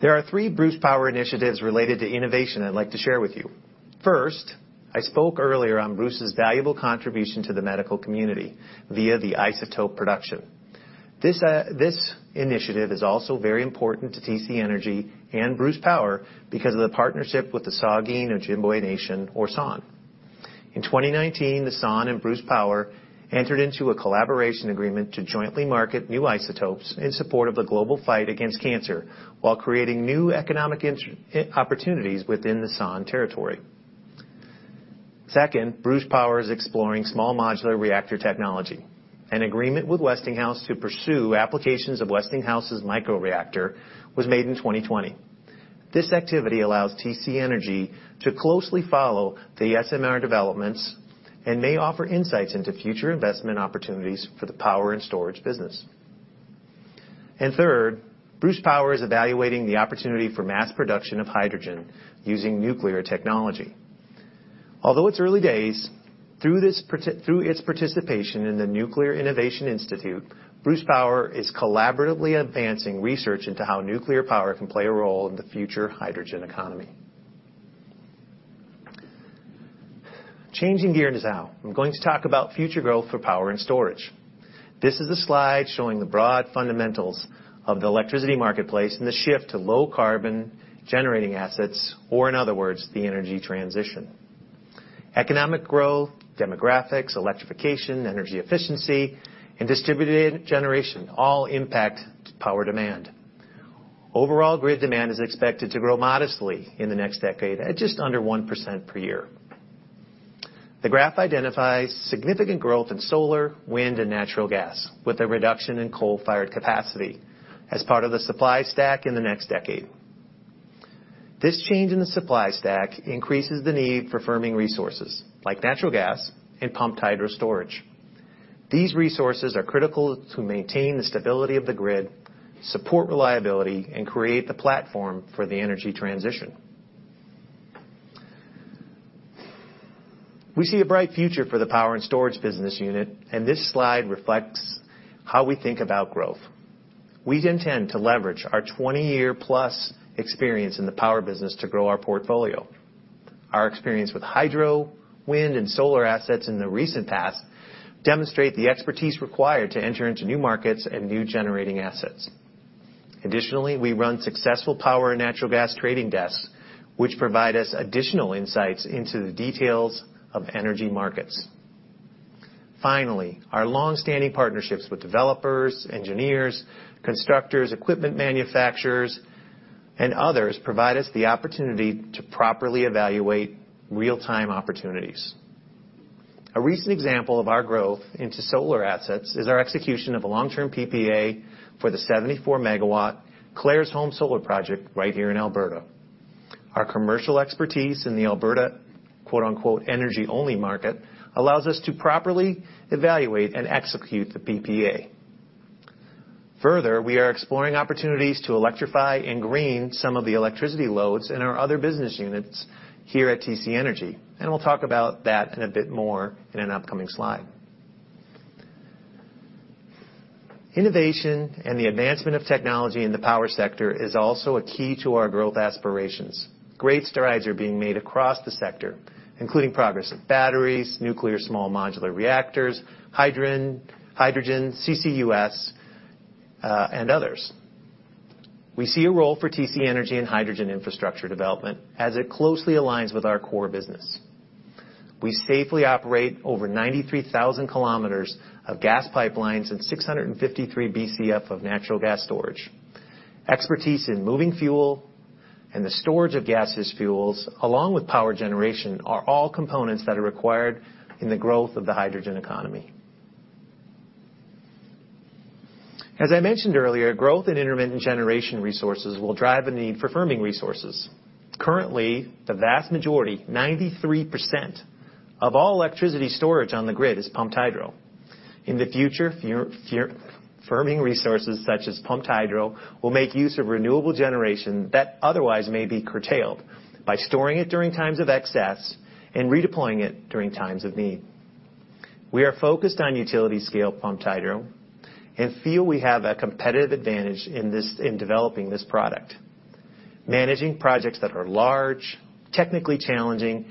There are three Bruce Power initiatives related to innovation I'd like to share with you. First, I spoke earlier on Bruce's valuable contribution to the medical community via the isotope production. This initiative is also very important to TC Energy and Bruce Power because of the partnership with the Saugeen Ojibway Nation, or SON. In 2019, the SON and Bruce Power entered into a collaboration agreement to jointly market new isotopes in support of the global fight against cancer, while creating new economic opportunities within the SON territory. Second, Bruce Power is exploring small modular reactor technology. An agreement with Westinghouse to pursue applications of Westinghouse's microreactor was made in 2020. This activity allows TC Energy to closely follow the SMR developments and may offer insights into future investment opportunities for the power and storage business. Third, Bruce Power is evaluating the opportunity for mass production of hydrogen using nuclear technology. Although it's early days, through its participation in the Nuclear Innovation Institute, Bruce Power is collaboratively advancing research into how nuclear power can play a role in the future hydrogen economy. Changing gears now. I'm going to talk about future growth for power and storage. This is a slide showing the broad fundamentals of the electricity marketplace and the shift to low-carbon generating assets, or in other words, the energy transition. Economic growth, demographics, electrification, energy efficiency, and distributed generation all impact power demand. Overall grid demand is expected to grow modestly in the next decade at just under 1% per year. The graph identifies significant growth in solar, wind, and natural gas, with a reduction in coal-fired capacity as part of the supply stack in the next decade. This change in the supply stack increases the need for firming resources like natural gas and pumped hydro storage. These resources are critical to maintain the stability of the grid, support reliability, and create the platform for the energy transition. We see a bright future for the power and storage business unit, and this slide reflects how we think about growth. We intend to leverage our 20-year-plus experience in the power business to grow our portfolio. Our experience with hydro, wind, and solar assets in the recent past demonstrate the expertise required to enter into new markets and new generating assets. We run successful power and natural gas trading desks, which provide us additional insights into the details of energy markets. Our longstanding partnerships with developers, engineers, constructors, equipment manufacturers, and others provide us the opportunity to properly evaluate real-time opportunities. A recent example of our growth into solar assets is our execution of a long-term PPA for the 74-megawatt Claresholm Solar Project right here in Alberta. Our commercial expertise in the Alberta "energy-only" market allows us to properly evaluate and execute the PPA. We are exploring opportunities to electrify and green some of the electricity loads in our other business units here at TC Energy. We'll talk about that in a bit more in an upcoming slide. Innovation and the advancement of technology in the power sector is also a key to our growth aspirations. Great strides are being made across the sector, including progress in batteries, nuclear small modular reactors, hydrogen, CCUS, and others. We see a role for TC Energy in hydrogen infrastructure development as it closely aligns with our core business. We safely operate over 93,000 kilometers of gas pipelines and 653 Bcf of natural gas storage. Expertise in moving fuel and the storage of gaseous fuels, along with power generation, are all components that are required in the growth of the hydrogen economy. As I mentioned earlier, growth in intermittent generation resources will drive a need for firming resources. Currently, the vast majority, 93% of all electricity storage on the grid is pumped hydro. In the future, firming resources such as pumped hydro will make use of renewable generation that otherwise may be curtailed by storing it during times of excess and redeploying it during times of need. We are focused on utility-scale pumped hydro and feel we have a competitive advantage in developing this product. Managing projects that are large, technically challenging,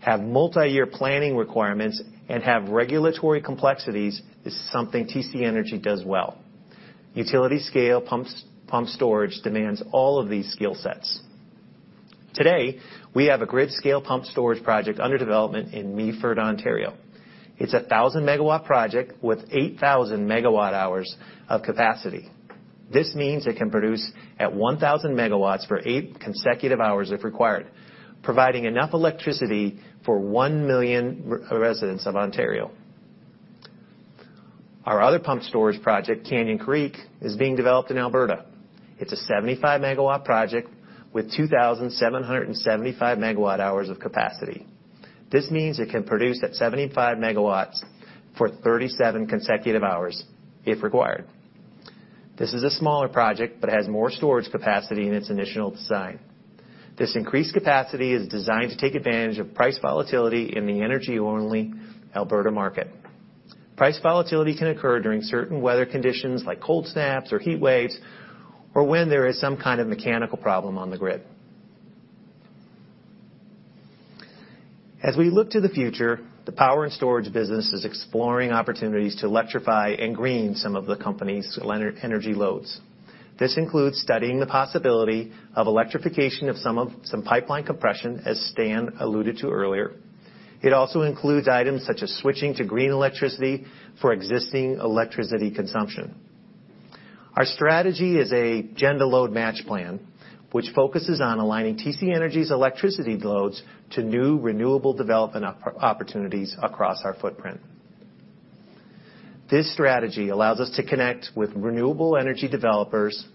have multi-year planning requirements, and have regulatory complexities is something TC Energy does well. Utility-scale pumped storage demands all of these skill sets. Today, we have a grid-scale pumped storage project under development in Meaford, Ontario. It's a 1,000-megawatt project with 8,000 megawatt hours of capacity. This means it can produce at 1,000 megawatts for eight consecutive hours if required, providing enough electricity for 1 million residents of Ontario. Our other pumped storage project, Canyon Creek, is being developed in Alberta. It's a 75-megawatt project with 2,775 megawatt hours of capacity. This means it can produce at 75 MW for 37 consecutive hours if required. This is a smaller project, but it has more storage capacity in its initial design. This increased capacity is designed to take advantage of price volatility in the energy-only Alberta market. Price volatility can occur during certain weather conditions like cold snaps or heat waves, or when there is some kind of mechanical problem on the grid. As we look to the future, the power and storage business is exploring opportunities to electrify and green some of the company's energy loads. This includes studying the possibility of electrification of some pipeline compression, as Stan alluded to earlier. It also includes items such as switching to green electricity for existing electricity consumption. Our strategy is a gen to load match plan, which focuses on aligning TC Energy's electricity loads to new renewable development opportunities across our footprint. This strategy allows us to connect with renewable energy developers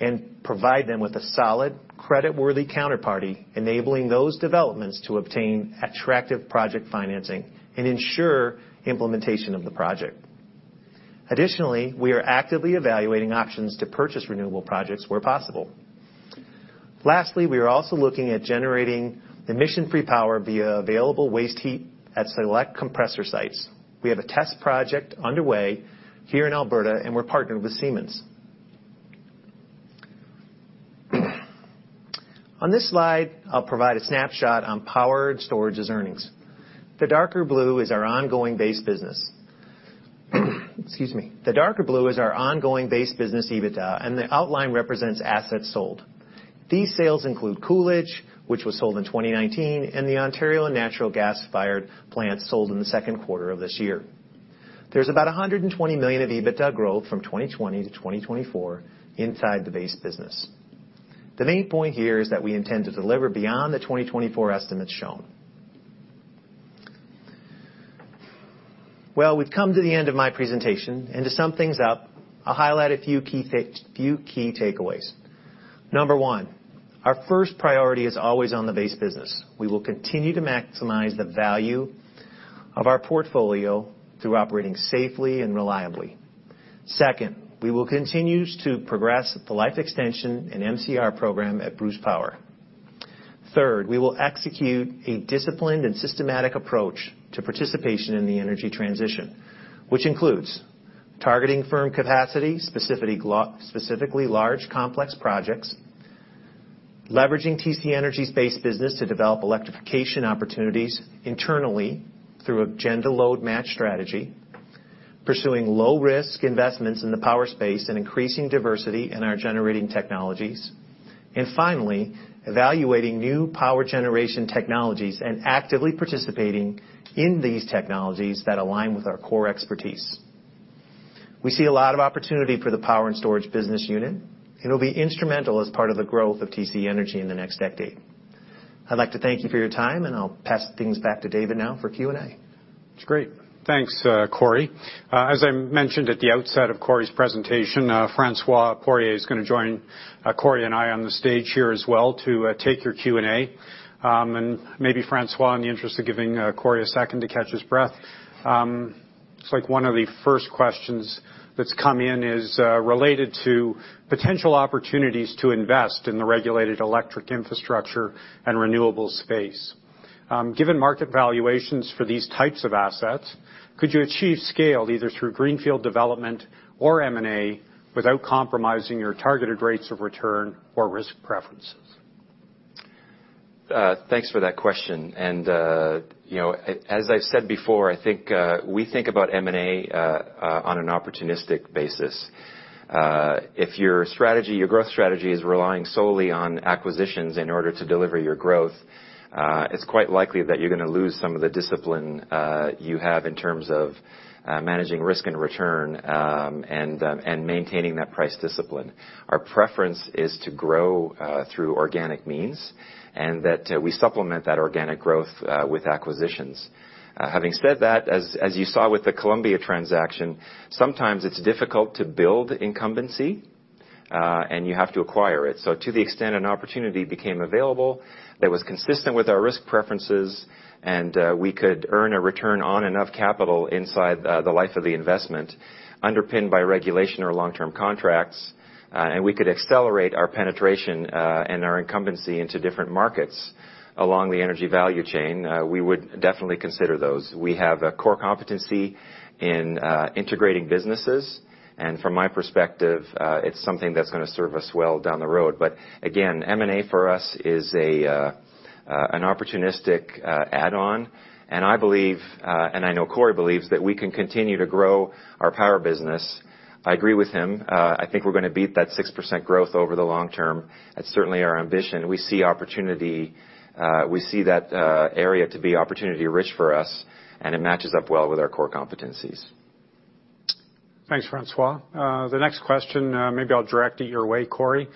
and provide them with a solid, credit-worthy counterparty, enabling those developments to obtain attractive project financing and ensure implementation of the project. Additionally, we are actively evaluating options to purchase renewable projects where possible. Lastly, we are also looking at generating emission-free power via available waste heat at select compressor sites. We have a test project underway here in Alberta, and we're partnered with Siemens Energy. On this slide, I'll provide a snapshot on Power & Storage's earnings. The darker blue is our ongoing base business. Excuse me. The darker blue is our ongoing base business EBITDA, and the outline represents assets sold. These sales include Coolidge, which was sold in 2019, and the Ontario natural gas-fired plant sold in the second quarter of this year. There's about 120 million of EBITDA growth from 2020 to 2024 inside the base business. The main point here is that we intend to deliver beyond the 2024 estimates shown. Well, we've come to the end of my presentation. To sum things up, I'll highlight a few key takeaways. Number one, our first priority is always on the base business. We will continue to maximize the value of our portfolio through operating safely and reliably. Second, we will continue to progress the Life-Extension Program and MCR program at Bruce Power. Third, we will execute a disciplined and systematic approach to participation in the energy transition, which includes targeting firm capacity, specifically large, complex projects. Leveraging TC Energy's base business to develop electrification opportunities internally through a gen to load match strategy. Pursuing low-risk investments in the power space and increasing diversity in our generating technologies. Finally, evaluating new power generation technologies and actively participating in these technologies that align with our core expertise. We see a lot of opportunity for the Power & Storage business unit. It'll be instrumental as part of the growth of TC Energy in the next decade. I'd like to thank you for your time. I'll pass things back to David now for Q&A. That's great. Thanks, Corey. As I mentioned at the outset of Corey's presentation, François Poirier is going to join Corey and I on the stage here as well to take your Q&A. Maybe François, in the interest of giving Corey a second to catch his breath, looks like one of the first questions that's come in is related to potential opportunities to invest in the regulated electric infrastructure and renewable space. Given market valuations for these types of assets, could you achieve scale either through greenfield development or M&A without compromising your targeted rates of return or risk preferences? Thanks for that question. As I've said before, I think we think about M&A on an opportunistic basis. If your growth strategy is relying solely on acquisitions in order to deliver your growth, it's quite likely that you're going to lose some of the discipline you have in terms of managing risk and return, and maintaining that price discipline. Our preference is to grow through organic means, and that we supplement that organic growth with acquisitions. Having said that, as you saw with the Columbia transaction, sometimes it's difficult to build incumbency, and you have to acquire it. To the extent an opportunity became available that was consistent with our risk preferences, and we could earn a return on and of capital inside the life of the investment, underpinned by regulation or long-term contracts, and we could accelerate our penetration, and our incumbency into different markets along the energy value chain, we would definitely consider those. We have a core competency in integrating businesses, and from my perspective, it's something that's going to serve us well down the road. Again, M&A for us is an opportunistic add-on, and I believe, and I know Corey Hessen believes, that we can continue to grow our power business. I agree with him. I think we're going to beat that 6% growth over the long term. That's certainly our ambition. We see that area to be opportunity-rich for us, and it matches up well with our core competencies. Thanks, François. The next question, maybe I'll direct it your way, Corey.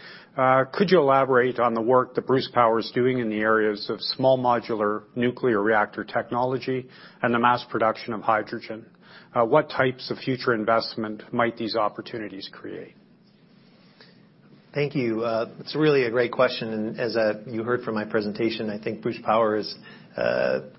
Could you elaborate on the work that Bruce Power's doing in the areas of small modular nuclear reactor technology and the mass production of hydrogen? What types of future investment might these opportunities create? Thank you. It's really a great question. As you heard from my presentation, I think Bruce Power has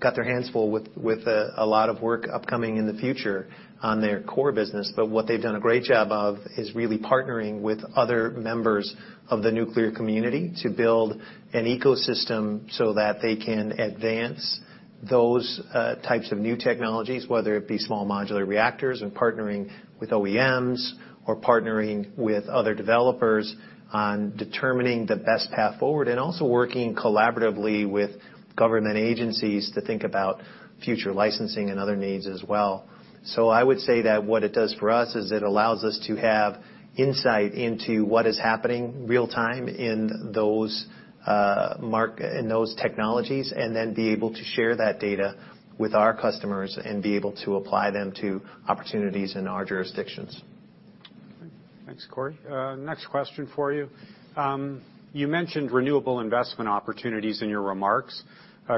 got their hands full with a lot of work upcoming in the future on their core business. What they've done a great job of is really partnering with other members of the nuclear community to build an ecosystem so that they can advance those types of new technologies, whether it be small modular reactors and partnering with OEMs or partnering with other developers on determining the best path forward, also working collaboratively with government agencies to think about future licensing and other needs as well. I would say that what it does for us is it allows us to have insight into what is happening real time in those technologies, and then be able to share that data with our customers and be able to apply them to opportunities in our jurisdictions. Thanks, Corey. Next question for you. You mentioned renewable investment opportunities in your remarks.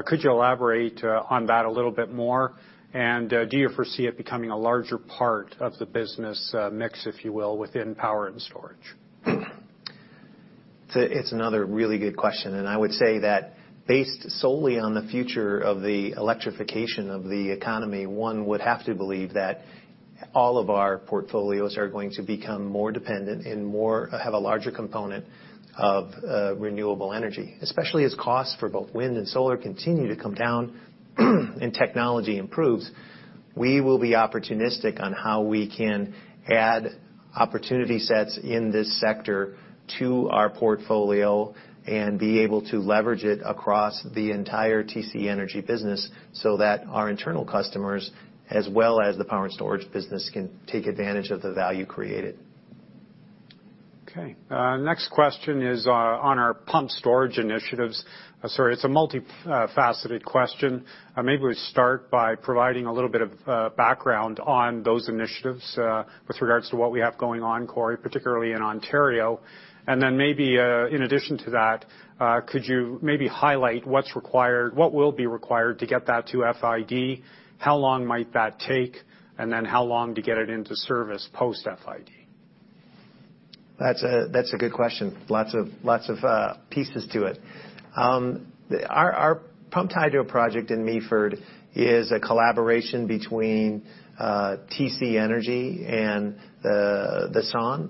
Could you elaborate on that a little bit more? Do you foresee it becoming a larger part of the business mix, if you will, within power and storage? It's another really good question. I would say that based solely on the future of the electrification of the economy, one would have to believe that all of our portfolios are going to become more dependent and have a larger component of renewable energy, especially as costs for both wind and solar continue to come down and technology improves. We will be opportunistic on how we can add opportunity sets in this sector to our portfolio and be able to leverage it across the entire TC Energy business so that our internal customers, as well as the Power & Storage business, can take advantage of the value created. Okay. Next question is on our pumped storage initiatives. Sorry, it's a multifaceted question. Maybe we start by providing a little bit of background on those initiatives with regards to what we have going on, Corey, particularly in Ontario. Then maybe in addition to that, could you maybe highlight what will be required to get that to FID? How long might that take? Then how long to get it into service post-FID? That's a good question. Lots of pieces to it. Our pumped hydro project in Meaford is a collaboration between TC Energy and the SON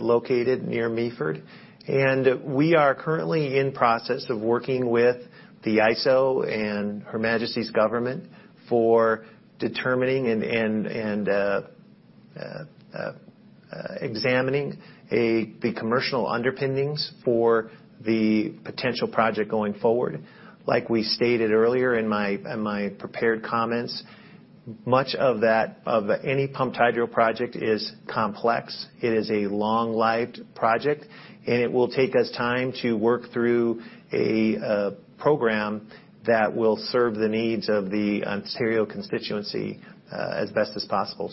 located near Meaford. We are currently in process of working with the IESO and Her Majesty's Government for determining and examining the commercial underpinnings for the potential project going forward. Like we stated earlier in my prepared comments, much of any pumped hydro project is complex. It is a long-lived project, and it will take us time to work through a program that will serve the needs of the Ontario constituency, as best as possible.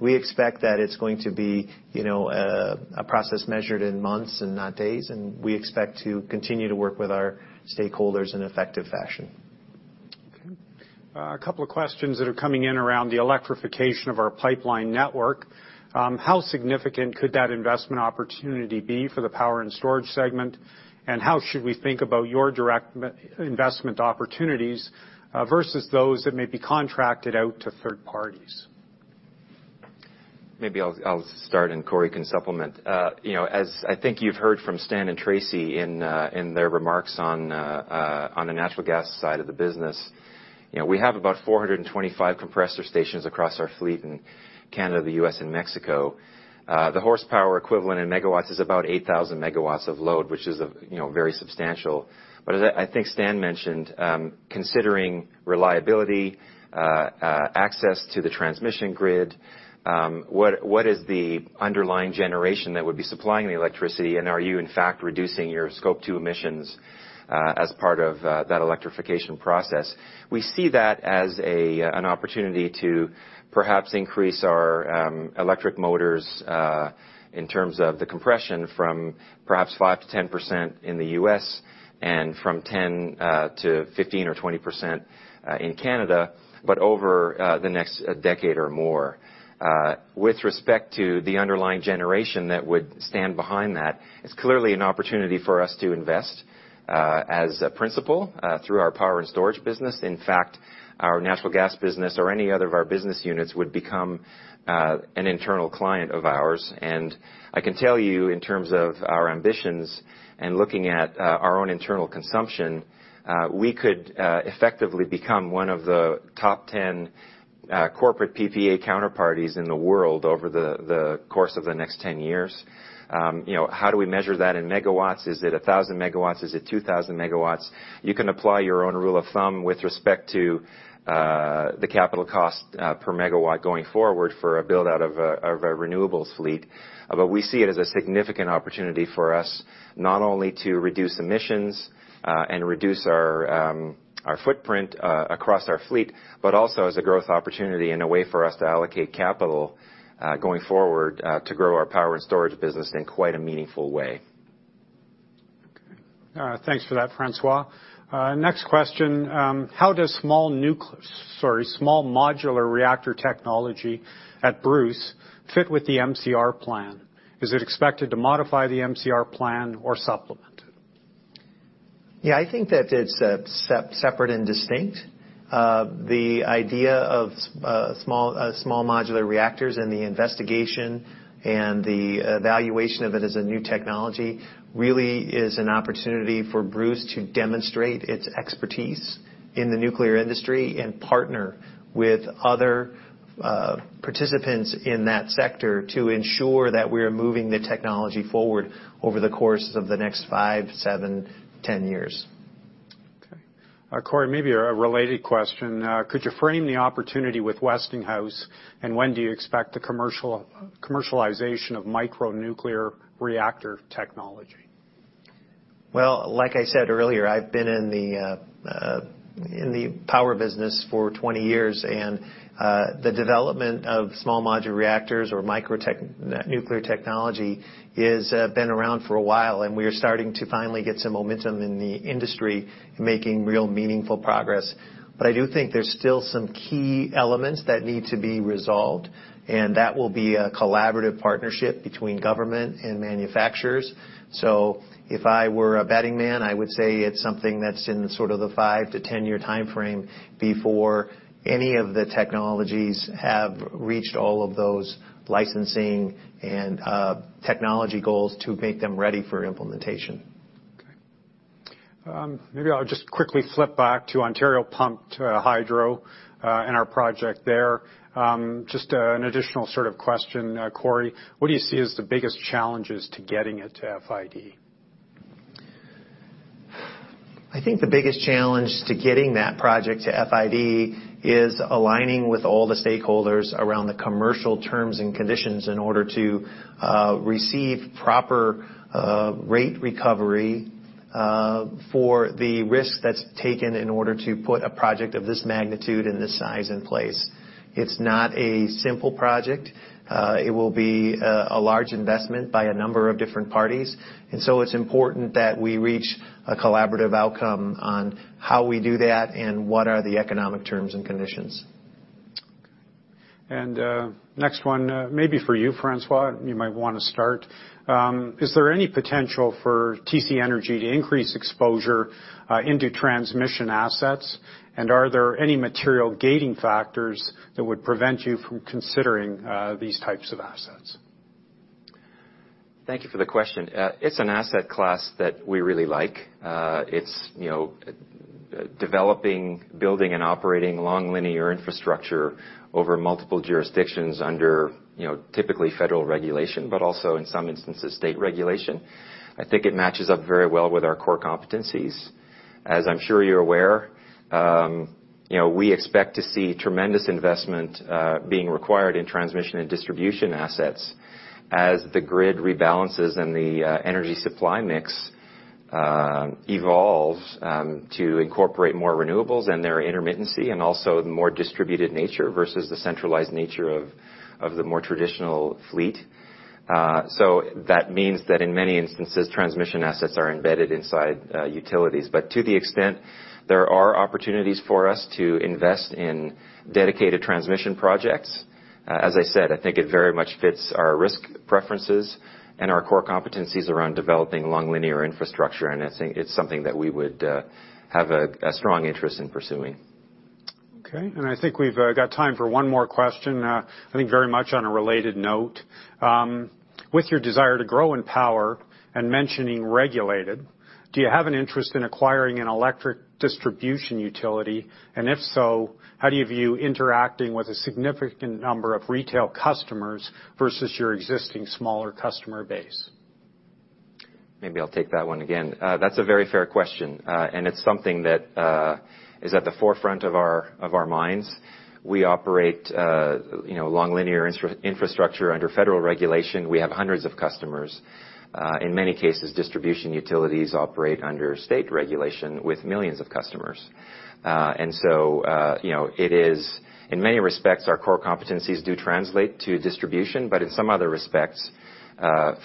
We expect that it's going to be a process measured in months and not days, and we expect to continue to work with our stakeholders in effective fashion. Okay. A couple of questions that are coming in around the electrification of our pipeline network. How significant could that investment opportunity be for the Power & Storage segment? How should we think about your direct investment opportunities versus those that may be contracted out to third parties? Maybe I'll start, and Corey can supplement. As I think you've heard from Stan and Tracy in their remarks on the natural gas side of the business, we have about 425 compressor stations across our fleet in Canada, the U.S., and Mexico. The horsepower equivalent in megawatts is about 8,000 megawatts of load, which is very substantial. As I think Stan mentioned, considering reliability, access to the transmission grid, what is the underlying generation that would be supplying the electricity, and are you in fact reducing your Scope 2 emissions, as part of that electrification process? We see that as an opportunity to perhaps increase our electric motors, in terms of the compression from perhaps 5%-10% in the U.S. and from 10%-15% or 20% in Canada, but over the next decade or more. With respect to the underlying generation that would stand behind that, it's clearly an opportunity for us to invest as a principal through our power and storage business. In fact, our natural gas business or any other of our business units would become an internal client of ours. I can tell you in terms of our ambitions and looking at our own internal consumption, we could effectively become one of the top 10 corporate PPA counterparties in the world over the course of the next 10 years. How do we measure that in megawatts? Is it 1,000 megawatts? Is it 2,000 megawatts? You can apply your own rule of thumb with respect to the capital cost per megawatt going forward for a build-out of a renewables fleet. We see it as a significant opportunity for us, not only to reduce emissions, and reduce our footprint across our fleet, but also as a growth opportunity and a way for us to allocate capital, going forward, to grow our power and storage business in quite a meaningful way. Okay. Thanks for that, François. Next question. How does small modular reactor technology at Bruce fit with the MCR plan? Is it expected to modify the MCR plan or supplement it? Yeah, I think that it's separate and distinct. The idea of small modular reactors and the investigation and the evaluation of it as a new technology really is an opportunity for Bruce to demonstrate its expertise in the nuclear industry and partner with other participants in that sector to ensure that we're moving the technology forward over the course of the next five, seven, 10 years. Okay. Corey, maybe a related question. Could you frame the opportunity with Westinghouse? When do you expect the commercialization of micro-nuclear reactor technology? Well, like I said earlier, I've been in the power business for 20 years, and the development of small modular reactors or micro nuclear technology has been around for a while, and we are starting to finally get some momentum in the industry in making real meaningful progress. I do think there's still some key elements that need to be resolved, and that will be a collaborative partnership between government and manufacturers. If I were a betting man, I would say it's something that's in the five to 10-year timeframe before any of the technologies have reached all of those licensing and technology goals to make them ready for implementation. Maybe I'll just quickly flip back to Ontario Pumped Hydro, and our project there. Just an additional question, Corey, what do you see as the biggest challenges to getting it to FID? I think the biggest challenge to getting that project to FID is aligning with all the stakeholders around the commercial terms and conditions in order to receive proper rate recovery for the risk that's taken in order to put a project of this magnitude and this size in place. It's not a simple project. It will be a large investment by a number of different parties. It's important that we reach a collaborative outcome on how we do that and what are the economic terms and conditions. Okay. Next one, maybe for you, François, you might want to start. Is there any potential for TC Energy to increase exposure into transmission assets? Are there any material gating factors that would prevent you from considering these types of assets? Thank you for the question. It's an asset class that we really like. It's developing, building, and operating long linear infrastructure over multiple jurisdictions under typically federal regulation, but also in some instances, state regulation. I think it matches up very well with our core competencies. As I'm sure you're aware, we expect to see tremendous investment being required in transmission and distribution assets as the grid rebalances and the energy supply mix evolves to incorporate more renewables and their intermittency, and also the more distributed nature versus the centralized nature of the more traditional fleet. That means that in many instances, transmission assets are embedded inside utilities. To the extent there are opportunities for us to invest in dedicated transmission projects, as I said, I think it very much fits our risk preferences and our core competencies around developing long linear infrastructure. I think it's something that we would have a strong interest in pursuing. Okay, I think we've got time for one more question. I think very much on a related note. With your desire to grow in power and mentioning regulated, do you have an interest in acquiring an electric distribution utility? If so, how do you view interacting with a significant number of retail customers versus your existing smaller customer base? Maybe I'll take that one again. That's a very fair question. It's something that is at the forefront of our minds. We operate long linear infrastructure under federal regulation. We have hundreds of customers. In many cases, distribution utilities operate under state regulation with millions of customers. In many respects, our core competencies do translate to distribution. In some other respects,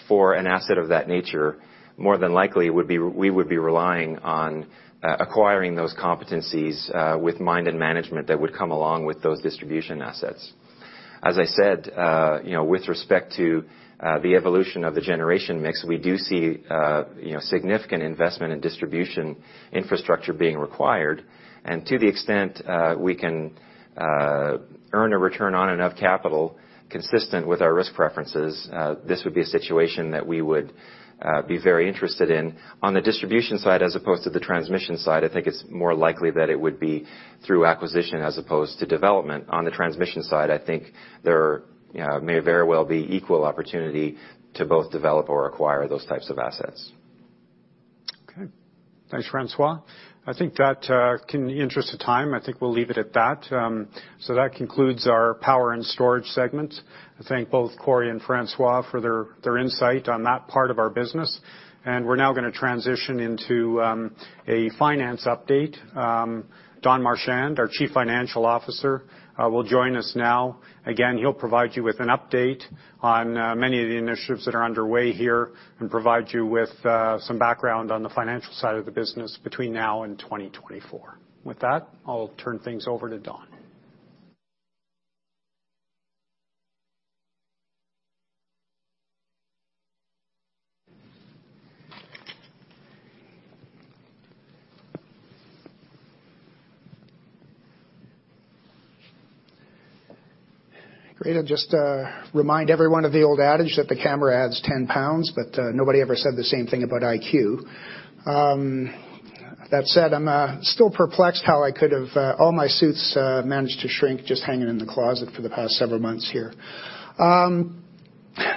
for an asset of that nature, more than likely, we would be relying on acquiring those competencies with mind and management that would come along with those distribution assets. As I said, with respect to the evolution of the generation mix, we do see significant investment in distribution infrastructure being required. To the extent we can earn a return on and of capital consistent with our risk preferences, this would be a situation that we would be very interested in. On the distribution side as opposed to the transmission side, I think it's more likely that it would be through acquisition as opposed to development. On the transmission side, I think there may very well be equal opportunity to both develop or acquire those types of assets. Okay. Thanks, François. In the interest of time, we'll leave it at that. That concludes our Power & Storage segment. I thank both Corey and François for their insight on that part of our business. We're now going to transition into a finance update. Don Marchand, our Chief Financial Officer, will join us now. Again, he'll provide you with an update on many of the initiatives that are underway here and provide you with some background on the financial side of the business between now and 2024. With that, I'll turn things over to Don. Great. I'll just remind everyone of the old adage that the camera adds 10 pounds. Nobody ever said the same thing about IQ. That said, I'm still perplexed how all my suits managed to shrink just hanging in the closet for the past several months here.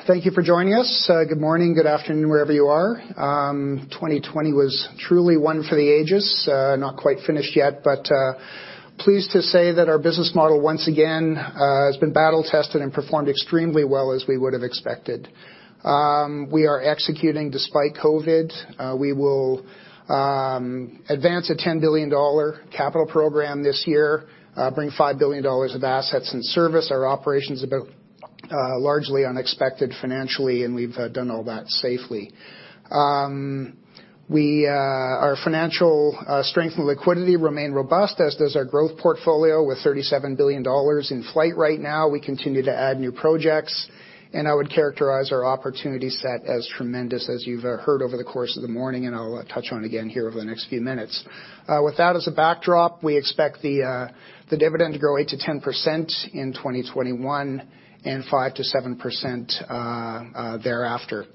Thank you for joining us. Good morning, good afternoon, wherever you are. 2020 was truly one for the ages. Not quite finished yet. Pleased to say that our business model, once again, has been battle tested and performed extremely well as we would have expected. We are executing despite COVID. We will advance a 10 billion dollar capital program this year, bring 5 billion dollars of assets in service our operations unaffected financially, and we've done all that safely. Our financial strength and liquidity remain robust, as does our growth portfolio, with 37 billion dollars in flight right now. We continue to add new projects, and I would characterize our opportunity set as tremendous as you've heard over the course of the morning, and I'll touch on again here over the next few minutes. With that as a backdrop, we expect the dividend to grow 8%-10% in 2021 and 5%-7% thereafter.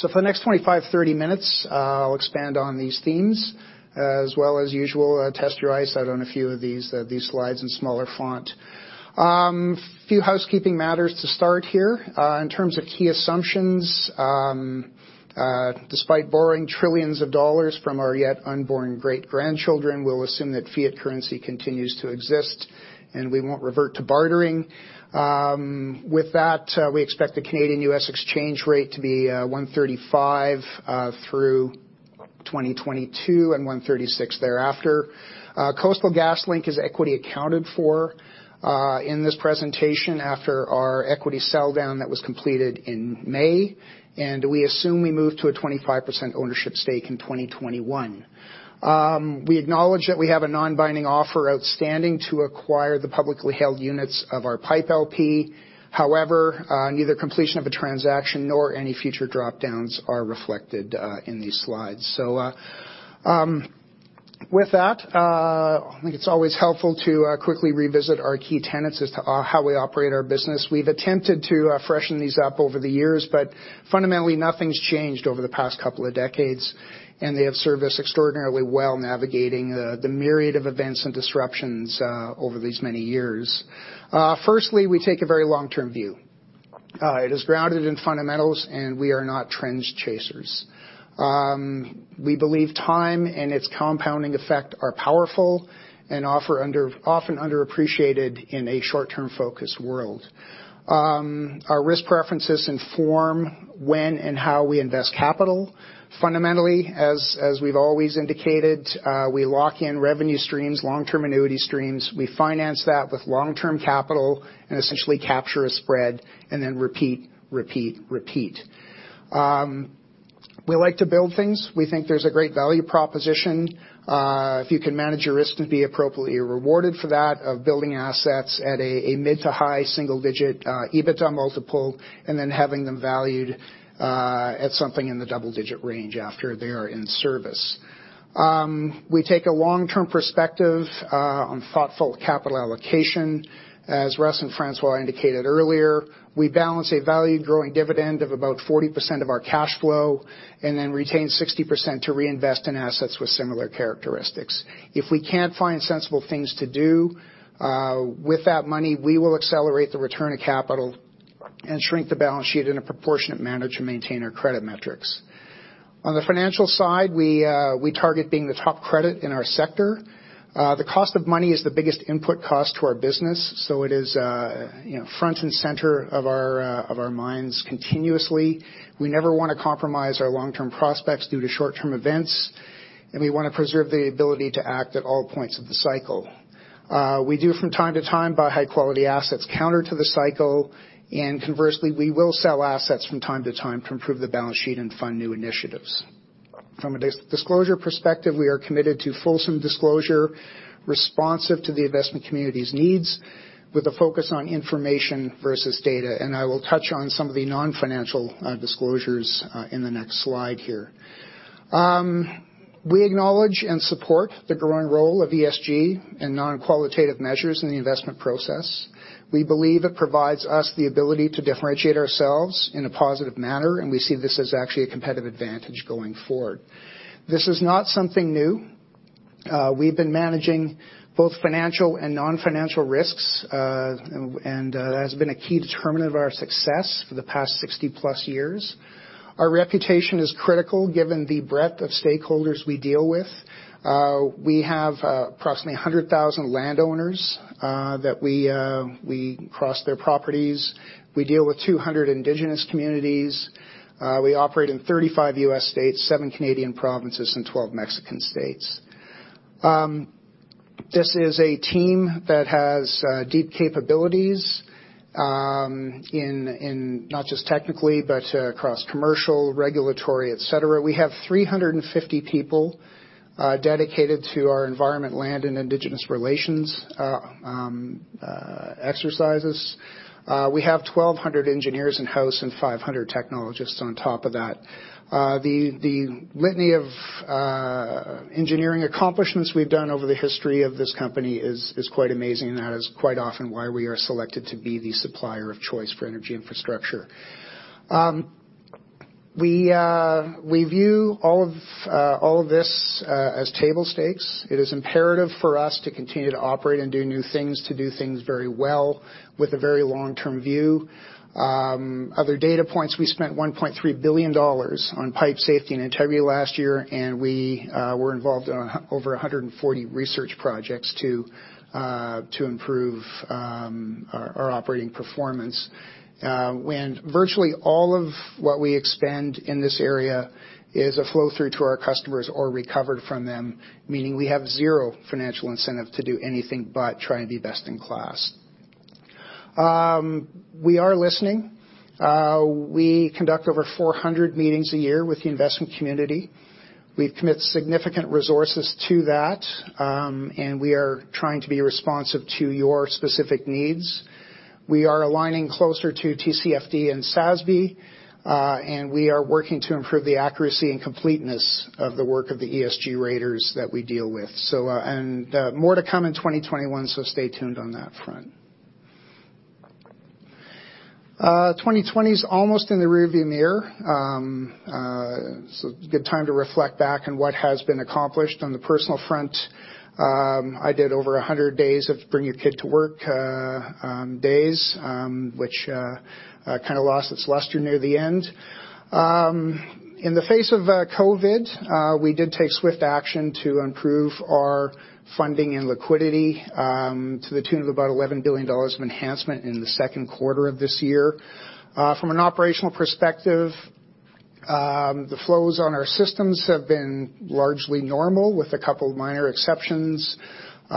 For the next 25, 30 minutes, I'll expand on these themes as well as usual, test your eyes out on a few of these slides in smaller font. Few housekeeping matters to start here. In terms of key assumptions, despite borrowing trillions of CAD from our yet unborn great-grandchildren, we'll assume that fiat currency continues to exist, and we won't revert to bartering. With that, we expect the Canadian-U.S. exchange rate to be 1.35 through 2022 and 1.36 thereafter. Coastal GasLink is equity accounted for in this presentation after our equity sell-down that was completed in May, and we assume we move to a 25% ownership stake in 2021. We acknowledge that we have a non-binding offer outstanding to acquire the publicly held units of our Pipe LP. However, neither completion of a transaction nor any future drop-downs are reflected in these slides. With that, I think it's always helpful to quickly revisit our key tenets as to how we operate our business. We've attempted to freshen these up over the years, but fundamentally, nothing's changed over the past couple of decades, and they have served us extraordinarily well, navigating the myriad of events and disruptions over these many years. Firstly, we take a very long-term view. It is grounded in fundamentals, and we are not trends chasers. We believe time and its compounding effect are powerful and often underappreciated in a short-term-focused world. Our risk preferences inform when and how we invest capital. Fundamentally, as we've always indicated, we lock in revenue streams, long-term annuity streams. We finance that with long-term capital and essentially capture a spread and then repeat, repeat. We like to build things. We think there's a great value proposition. If you can manage your risk to be appropriately rewarded for that of building assets at a mid to high single-digit EBITDA multiple, and then having them valued at something in the double-digit range after they are in service. We take a long-term perspective on thoughtful capital allocation. As Russ and François indicated earlier, we balance a value-growing dividend of about 40% of our cash flow and then retain 60% to reinvest in assets with similar characteristics. If we can't find sensible things to do with that money, we will accelerate the return of capital and shrink the balance sheet in a proportionate manner to maintain our credit metrics. On the financial side, we target being the top credit in our sector. The cost of money is the biggest input cost to our business. It is front and center of our minds continuously. We never want to compromise our long-term prospects due to short-term events. We want to preserve the ability to act at all points of the cycle. We do from time to time buy high-quality assets counter to the cycle. Conversely, we will sell assets from time to time to improve the balance sheet and fund new initiatives. From a disclosure perspective, we are committed to fulsome disclosure, responsive to the investment community's needs with a focus on information versus data. I will touch on some of the non-financial disclosures in the next slide here. We acknowledge and support the growing role of ESG and non-qualitative measures in the investment process. We believe it provides us the ability to differentiate ourselves in a positive manner, and we see this as actually a competitive advantage going forward. This is not something new. We've been managing both financial and non-financial risks, and that has been a key determinant of our success for the past 60-plus years. Our reputation is critical given the breadth of stakeholders we deal with. We have approximately 100,000 landowners that we cross their properties. We deal with 200 indigenous communities. We operate in 35 U.S. states, seven Canadian provinces, and 12 Mexican states. This is a team that has deep capabilities, in not just technically, but across commercial, regulatory, et cetera. We have 350 people dedicated to our environment, land, and indigenous relations exercises. We have 1,200 engineers in-house and 500 technologists on top of that. The litany of engineering accomplishments we've done over the history of this company is quite amazing and that is quite often why we are selected to be the supplier of choice for energy infrastructure. We view all of this as table stakes. It is imperative for us to continue to operate and do new things, to do things very well with a very long-term view. Other data points, we spent 1.3 billion dollars on pipe safety and integrity last year. We were involved in over 140 research projects to improve our operating performance. When virtually all of what we expend in this area is a flow-through to our customers or recovered from them, meaning we have zero financial incentive to do anything but try and be best in class. We are listening. We conduct over 400 meetings a year with the investment community. We've commit significant resources to that, and we are trying to be responsive to your specific needs. We are aligning closer to TCFD and SASB, and we are working to improve the accuracy and completeness of the work of the ESG raters that we deal with. More to come in 2021, so stay tuned on that front. 2020's almost in the rear-view mirror. A good time to reflect back on what has been accomplished. On the personal front, I did over 100 days of bring your kid to work days, which kind of lost its luster near the end. In the face of COVID, we did take swift action to improve our funding and liquidity, to the tune of about 11 billion dollars of enhancement in the second quarter of this year. From an operational perspective, the flows on our systems have been largely normal, with a couple of minor exceptions, in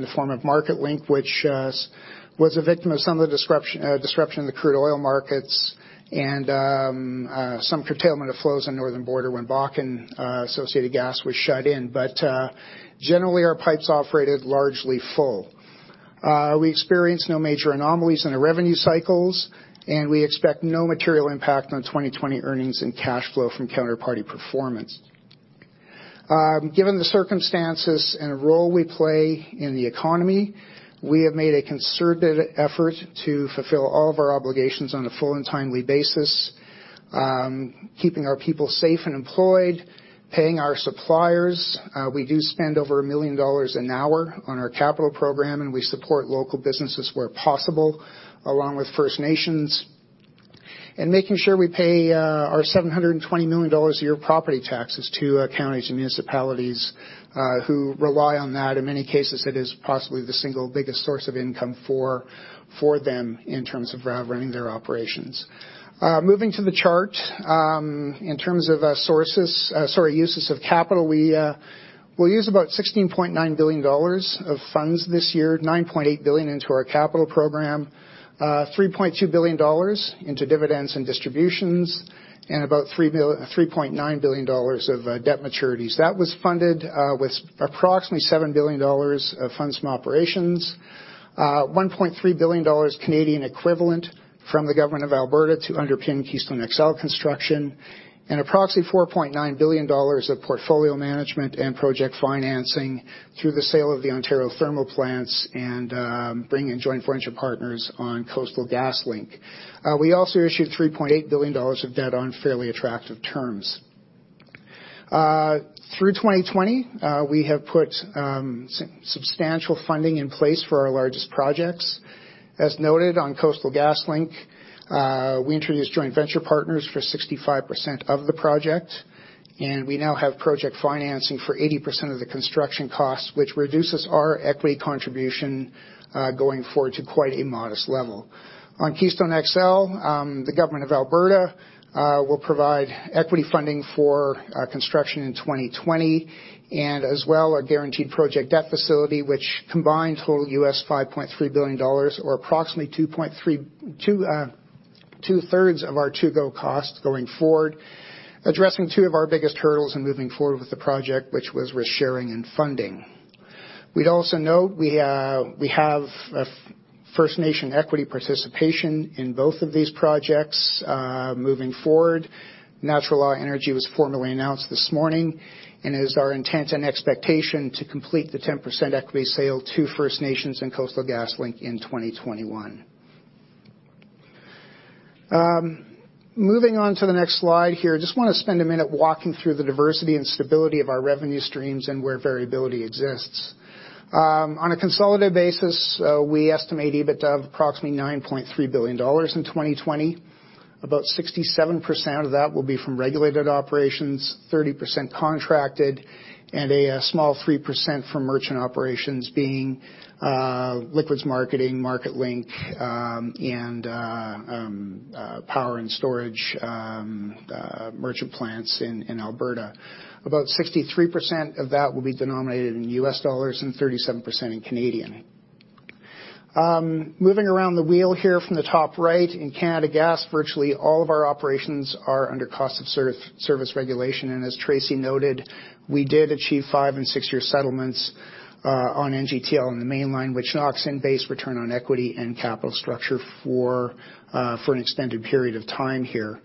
the form of Marketlink, which was a victim of some of the disruption in the crude oil markets and some curtailment of flows on Northern Border when Bakken associated gas was shut in. Generally, our pipes operated largely full. We experienced no major anomalies in our revenue cycles, and we expect no material impact on 2020 earnings and cash flow from counterparty performance. Given the circumstances and the role we play in the economy, we have made a concerted effort to fulfill all of our obligations on a full and timely basis, keeping our people safe and employed, paying our suppliers. We do spend over 1 million dollars an hour on our capital program, and we support local businesses where possible, along with First Nations, and making sure we pay our 720 million dollars a year property taxes to counties and municipalities who rely on that. In many cases, it is possibly the single biggest source of income for them in terms of running their operations. Moving to the chart, in terms of uses of capital, we'll use about 16.9 billion dollars of funds this year, 9.8 billion into our capital program, 3.2 billion dollars into dividends and distributions, and about 3.9 billion dollars of debt maturities. That was funded with approximately 7 billion dollars of funds from operations, 1.3 billion Canadian dollars equivalent from the Government of Alberta to underpin Keystone XL construction, and approximately 4.9 billion dollars of portfolio management and project financing through the sale of the Ontario thermal plants and bringing joint venture partners on Coastal GasLink. We also issued 3.8 billion dollars of debt on fairly attractive terms. Through 2020, we have put substantial funding in place for our largest projects. As noted on Coastal GasLink, we introduced joint venture partners for 65% of the project, and we now have project financing for 80% of the construction cost, which reduces our equity contribution going forward to quite a modest level. Keystone XL, the Government of Alberta will provide equity funding for construction in 2020, as well, a guaranteed project debt facility, which combined, total $5.3 billion or approximately two-thirds of our to-go cost going forward, addressing two of our biggest hurdles in moving forward with the project, which was risk-sharing and funding. We'd also note we have First Nation equity participation in both of these projects moving forward. Natural Law Energy was formally announced this morning, it is our intent and expectation to complete the 10% equity sale to First Nations in Coastal GasLink in 2021. Moving on to the next slide here, just want to spend a minute walking through the diversity and stability of our revenue streams and where variability exists. A consolidated basis, we estimate EBITDA of approximately 9.3 billion dollars in 2020. About 67% of that will be from regulated operations, 30% contracted, and a small 3% from merchant operations, being liquids marketing, Marketlink, and power and storage merchant plants in Alberta. About 63% of that will be denominated in USD and 37% in CAD. Moving around the wheel here from the top right, in Canada Gas, virtually all of our operations are under cost of service regulation. As Tracy noted, we did achieve five and six-year settlements on NGTL and the Mainline, which locks in base return on equity and capital structure for an extended period of time here.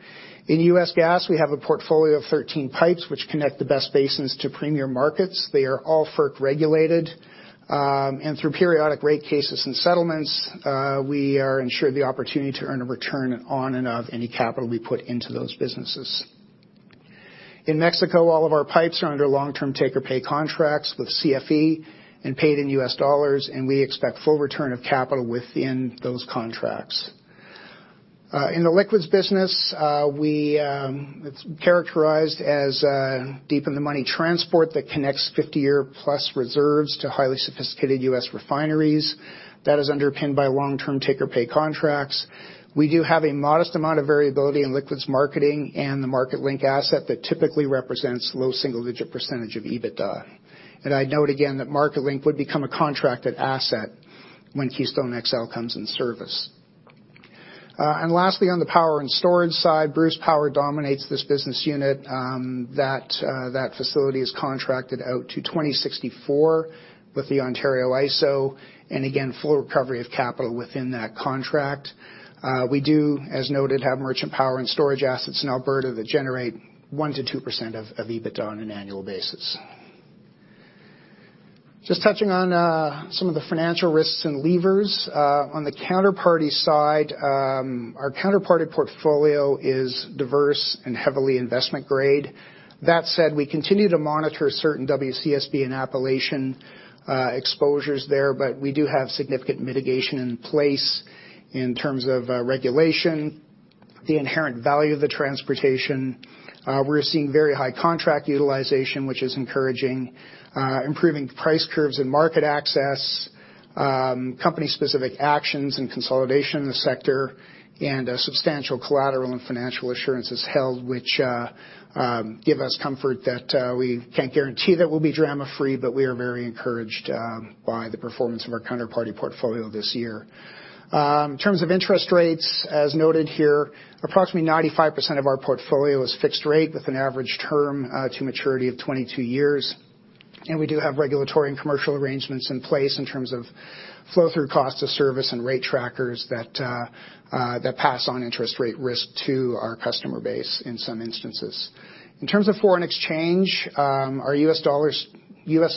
In U.S. Gas, we have a portfolio of 13 pipes which connect the best basins to premier markets. They are all FERC-regulated. Through periodic rate cases and settlements, we are ensured the opportunity to earn a return on and of any capital we put into those businesses. In Mexico, all of our pipes are under long-term take-or-pay contracts with CFE and paid in U.S. dollars, we expect full return of capital within those contracts. In the liquids business, it is characterized as deep in the money transport that connects 50-year-plus reserves to highly sophisticated U.S. refineries. That is underpinned by long-term take-or-pay contracts. We do have a modest amount of variability in liquids marketing and the Marketlink asset that typically represents low single-digit percentage of EBITDA. I would note again that Marketlink would become a contracted asset when Keystone XL comes in service. Lastly, on the power and storage side, Bruce Power dominates this business unit. That facility is contracted out to 2064 with the IESO. Again, full recovery of capital within that contract. We do, as noted, have merchant power and storage assets in Alberta that generate 1%-2% of EBITDA on an annual basis. Just touching on some of the financial risks and levers. On the counterparty side, our counterparty portfolio is diverse and heavily investment-grade. That said, we continue to monitor certain WCSB and Appalachian exposures there. We do have significant mitigation in place in terms of regulation, the inherent value of the transportation. We're seeing very high contract utilization, which is encouraging, improving price curves and market access, company-specific actions and consolidation in the sector, and substantial collateral and financial assurances held, which give us comfort that we can't guarantee that we'll be drama-free. We are very encouraged by the performance of our counterparty portfolio this year. In terms of interest rates, as noted here, approximately 95% of our portfolio is fixed rate with an average term to maturity of 22 years. We do have regulatory and commercial arrangements in place in terms of flow-through cost of service and rate trackers that pass on interest rate risk to our customer base in some instances. In terms of foreign exchange, our US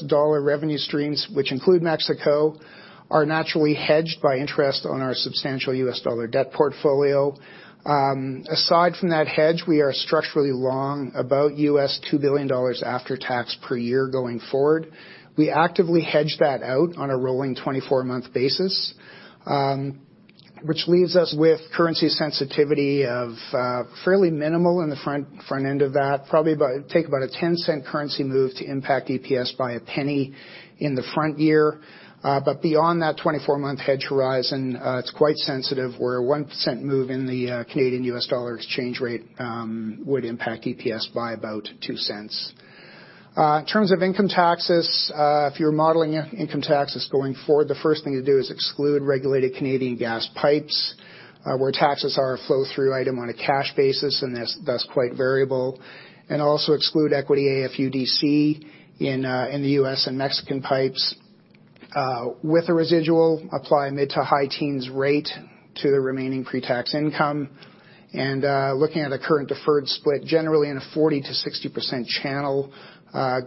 dollar revenue streams, which include Mexico, are naturally hedged by interest on our substantial US dollar debt portfolio. Aside from that hedge, we are structurally long, about $2 billion after tax per year going forward. We actively hedge that out on a rolling 24-month basis, which leaves us with currency sensitivity of fairly minimal in the front end of that. Probably take about a $0.10 currency move to impact EPS by $0.01 in the front year. Beyond that 24-month hedge horizon, it's quite sensitive, where a 0.01 move in the Canadian U.S. dollar exchange rate would impact EPS by about 0.02. In terms of income taxes, if you're modeling income taxes going forward, the first thing to do is exclude regulated Canadian gas pipes, where taxes are a flow-through item on a cash basis, and thus quite variable, and also exclude equity AFUDC in the U.S. and Mexican pipes. With a residual, apply mid to high teens rate to the remaining pre-tax income, and looking at a current deferred split, generally in a 40%-60% channel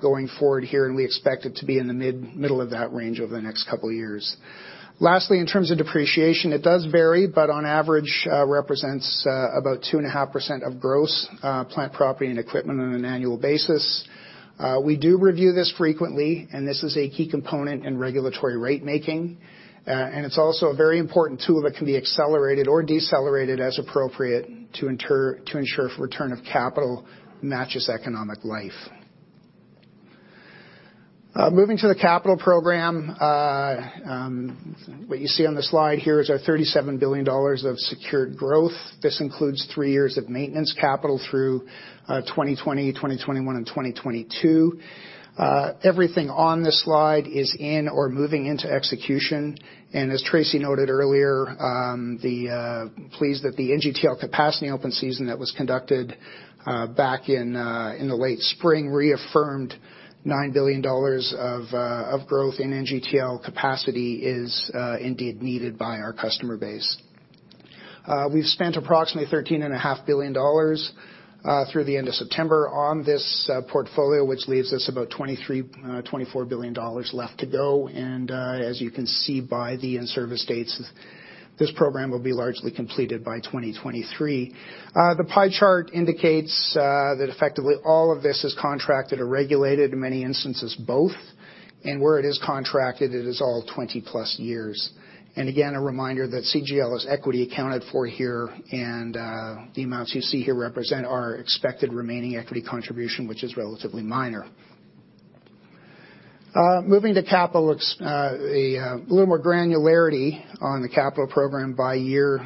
going forward here, and we expect it to be in the middle of that range over the next couple of years. Lastly, in terms of depreciation, it does vary, but on average, represents about 2.5% of gross plant property and equipment on an annual basis. We do review this frequently. This is a key component in regulatory rate making. It's also a very important tool that can be accelerated or decelerated as appropriate to ensure return of capital matches economic life. Moving to the capital program. What you see on the slide here is our 37 billion dollars of secured growth. This includes three years of maintenance capital through 2020, 2021, and 2022. Everything on this slide is in or moving into execution. As Tracy noted earlier, pleased that the NGTL capacity open season that was conducted back in the late spring reaffirmed 9 billion dollars of growth in NGTL capacity is indeed needed by our customer base. We've spent approximately 13.5 billion dollars through the end of September on this portfolio, which leaves us about 23 billion, 24 billion dollars left to go, and as you can see by the in-service dates, this program will be largely completed by 2023. The pie chart indicates that effectively all of this is contracted or regulated, in many instances both. Where it is contracted, it is all 20-plus years. Again, a reminder that CGL is equity accounted for here, and the amounts you see here represent our expected remaining equity contribution, which is relatively minor. Moving to a little more granularity on the capital program by year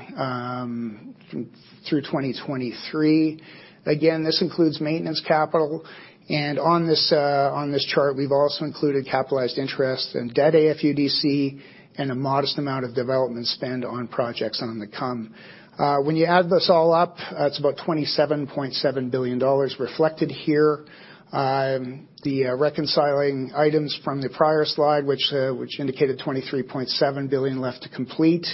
through 2023. Again, this includes maintenance capital. On this chart, we've also included capitalized interest and debt AFUDC and a modest amount of development spend on projects on the come. When you add this all up, it's about 27.7 billion dollars reflected here. The reconciling items from the prior slide, which indicated $23.7 billion left to complete,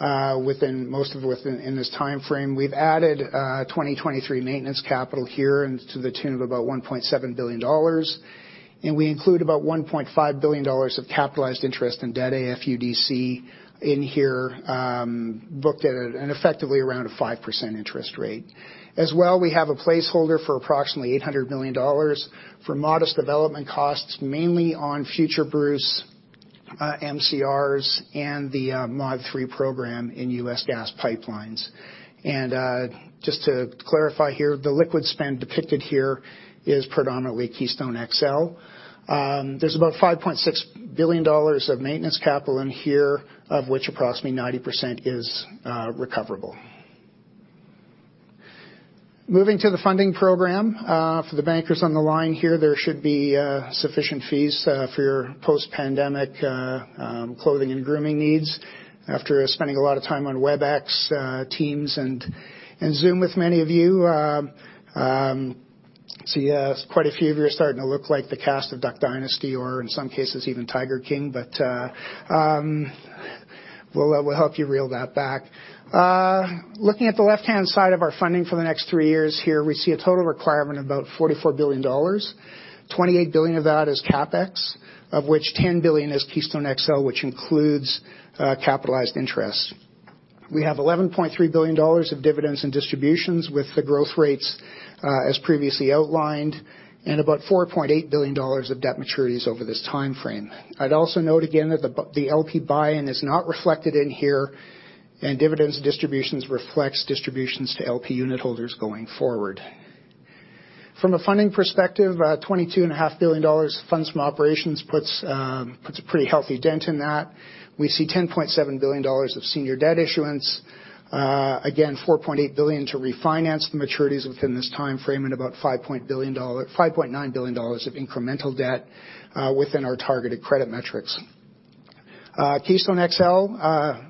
most of within this timeframe. We've added 2023 maintenance capital here to the tune of about $1.7 billion. We include about $1.5 billion of capitalized interest and debt AFUDC in here, booked at effectively around a 5% interest rate. As well, we have a placeholder for approximately $800 million for modest development costs, mainly on future Bruce MCRs and the Mod III program in U.S. Gas Pipelines. Just to clarify here, the liquids spend depicted here is predominantly Keystone XL. There's about $5.6 billion of maintenance capital in here, of which approximately 90% is recoverable. Moving to the funding program. For the bankers on the line here, there should be sufficient fees for your post-pandemic clothing and grooming needs, after spending a lot of time on Webex, Teams, and Zoom with many of you. See quite a few of you are starting to look like the cast of "Duck Dynasty" or in some cases even "Tiger King," but we'll help you reel that back. Looking at the left-hand side of our funding for the next three years here, we see a total requirement of about 44 billion dollars. 28 billion of that is CapEx, of which 10 billion is Keystone XL, which includes capitalized interest. We have 11.3 billion dollars of dividends and distributions with the growth rates as previously outlined, and about 4.8 billion dollars of debt maturities over this timeframe. I'd also note again that the LP buy-in is not reflected in here, and dividends distributions reflects distributions to LP unit holders going forward. From a funding perspective, 22.5 billion dollars funds from operations puts a pretty healthy dent in that. We see 10.7 billion dollars of senior debt issuance. Again, 4.8 billion to refinance the maturities within this timeframe, and about 5.9 billion dollars of incremental debt within our targeted credit metrics. Keystone XL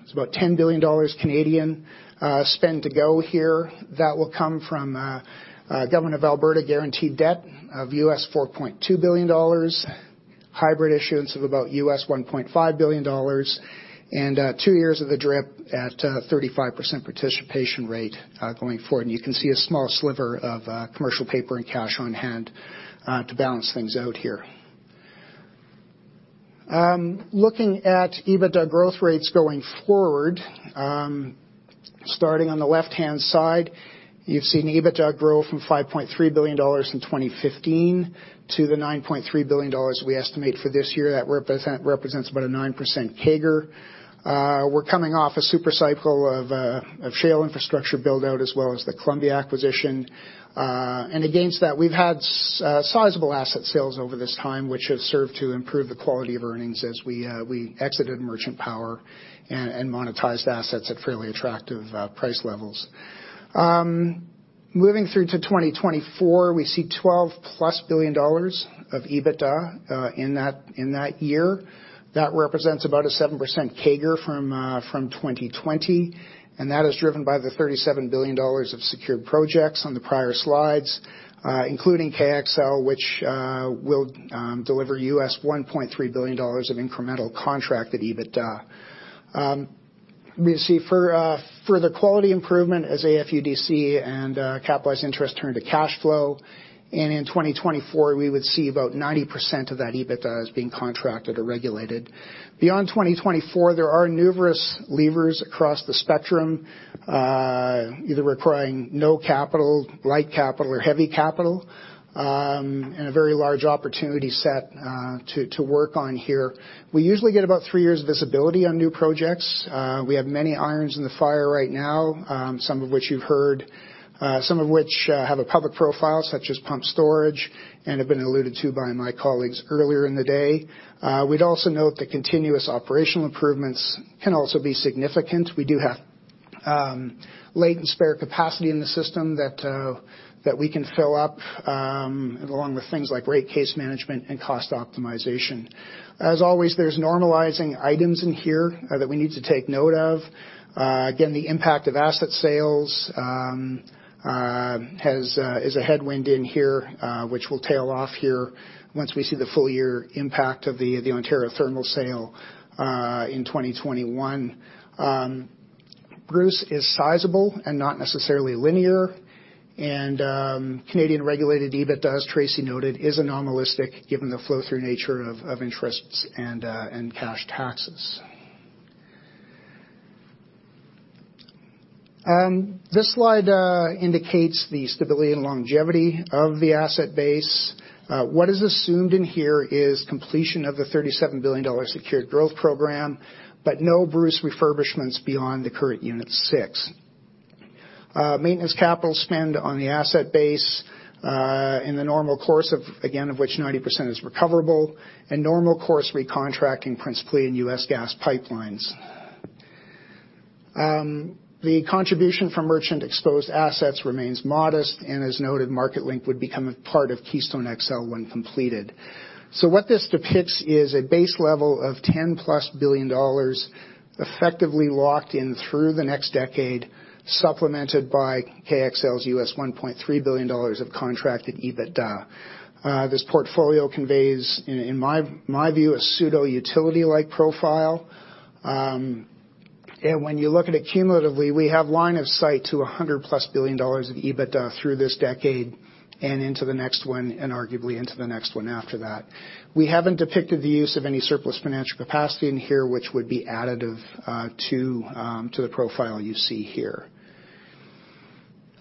is about 10 billion Canadian dollars Canadian spend to go here. That will come from Government of Alberta guaranteed debt of $4.2 billion, hybrid issuance of about $1.5 billion, and two years of the DRIP at 35% participation rate going forward. You can see a small sliver of commercial paper and cash on hand to balance things out here. Looking at EBITDA growth rates going forward, starting on the left-hand side, you've seen EBITDA grow from 5.3 billion dollars in 2015 to the 9.3 billion dollars we estimate for this year. That represents about a 9% CAGR. We're coming off a super cycle of shale infrastructure build-out as well as the Columbia acquisition. Against that, we've had sizable asset sales over this time, which has served to improve the quality of earnings as we exited merchant power and monetized assets at fairly attractive price levels. Moving through to 2024, we see 12-plus billion dollars of EBITDA in that year. That represents about a 7% CAGR from 2020, that is driven by the 37 billion dollars of secured projects on the prior slides, including KXL, which will deliver US$1.3 billion of incremental contracted EBITDA. We see further quality improvement as AFUDC and capitalized interest turn to cash flow. In 2024, we would see about 90% of that EBITDA as being contracted or regulated. Beyond 2024, there are numerous levers across the spectrum, either requiring no capital, light capital, or heavy capital, and a very large opportunity set to work on here. We usually get about three years visibility on new projects. We have many irons in the fire right now, some of which you've heard, some of which have a public profile, such as pumped storage, and have been alluded to by my colleagues earlier in the day. We would also note that continuous operational improvements can also be significant. We do have latent spare capacity in the system that we can fill up, along with things like rate case management and cost optimization. As always, there is normalizing items in here that we need to take note of. Again, the impact of asset sales is a headwind in here, which will tail off here once we see the full-year impact of the Ontario thermal sale in 2021. Bruce is sizable and not necessarily linear, and Canadian-regulated EBITDA, as Tracy noted, is anomalistic given the flow-through nature of interest and cash taxes. This slide indicates the stability and longevity of the asset base. What is assumed in here is completion of the 37 billion dollar secured growth program, but no Bruce refurbishments beyond the current Unit 6. Maintenance capital spend on the asset base in the normal course, again, of which 90% is recoverable, and normal course recontracting principally in U.S. Gas Pipelines. The contribution from merchant-exposed assets remains modest. As noted, Marketlink would become a part of Keystone XL when completed. What this depicts is a base level of 10-plus billion dollars effectively locked in through the next decade, supplemented by KXL's $1.3 billion of contracted EBITDA. This portfolio conveys, in my view, a pseudo-utility-like profile. When you look at it cumulatively, we have line of sight to 100-plus billion dollars of EBITDA through this decade and into the next one, and arguably into the next one after that. We haven't depicted the use of any surplus financial capacity in here, which would be additive to the profile you see here.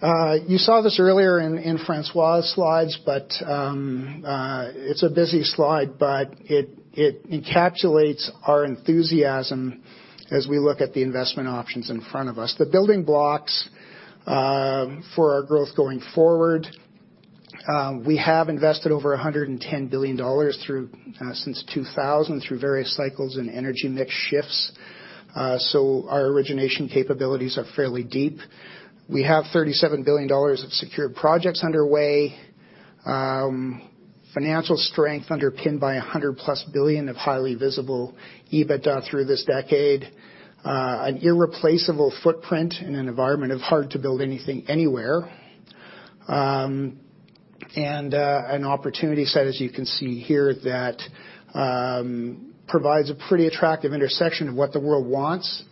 You saw this earlier in François' slides, but it's a busy slide, but it encapsulates our enthusiasm as we look at the investment options in front of us. The building blocks for our growth going forward. We have invested over 110 billion dollars since 2000 through various cycles and energy mix shifts. Our origination capabilities are fairly deep. We have 37 billion dollars of secured projects underway. Financial strength underpinned by 100-plus billion of highly visible EBITDA through this decade. An irreplaceable footprint in an environment of hard to build anything anywhere. An opportunity set, as you can see here, that provides a pretty attractive intersection of what the world wants,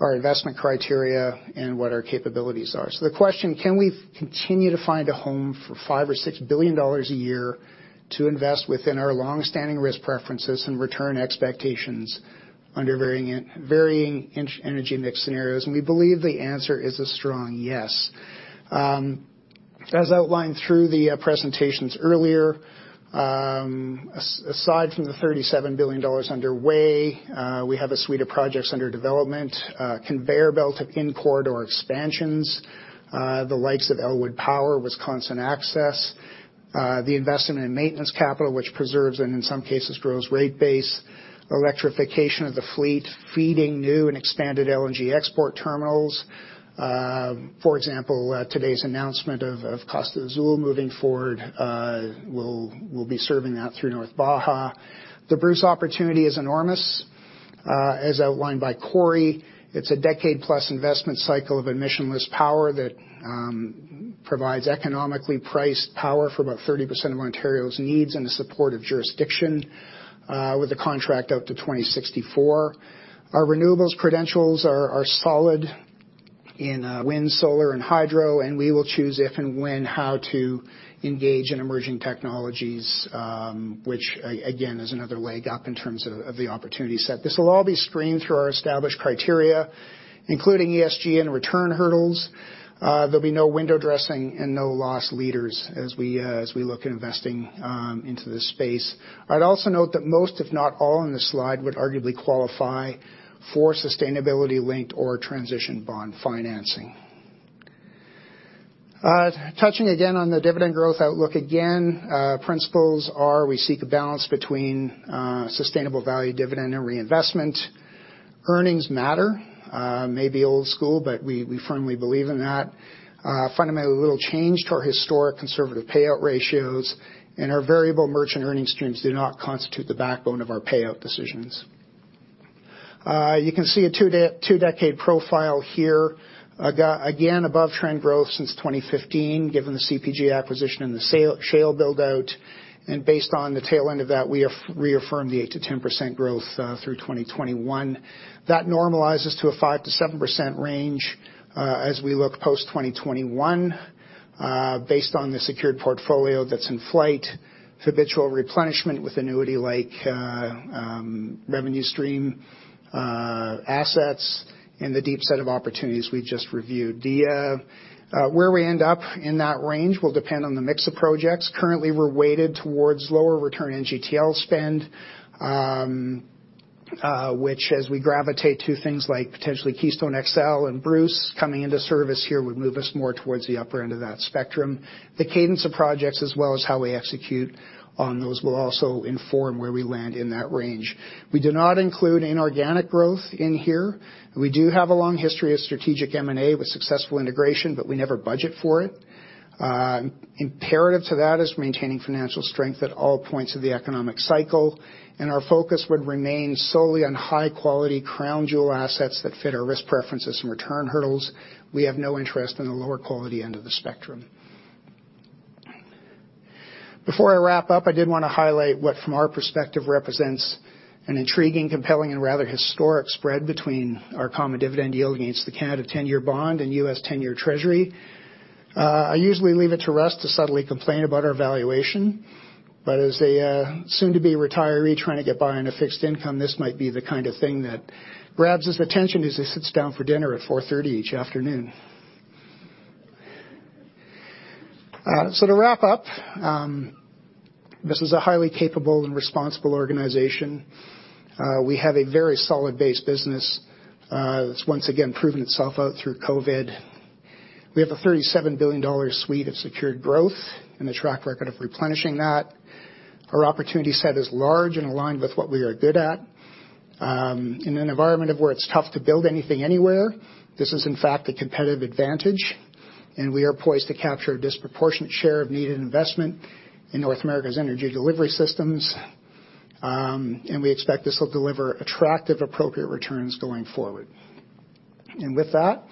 our investment criteria, and what our capabilities are. The question, can we continue to find a home for 5 billion or 6 billion dollars a year to invest within our longstanding risk preferences and return expectations under varying energy mix scenarios? We believe the answer is a strong yes. As outlined through the presentations earlier, aside from the 37 billion dollars underway, we have a suite of projects under development, a conveyor belt of in-corridor expansions, the likes of Elwood Power, Wisconsin Access, the investment in maintenance capital, which preserves and in some cases grows rate base, electrification of the fleet, feeding new and expanded LNG export terminals. For example, today's announcement of Costa Azul moving forward, we'll be serving that through North Baja. The Bruce Power opportunity is enormous. As outlined by Corey, it's a decade-plus investment cycle of emissionless power that provides economically priced power for about 30% of Ontario's needs and the support of jurisdiction, with the contract out to 2064. We will choose if and when how to engage in emerging technologies, which again, is another leg up in terms of the opportunity set. This will all be screened through our established criteria, including ESG and return hurdles. There'll be no window dressing and no loss leaders as we look at investing into this space. I'd also note that most, if not all, on this slide would arguably qualify for sustainability-linked or transition bond financing. Touching again on the dividend growth outlook, again, principles are we seek a balance between sustainable value dividend and reinvestment. Earnings matter. May be old school, but we firmly believe in that. Fundamentally, little change to our historic conservative payout ratios, and our variable merchant earning streams do not constitute the backbone of our payout decisions. You can see a two-decade profile here. Again, above-trend growth since 2015, given the CPG acquisition and the shale build-out. Based on the tail end of that, we reaffirmed the 8%-10% growth through 2021. That normalizes to a 5%-7% range as we look post-2021 based on the secured portfolio that's in flight, habitual replenishment with annuity-like revenue stream assets, and the deep set of opportunities we've just reviewed. Where we end up in that range will depend on the mix of projects. Currently, we're weighted towards lower return NGTL spend, which as we gravitate to things like potentially Keystone XL and Bruce coming into service here would move us more towards the upper end of that spectrum. The cadence of projects as well as how we execute on those will also inform where we land in that range. We do not include inorganic growth in here. We do have a long history of strategic M&A with successful integration, but we never budget for it. Imperative to that is maintaining financial strength at all points of the economic cycle, and our focus would remain solely on high-quality crown jewel assets that fit our risk preferences and return hurdles. We have no interest in the lower quality end of the spectrum. Before I wrap up, I did want to highlight what from our perspective represents an intriguing, compelling, and rather historic spread between our common dividend yield against the Canada 10-year bond and U.S. 10-year Treasury. I usually leave it to Russ to subtly complain about our valuation, but as a soon-to-be retiree trying to get by on a fixed income, this might be the kind of thing that grabs his attention as he sits down for dinner at 4:30 P.M. each afternoon. To wrap up, this is a highly capable and responsible organization. We have a very solid base business that's once again proven itself out through COVID. We have a 37 billion dollar suite of secured growth and a track record of replenishing that. Our opportunity set is large and aligned with what we are good at. In an environment of where it's tough to build anything anywhere, this is in fact a competitive advantage. We are poised to capture a disproportionate share of needed investment in North America's energy delivery systems. We expect this will deliver attractive, appropriate returns going forward. With that,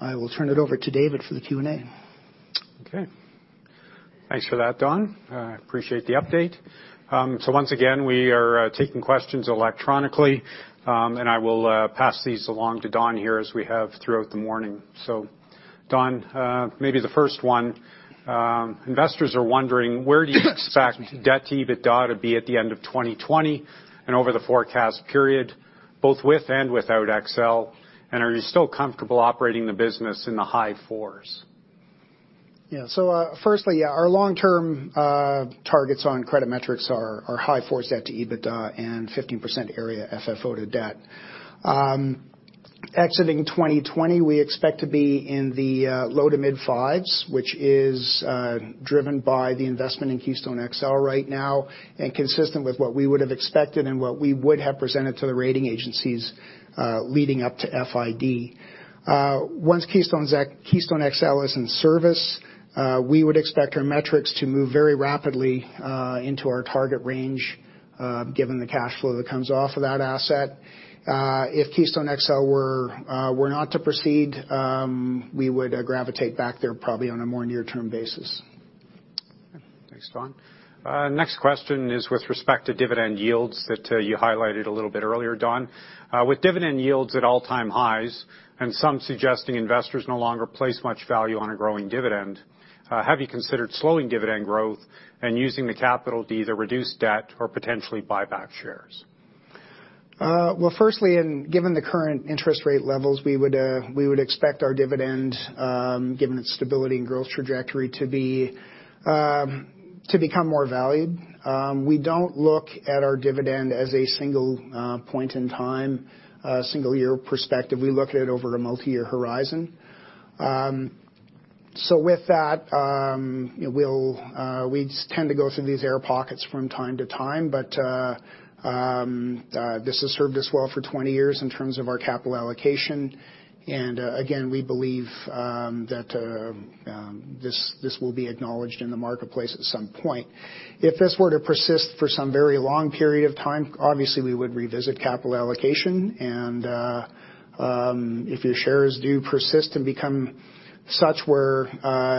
I will turn it over to David for the Q&A. Okay. Thanks for that, Don. I appreciate the update. Once again, we are taking questions electronically, and I will pass these along to Don here as we have throughout the morning. Don, maybe the first one. Investors are wondering, where do you expect debt-to-EBITDA to be at the end of 2020 and over the forecast period, both with and without XL? Are you still comfortable operating the business in the high fours? Firstly, our long-term targets on credit metrics are high 4s debt-to-EBITDA and 15% area FFO to debt. Exiting 2020, we expect to be in the low to mid-fives, which is driven by the investment in Keystone XL right now, and consistent with what we would have expected and what we would have presented to the rating agencies leading up to FID. Once Keystone XL is in service, we would expect our metrics to move very rapidly into our target range given the cash flow that comes off of that asset. If Keystone XL were not to proceed, we would gravitate back there probably on a more near-term basis. Okay. Thanks, Don. Next question is with respect to dividend yields that you highlighted a bit earlier, Don. With dividend yields at all-time highs and some suggesting investors no longer place much value on a growing dividend, have you considered slowing dividend growth and using the capital to either reduce debt or potentially buy back shares? Well, firstly, given the current interest rate levels, we would expect our dividend, given its stability and growth trajectory, to become more valued. We don't look at our dividend as a single point in time, a single-year perspective. We look at it over a multi-year horizon. With that, we tend to go through these air pockets from time to time, but this has served us well for 20 years in terms of our capital allocation, and again, we believe that this will be acknowledged in the marketplace at some point. If this were to persist for some very long period of time, obviously we would revisit capital allocation, and if your shares do persist and become such where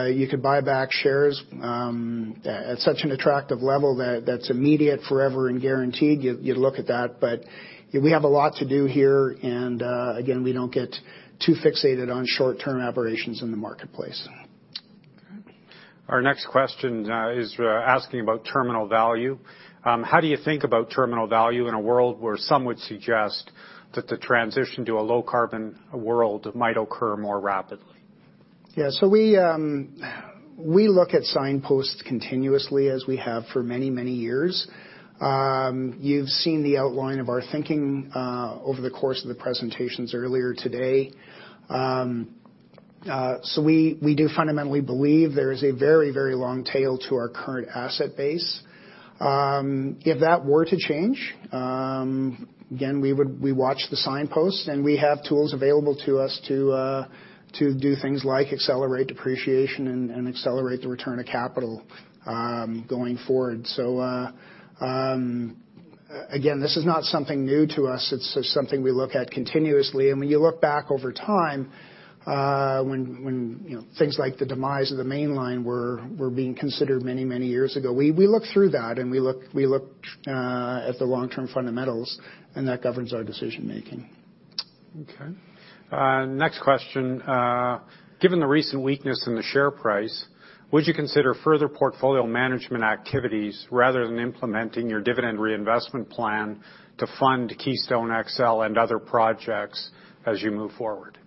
you could buy back shares at such an attractive level that's immediate, forever, and guaranteed, you'd look at that. We have a lot to do here, and again, we don't get too fixated on short-term aberrations in the marketplace. Our next question is asking about terminal value. How do you think about terminal value in a world where some would suggest that the transition to a low-carbon world might occur more rapidly? Yeah. We look at signposts continuously, as we have for many years. You've seen the outline of our thinking over the course of the presentations earlier today. We do fundamentally believe there is a very long tail to our current asset base. If that were to change, again, we watch the signposts, and we have tools available to us to do things like accelerate depreciation and accelerate the return of capital going forward. Again, this is not something new to us. It's just something we look at continuously. When you look back over time, when things like the demise of the Canadian Mainline were being considered many years ago, we looked through that, and we looked at the long-term fundamentals, and that governs our decision-making. Okay. Next question: given the recent weakness in the share price, would you consider further portfolio management activities rather than implementing your dividend reinvestment plan to fund Keystone XL and other projects as you move forward?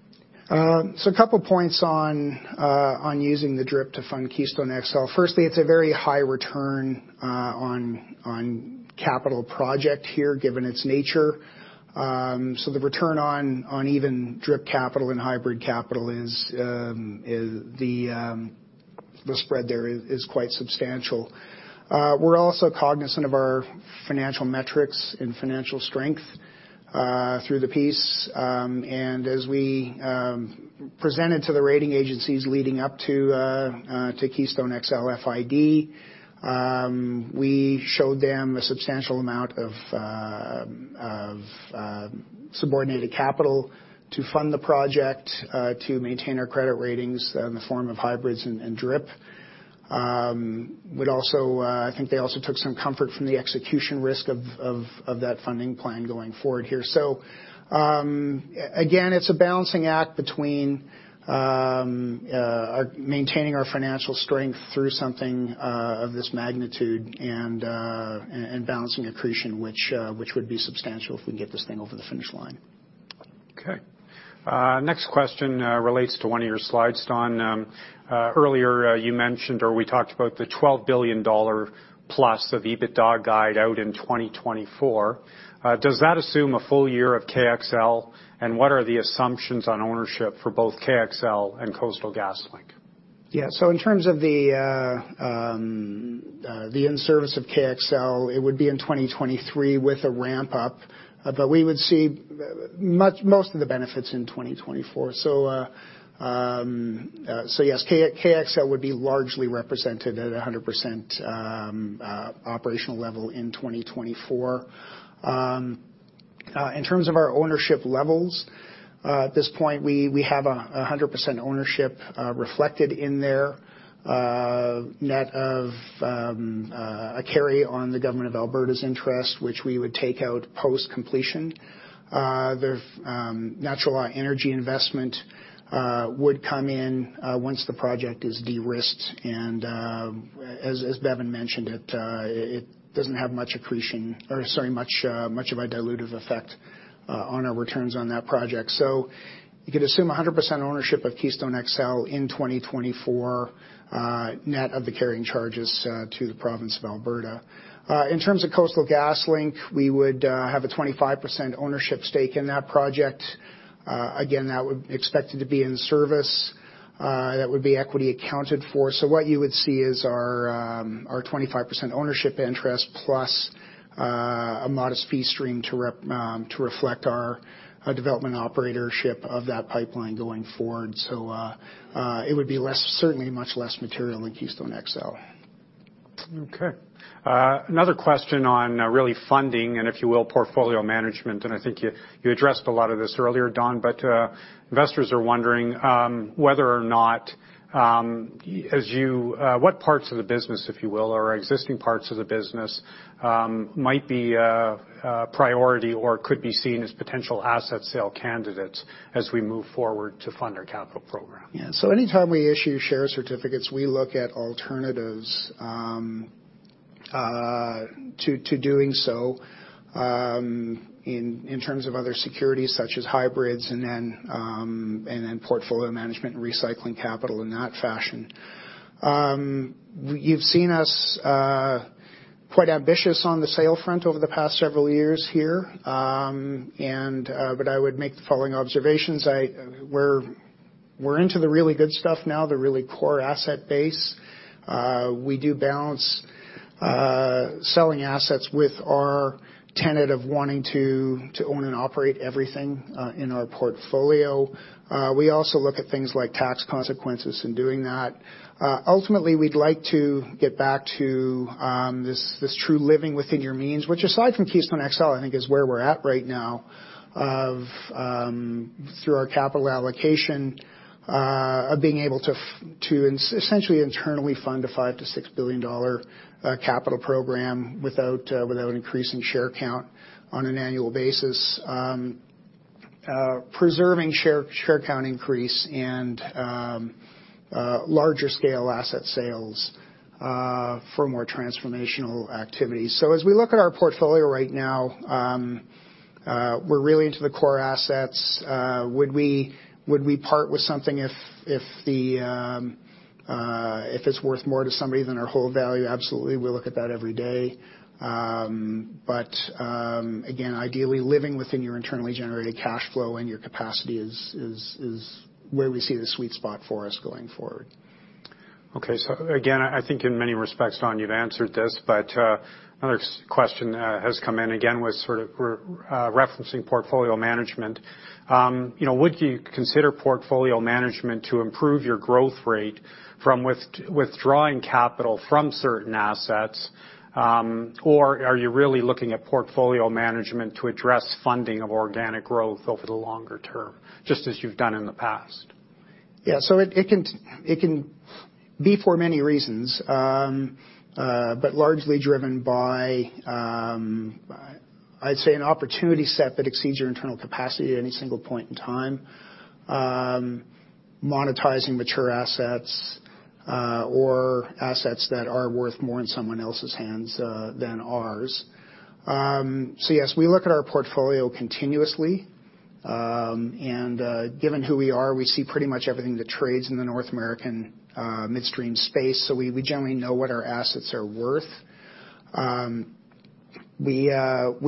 A couple points on using the DRIP to fund Keystone XL. Firstly, it's a very high return on capital project here, given its nature. The return on even DRIP capital and hybrid capital, the spread there is quite substantial. We're also cognizant of our financial metrics and financial strength through the piece, and as we presented to the rating agencies leading up to Keystone XL FID, we showed them a substantial amount of subordinated capital to fund the project, to maintain our credit ratings in the form of hybrids and DRIP. I think they also took some comfort from the execution risk of that funding plan going forward here. Again, it's a balancing act between maintaining our financial strength through something of this magnitude and balancing accretion, which would be substantial if we can get this thing over the finish line. Okay. Next question relates to one of your slides, Don. Earlier you mentioned, or we talked about the 12 billion dollar-plus of EBITDA guide out in 2024. Does that assume a full year of KXL, and what are the assumptions on ownership for both KXL and Coastal GasLink? Yeah. In terms of the in-service of KXL, it would be in 2023 with a ramp-up, but we would see most of the benefits in 2024. Yes, KXL would be largely represented at 100% operational level in 2024. In terms of our ownership levels, at this point, we have 100% ownership reflected in there, net of a carry on the Government of Alberta's interest, which we would take out post-completion. Natural Law Energy would come in once the project is de-risked, and as Bevin mentioned, it doesn't have much of a dilutive effect on our returns on that project. You could assume 100% ownership of Keystone XL in 2024, net of the carrying charges to the province of Alberta. In terms of Coastal GasLink, we would have a 25% ownership stake in that project. Again, that would be expected to be in service. That would be equity accounted for. What you would see is our 25% ownership interest plus a modest fee stream to reflect our development operatorship of that pipeline going forward. It would be certainly much less material than Keystone XL. Okay. Another question on really funding and, if you will, portfolio management. I think you addressed a lot of this earlier, Don. Investors are wondering whether or not, what parts of the business, if you will, or existing parts of the business might be a priority or could be seen as potential asset sale candidates as we move forward to fund our capital program. Anytime we issue share certificates, we look at alternatives to doing so in terms of other securities such as hybrids and then portfolio management and recycling capital in that fashion. You've seen us quite ambitious on the sale front over the past several years here. I would make the following observations. We're into the really good stuff now, the really core asset base. We do balance selling assets with our tenet of wanting to own and operate everything in our portfolio. We also look at things like tax consequences in doing that. Ultimately, we'd like to get back to this true living within your means, which aside from Keystone XL, I think is where we're at right now, of through our capital allocation, of being able to essentially internally fund a 5 billion-6 billion dollar capital program without increasing share count on an annual basis. Preserving share count increase and larger scale asset sales for more transformational activity. As we look at our portfolio right now, we're really into the core assets. Would we part with something if it's worth more to somebody than our whole value? Absolutely. We look at that every day. Again, ideally living within your internally generated cash flow and your capacity is where we see the sweet spot for us going forward. Okay. Again, I think in many respects, Don, you've answered this, but another question has come in again with sort of, we're referencing portfolio management. Would you consider portfolio management to improve your growth rate from withdrawing capital from certain assets? Or are you really looking at portfolio management to address funding of organic growth over the longer term, just as you've done in the past? It can be for many reasons, but largely driven by, I'd say, an opportunity set that exceeds your internal capacity at any single point in time. Monetizing mature assets or assets that are worth more in someone else's hands than ours. Yes, we look at our portfolio continuously, and given who we are, we see pretty much everything that trades in the North American midstream space. We generally know what our assets are worth. We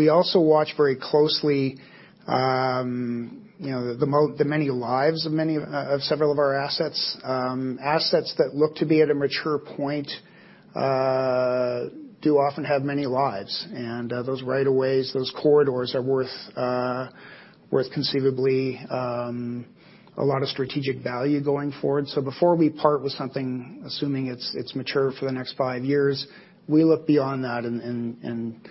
also watch very closely the many lives of several of our assets. Assets that look to be at a mature point do often have many lives. Those right of ways, those corridors, are worth conceivably a lot of strategic value going forward. Before we part with something, assuming it's mature for the next five years, we look beyond that and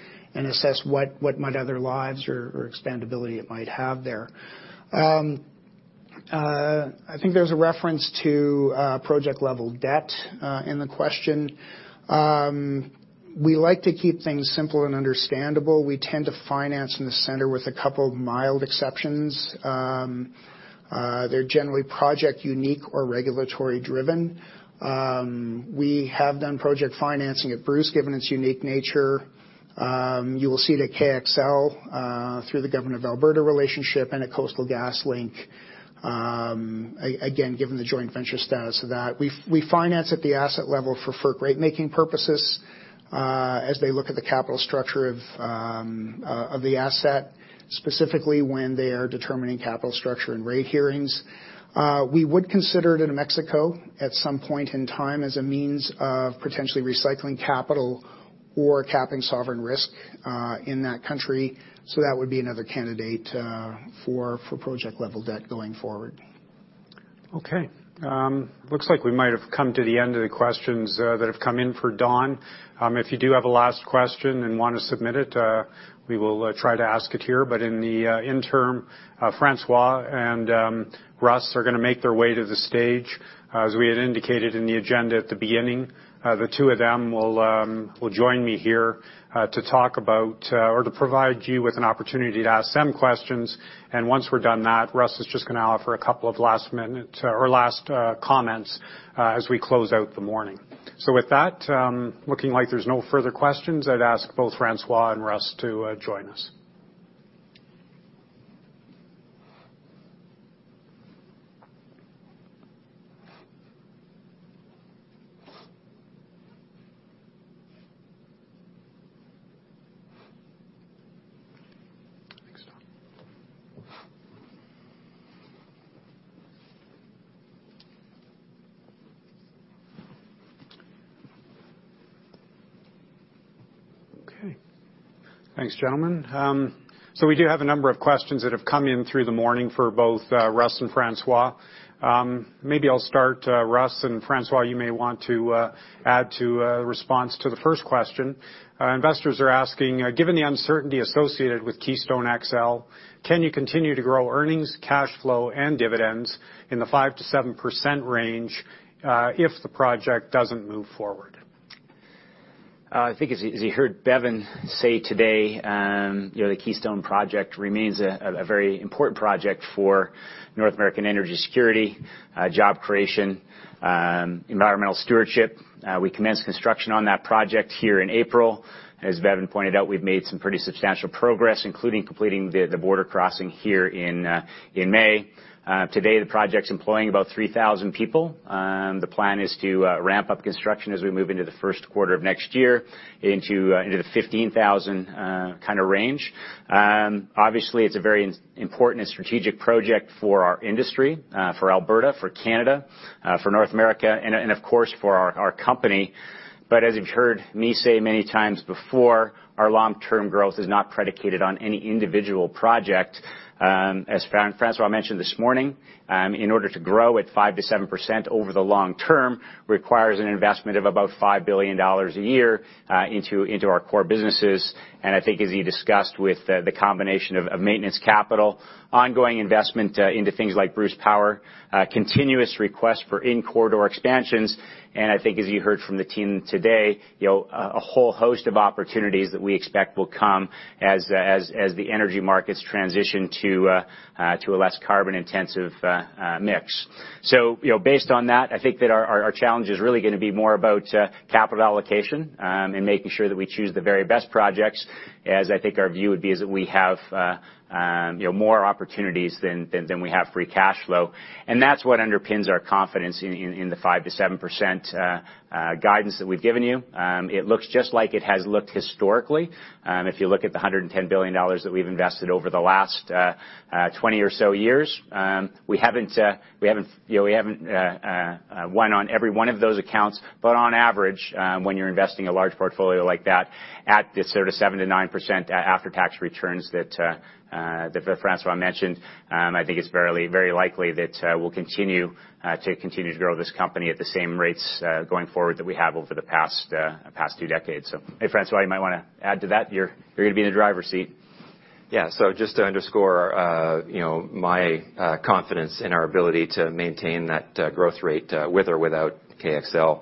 assess what might other lives or expandability it might have there. I think there's a reference to project-level debt in the question. We like to keep things simple and understandable. We tend to finance in the center with a couple of mild exceptions. They're generally project unique or regulatory driven. We have done project financing at Bruce, given its unique nature. You will see that KXL, through the Government of Alberta relationship and at Coastal GasLink, again, given the joint venture status of that. We finance at the asset level for rate-making purposes as they look at the capital structure of the asset, specifically when they are determining capital structure and rate hearings. We would consider it in Mexico at some point in time as a means of potentially recycling capital or capping sovereign risk in that country. That would be another candidate for project-level debt going forward. Okay. Looks like we might have come to the end of the questions that have come in for Don. If you do have a last question and want to submit it, we will try to ask it here. In the interim, François and Russ are going to make their way to the stage. As we had indicated in the agenda at the beginning, the two of them will join me here to talk about or to provide you with an opportunity to ask them questions. Once we're done that, Russ is just going to offer a couple of last-minute or last comments as we close out the morning. With that, looking like there's no further questions, I'd ask both François and Russ to join us. Okay. Thanks, gentlemen. We do have a number of questions that have come in through the morning for both Russ and François. Maybe I'll start, Russ, and François, you may want to add to a response to the first question. Investors are asking, given the uncertainty associated with Keystone XL, can you continue to grow earnings, cash flow, and dividends in the 5%-7% range, if the project doesn't move forward? I think as you heard Bevin say today, the Keystone project remains a very important project for North American energy security, job creation, environmental stewardship. We commenced construction on that project here in April. As Bevin pointed out, we've made some pretty substantial progress, including completing the border crossing here in May. Today, the project's employing about 3,000 people. The plan is to ramp up construction as we move into the first quarter of next year into the 15,000 kind of range. Obviously, it's a very important strategic project for our industry, for Alberta, for Canada, for North America, and of course, for our company. As you've heard me say many times before, our long-term growth is not predicated on any individual project. As François mentioned this morning, in order to grow at 5%-7% over the long term, requires an investment of about 5 billion dollars a year into our core businesses. I think as he discussed with the combination of maintenance capital, ongoing investment into things like Bruce Power, continuous request for in-corridor expansions, and I think as you heard from the team today, a whole host of opportunities that we expect will come as the energy markets transition to a less carbon-intensive mix. Based on that, I think that our challenge is really going to be more about capital allocation, and making sure that we choose the very best projects. As I think our view would be is that we have more opportunities than we have free cash flow. That's what underpins our confidence in the 5%-7% guidance that we've given you. It looks just like it has looked historically. If you look at the 110 billion dollars that we've invested over the last 20 or so years, we haven't won on every one of those accounts, but on average, when you're investing a large portfolio like that, at the sort of 7%-9% after-tax returns that François mentioned, I think it's very likely that we'll continue to grow this company at the same rates going forward that we have over the past two decades. Hey, François, you might want to add to that. You're going to be in the driver's seat. Yeah, just to underscore my confidence in our ability to maintain that growth rate, with or without KXL.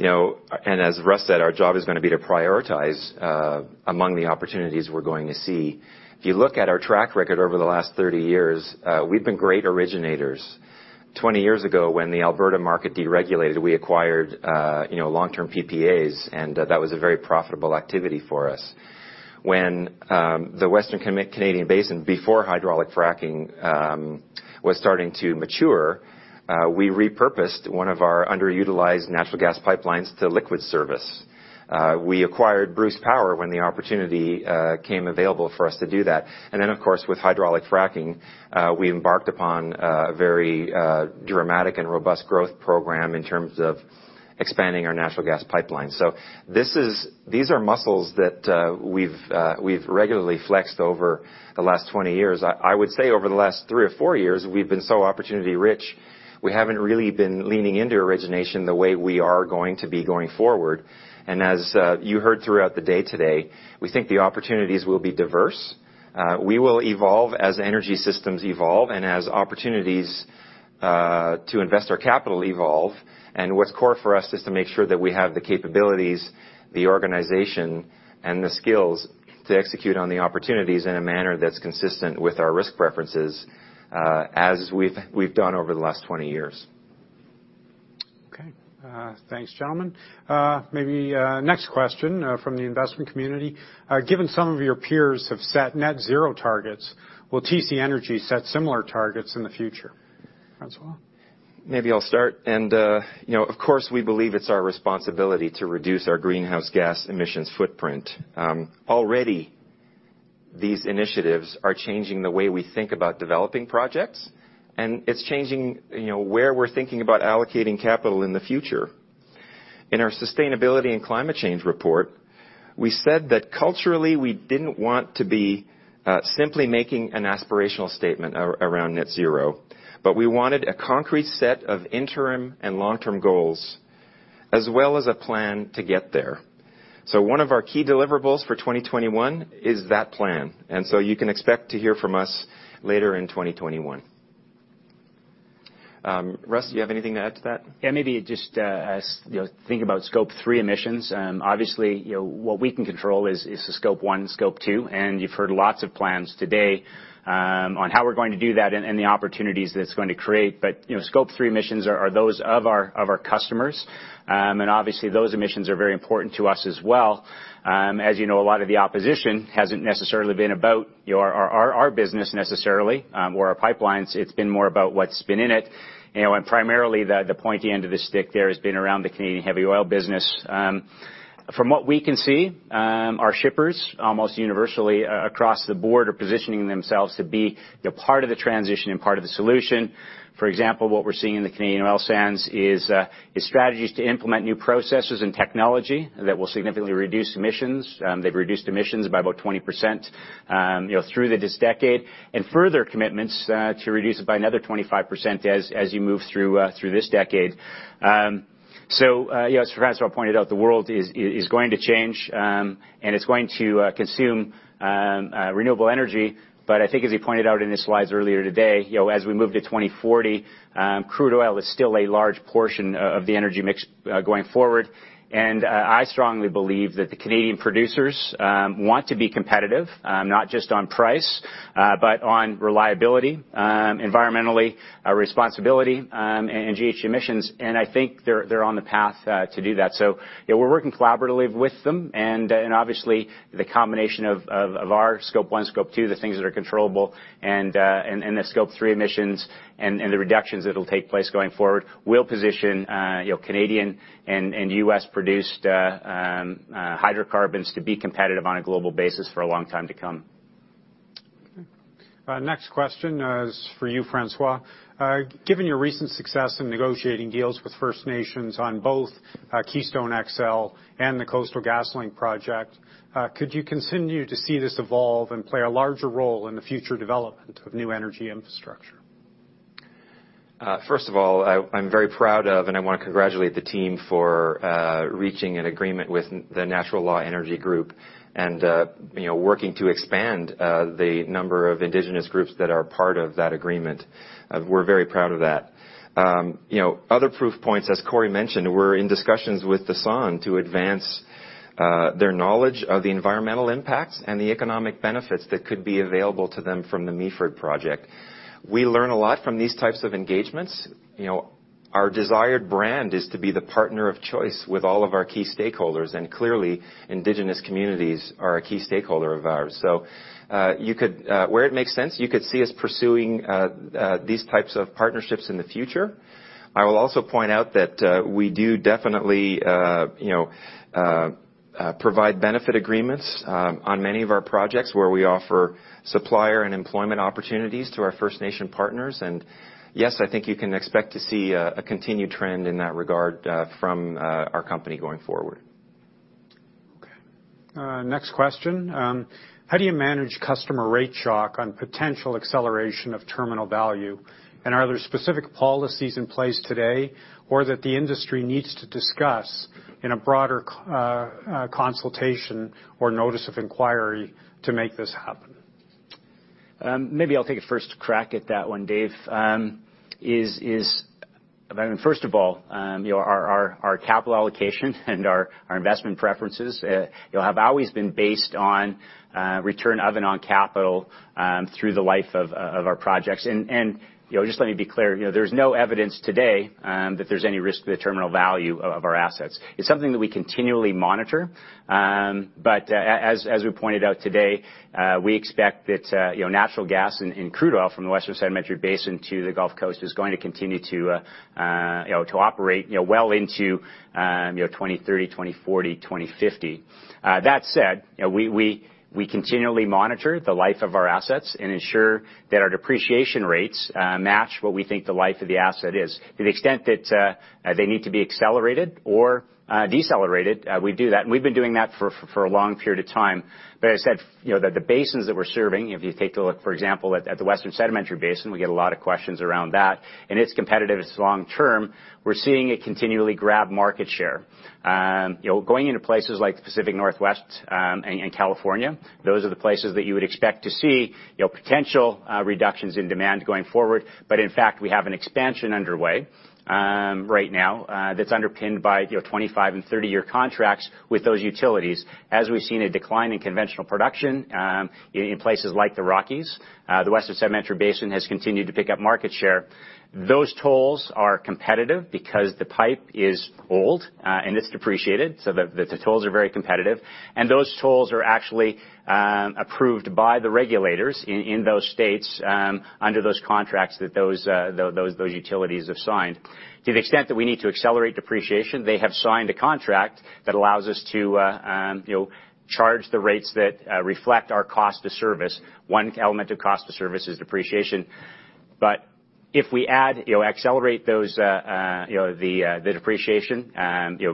As Russ said, our job is going to be to prioritize among the opportunities we're going to see. If you look at our track record over the last 30 years, we've been great originators. 20 years ago, when the Alberta market deregulated, we acquired long-term PPAs, that was a very profitable activity for us. When the Western Canadian Basin, before hydraulic fracking, was starting to mature, we repurposed one of our underutilized natural gas pipelines to liquids service. We acquired Bruce Power when the opportunity came available for us to do that. Then, of course, with hydraulic fracking, we embarked upon a very dramatic and robust growth program in terms of expanding our natural gas pipeline. These are muscles that we've regularly flexed over the last 20 years. I would say over the last three or four years, we've been so opportunity rich, we haven't really been leaning into origination the way we are going to be going forward. As you heard throughout the day today, we think the opportunities will be diverse. We will evolve as energy systems evolve and as opportunities to invest our capital evolve. What's core for us is to make sure that we have the capabilities, the organization, and the skills to execute on the opportunities in a manner that's consistent with our risk preferences, as we've done over the last 20 years. Okay. Thanks, gentlemen. Maybe next question from the investment community. Given some of your peers have set net zero targets, will TC Energy set similar targets in the future? François. Maybe I'll start. Of course, we believe it's our responsibility to reduce our greenhouse gas emissions footprint. Already, these initiatives are changing the way we think about developing projects, and it's changing where we're thinking about allocating capital in the future. In our sustainability and climate change report, we said that culturally, we didn't want to be simply making an aspirational statement around net zero, but we wanted a concrete set of interim and long-term goals, as well as a plan to get there. One of our key deliverables for 2021 is that plan, you can expect to hear from us later in 2021. Russ, do you have anything to add to that? Yeah, maybe just thinking about Scope 3 emissions. Obviously, what we can control is the Scope 1, Scope 2, You've heard lots of plans today on how we're going to do that and the opportunities that it's going to create. Scope 3 emissions are those of our customers. Obviously those emissions are very important to us as well. As you know, a lot of the opposition hasn't necessarily been about our business necessarily, or our pipelines. It's been more about what's been in it, and primarily the pointy end of the stick there has been around the Canadian heavy oil business. From what we can see, our shippers, almost universally across the board, are positioning themselves to be part of the transition and part of the solution. For example, what we're seeing in the Canadian oil sands is strategies to implement new processes and technology that will significantly reduce emissions. They've reduced emissions by about 20% through this decade, and further commitments to reduce it by another 25% as you move through this decade. As François pointed out, the world is going to change, and it's going to consume renewable energy. I think as he pointed out in his slides earlier today, as we move to 2040, crude oil is still a large portion of the energy mix going forward. I strongly believe that the Canadian producers want to be competitive, not just on price, but on reliability, environmentally, responsibility, and GHG emissions. I think they're on the path to do that. We're working collaboratively with them, and obviously the combination of our Scope 1, Scope 2, the things that are controllable and the Scope 3 emissions and the reductions that'll take place going forward will position Canadian and U.S.-produced hydrocarbons to be competitive on a global basis for a long time to come. Okay. Next question is for you, François. Given your recent success in negotiating deals with First Nations on both Keystone XL and the Coastal GasLink project, could you continue to see this evolve and play a larger role in the future development of new energy infrastructure? I'm very proud of and I want to congratulate the team for reaching an agreement with Natural Law Energy and working to expand the number of Indigenous groups that are part of that agreement. We're very proud of that. Other proof points, as Corey mentioned, we're in discussions with the Saugeen Ojibway Nation to advance their knowledge of the environmental impacts and the economic benefits that could be available to them from the Meaford project. We learn a lot from these types of engagements. Our desired brand is to be the partner of choice with all of our key stakeholders, clearly indigenous communities are a key stakeholder of ours. Where it makes sense, you could see us pursuing these types of partnerships in the future. I will also point out that we do definitely provide benefit agreements on many of our projects where we offer supplier and employment opportunities to our First Nation partners. Yes, I think you can expect to see a continued trend in that regard from our company going forward. Okay. Next question. How do you manage customer rate shock on potential acceleration of terminal value? Are there specific policies in place today or that the industry needs to discuss in a broader consultation or notice of inquiry to make this happen? Maybe I'll take a first crack at that one, Dave. First of all our capital allocation and our investment preferences have always been based on return of and on capital through the life of our projects. Just let me be clear, there's no evidence today that there's any risk to the terminal value of our assets. It's something that we continually monitor. As we pointed out today, we expect that natural gas and crude oil from the Western Sedimentary Basin to the Gulf Coast is going to continue to operate well into 2030, 2040, 2050. That said, we continually monitor the life of our assets and ensure that our depreciation rates match what we think the life of the asset is. To the extent that they need to be accelerated or decelerated, we do that, and we've been doing that for a long period of time. As I said, the basins that we're serving, if you take a look, for example, at the Western Sedimentary Basin, we get a lot of questions around that, and it's competitive, it's long-term. We're seeing it continually grab market share. Going into places like the Pacific Northwest and California, those are the places that you would expect to see potential reductions in demand going forward. In fact, we have an expansion underway right now that's underpinned by 25 and 30-year contracts with those utilities. As we've seen a decline in conventional production in places like the Rockies, the Western Sedimentary Basin has continued to pick up market share. Those tolls are competitive because the pipe is old, and it's depreciated, so the tolls are very competitive, and those tolls are actually approved by the regulators in those states under those contracts that those utilities have signed. To the extent that we need to accelerate depreciation, they have signed a contract that allows us to charge the rates that reflect our cost of service. One element of cost of service is depreciation. If we accelerate the depreciation,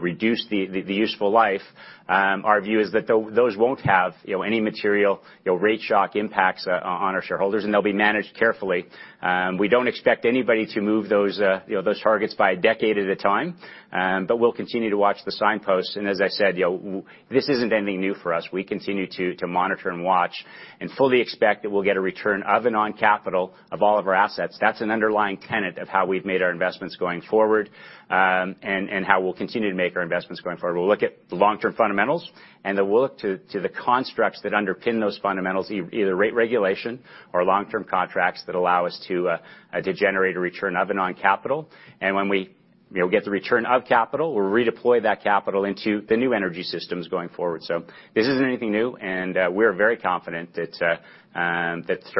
reduce the useful life, our view is that those won't have any material rate shock impacts on our shareholders, and they'll be managed carefully. We don't expect anybody to move those targets by a decade at a time, but we'll continue to watch the signposts. As I said, this isn't anything new for us. We continue to monitor and watch and fully expect that we'll get a return of and on capital of all of our assets. That's an underlying tenet of how we've made our investments going forward, and how we'll continue to make our investments going forward. We'll look at the long-term fundamentals. Then we'll look to the constructs that underpin those fundamentals, either rate regulation or long-term contracts that allow us to generate a return of and on capital. When we get the return of capital, we'll redeploy that capital into the new energy systems going forward. This isn't anything new, and we're very confident that the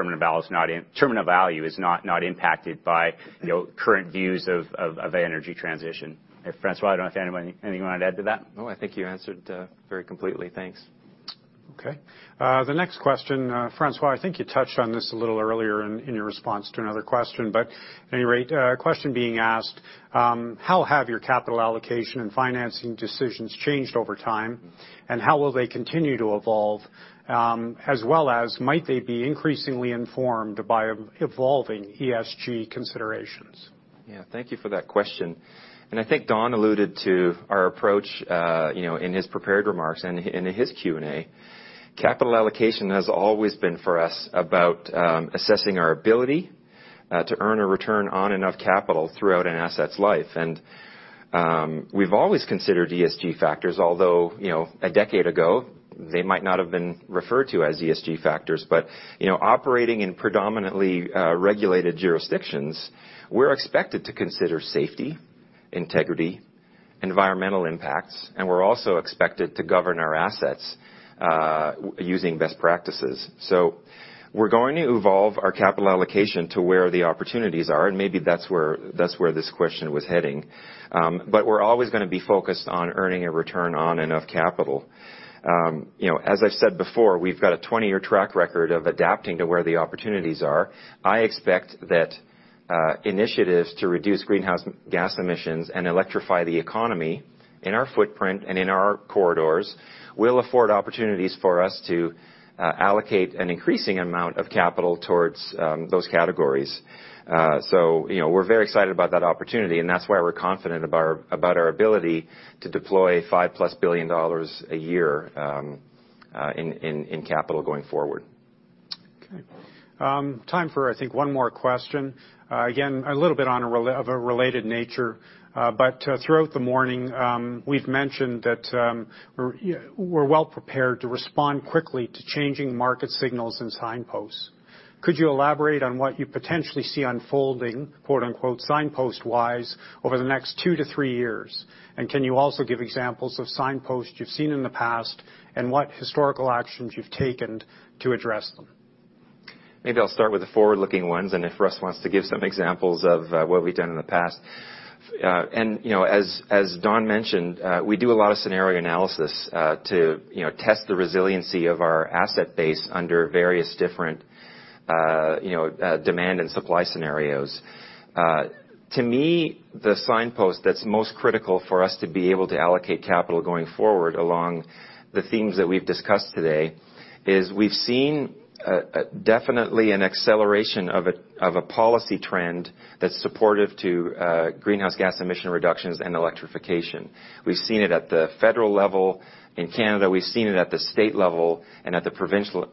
terminal value is not impacted by current views of energy transition. François, I don't know if you have anything you want to add to that? No, I think you answered very completely. Thanks. Okay. The next question, François, I think you touched on this a little earlier in your response to another question, but at any rate, a question being asked: how have your capital allocation and financing decisions changed over time, and how will they continue to evolve? As well as might they be increasingly informed by evolving ESG considerations? Yeah, thank you for that question. I think Don alluded to our approach in his prepared remarks and in his Q&A. Capital allocation has always been, for us, about assessing our ability to earn a return on and of capital throughout an asset's life. We've always considered ESG factors, although, a decade ago, they might not have been referred to as ESG factors. Operating in predominantly regulated jurisdictions, we're expected to consider safety, integrity, environmental impacts, and we're also expected to govern our assets using best practices. We're going to evolve our capital allocation to where the opportunities are, and maybe that's where this question was heading. We're always going to be focused on earning a return on and of capital. As I've said before, we've got a 20-year track record of adapting to where the opportunities are. I expect that initiatives to reduce greenhouse gas emissions and electrify the economy in our footprint and in our corridors will afford opportunities for us to allocate an increasing amount of capital towards those categories. We're very excited about that opportunity, and that's why we're confident about our ability to deploy 5-plus billion dollars a year in capital going forward. Okay. Time for, I think, one more question. Again, a little bit of a related nature, but throughout the morning, we've mentioned that we're well-prepared to respond quickly to changing market signals and signposts. Could you elaborate on what you potentially see unfolding, quote-unquote, "signpost-wise" over the next two to three years? Can you also give examples of signposts you've seen in the past and what historical actions you've taken to address them? Maybe I'll start with the forward-looking ones and if Russ wants to give some examples of what we've done in the past. As Don mentioned, we do a lot of scenario analysis to test the resiliency of our asset base under various different demand and supply scenarios. To me, the signpost that's most critical for us to be able to allocate capital going forward along the themes that we've discussed today is we've seen definitely an acceleration of a policy trend that's supportive to greenhouse gas emission reductions and electrification. We've seen it at the federal level in Canada. We've seen it at the state level and at the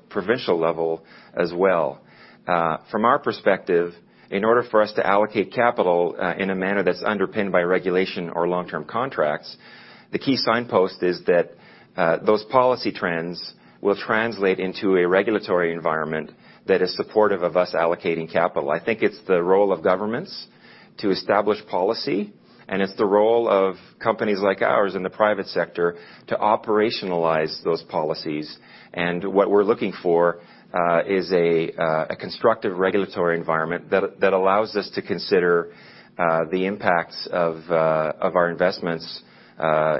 provincial level as well. From our perspective, in order for us to allocate capital in a manner that's underpinned by regulation or long-term contracts, the key signpost is that those policy trends will translate into a regulatory environment that is supportive of us allocating capital. I think it's the role of governments to establish policy, and it's the role of companies like ours in the private sector to operationalize those policies. What we're looking for is a constructive regulatory environment that allows us to consider the impacts of our investments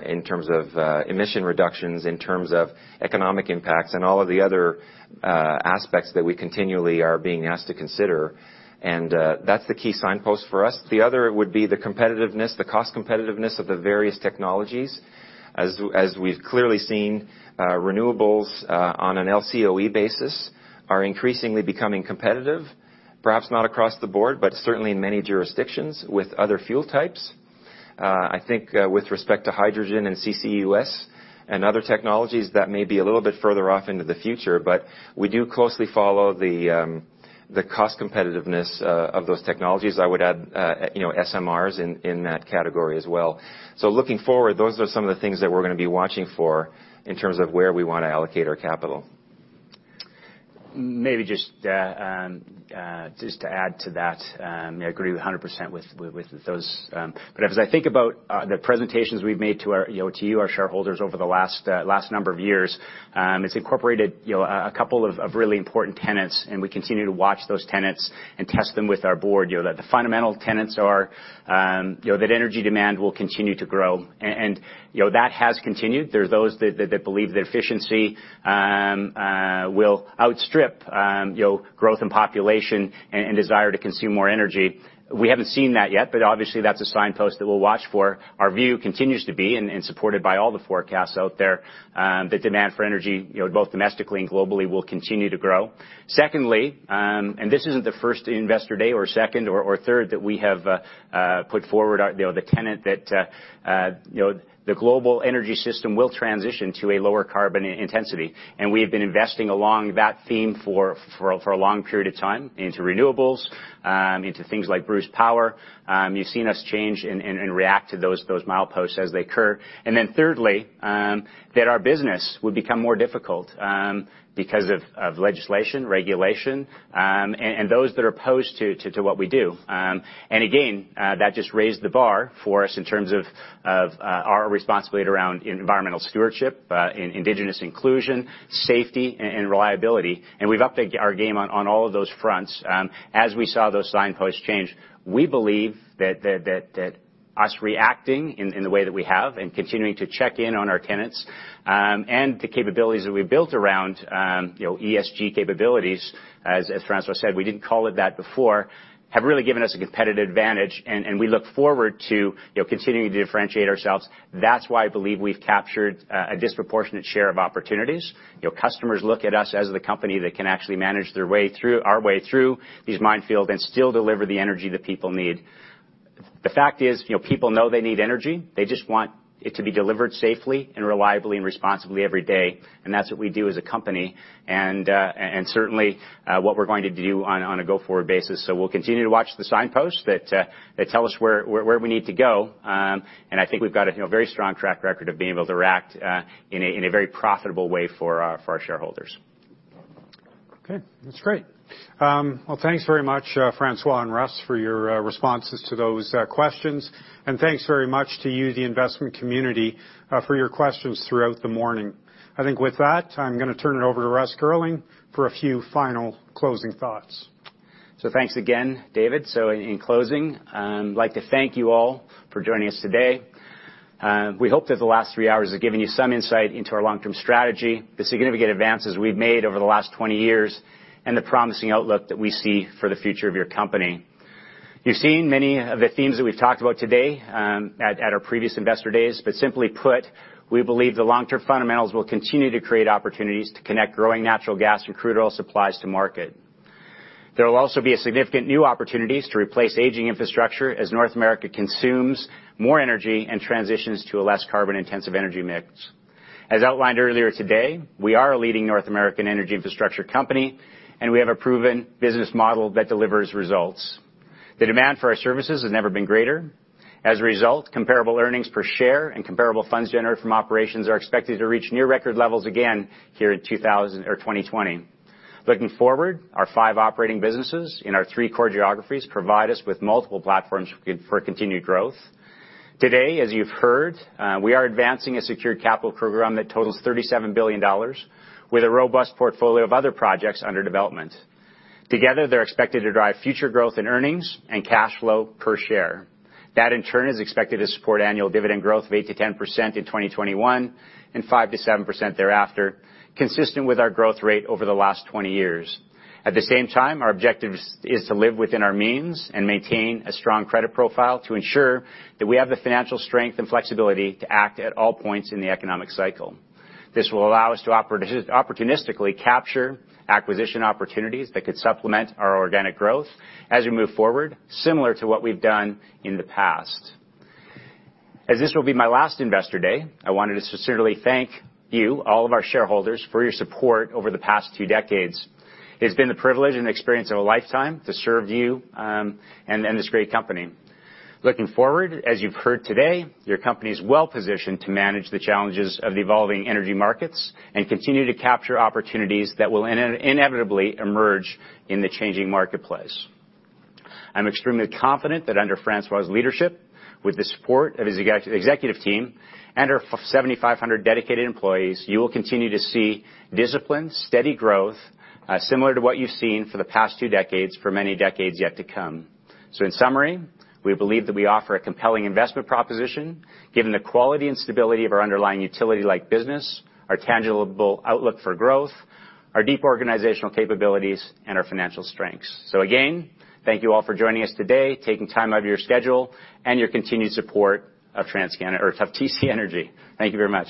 in terms of emission reductions, in terms of economic impacts and all of the other aspects that we continually are being asked to consider. That's the key signpost for us. The other would be the competitiveness, the cost competitiveness of the various technologies. As we've clearly seen, renewables on an LCOE basis are increasingly becoming competitive, perhaps not across the board, but certainly in many jurisdictions with other fuel types. I think with respect to hydrogen and CCUS and other technologies, that may be a little bit further off into the future, but we do closely follow the cost competitiveness of those technologies. I would add SMRs in that category as well. Looking forward, those are some of the things that we're going to be watching for in terms of where we want to allocate our capital. Maybe just to add to that, I agree 100% with those. As I think about the presentations we've made to you, our shareholders, over the last number of years, it's incorporated a couple of really important tenets, and we continue to watch those tenets and test them with our board. The fundamental tenets are that energy demand will continue to grow. That has continued. There's those that believe that efficiency will outstrip growth in population and desire to consume more energy. We haven't seen that yet, but obviously that's a signpost that we'll watch for. Our view continues to be, and supported by all the forecasts out there, that demand for energy, both domestically and globally, will continue to grow. Secondly, this isn't the first Investor Day or second or third that we have put forward the tenet that the global energy system will transition to a lower carbon intensity. We have been investing along that theme for a long period of time, into renewables, into things like Bruce Power. You've seen us change and react to those mileposts as they occur. Thirdly, that our business would become more difficult because of legislation, regulation, and those that are opposed to what we do. Again, that just raised the bar for us in terms of our responsibility around environmental stewardship, indigenous inclusion, safety, and reliability. We've upped our game on all of those fronts as we saw those signposts change. We believe that us reacting in the way that we have and continuing to check in on our tenets and the capabilities that we've built around ESG capabilities, as François said, we didn't call it that before, have really given us a competitive advantage, and we look forward to continuing to differentiate ourselves. That's why I believe we've captured a disproportionate share of opportunities. Customers look at us as the company that can actually manage our way through these minefields and still deliver the energy that people need. The fact is, people know they need energy. They just want it to be delivered safely and reliably and responsibly every day, and that's what we do as a company, and certainly what we're going to do on a go-forward basis. We'll continue to watch the signposts that tell us where we need to go, and I think we've got a very strong track record of being able to react in a very profitable way for our shareholders. Okay. That's great. Well, thanks very much, François and Russ, for your responses to those questions. Thanks very much to you, the investment community, for your questions throughout the morning. I think with that, I'm going to turn it over to Russ Girling for a few final closing thoughts. Thanks again, David. In closing, I'd like to thank you all for joining us today. We hope that the last three hours have given you some insight into our long-term strategy, the significant advances we've made over the last 20 years, and the promising outlook that we see for the future of your company. You've seen many of the themes that we've talked about today at our previous investor days, but simply put, we believe the long-term fundamentals will continue to create opportunities to connect growing natural gas and crude oil supplies to market. There will also be significant new opportunities to replace aging infrastructure as North America consumes more energy and transitions to a less carbon-intensive energy mix. As outlined earlier today, we are a leading North American energy infrastructure company, and we have a proven business model that delivers results. The demand for our services has never been greater. As a result, comparable earnings per share and comparable funds generated from operations are expected to reach near record levels again here in 2020. Looking forward, our five operating businesses in our three core geographies provide us with multiple platforms for continued growth. Today, as you've heard, we are advancing a secured capital program that totals 37 billion dollars, with a robust portfolio of other projects under development. Together, they're expected to drive future growth in earnings and cash flow per share. That, in turn, is expected to support annual dividend growth of 8%-10% in 2021 and 5%-7% thereafter, consistent with our growth rate over the last 20 years. At the same time, our objective is to live within our means and maintain a strong credit profile to ensure that we have the financial strength and flexibility to act at all points in the economic cycle. This will allow us to opportunistically capture acquisition opportunities that could supplement our organic growth as we move forward, similar to what we've done in the past. As this will be my last Investor Day, I wanted to sincerely thank you, all of our shareholders, for your support over the past two decades. It has been the privilege and experience of a lifetime to serve you and this great company. Looking forward, as you've heard today, your company is well-positioned to manage the challenges of evolving energy markets and continue to capture opportunities that will inevitably emerge in the changing marketplace. I'm extremely confident that under François' leadership, with the support of his executive team and our 7,500 dedicated employees, you will continue to see disciplined, steady growth similar to what you've seen for the past two decades, for many decades yet to come. In summary, we believe that we offer a compelling investment proposition, given the quality and stability of our underlying utility-like business, our tangible outlook for growth, our deep organizational capabilities, and our financial strengths. Again, thank you all for joining us today, taking time out of your schedule, and your continued support of TC Energy. Thank you very much.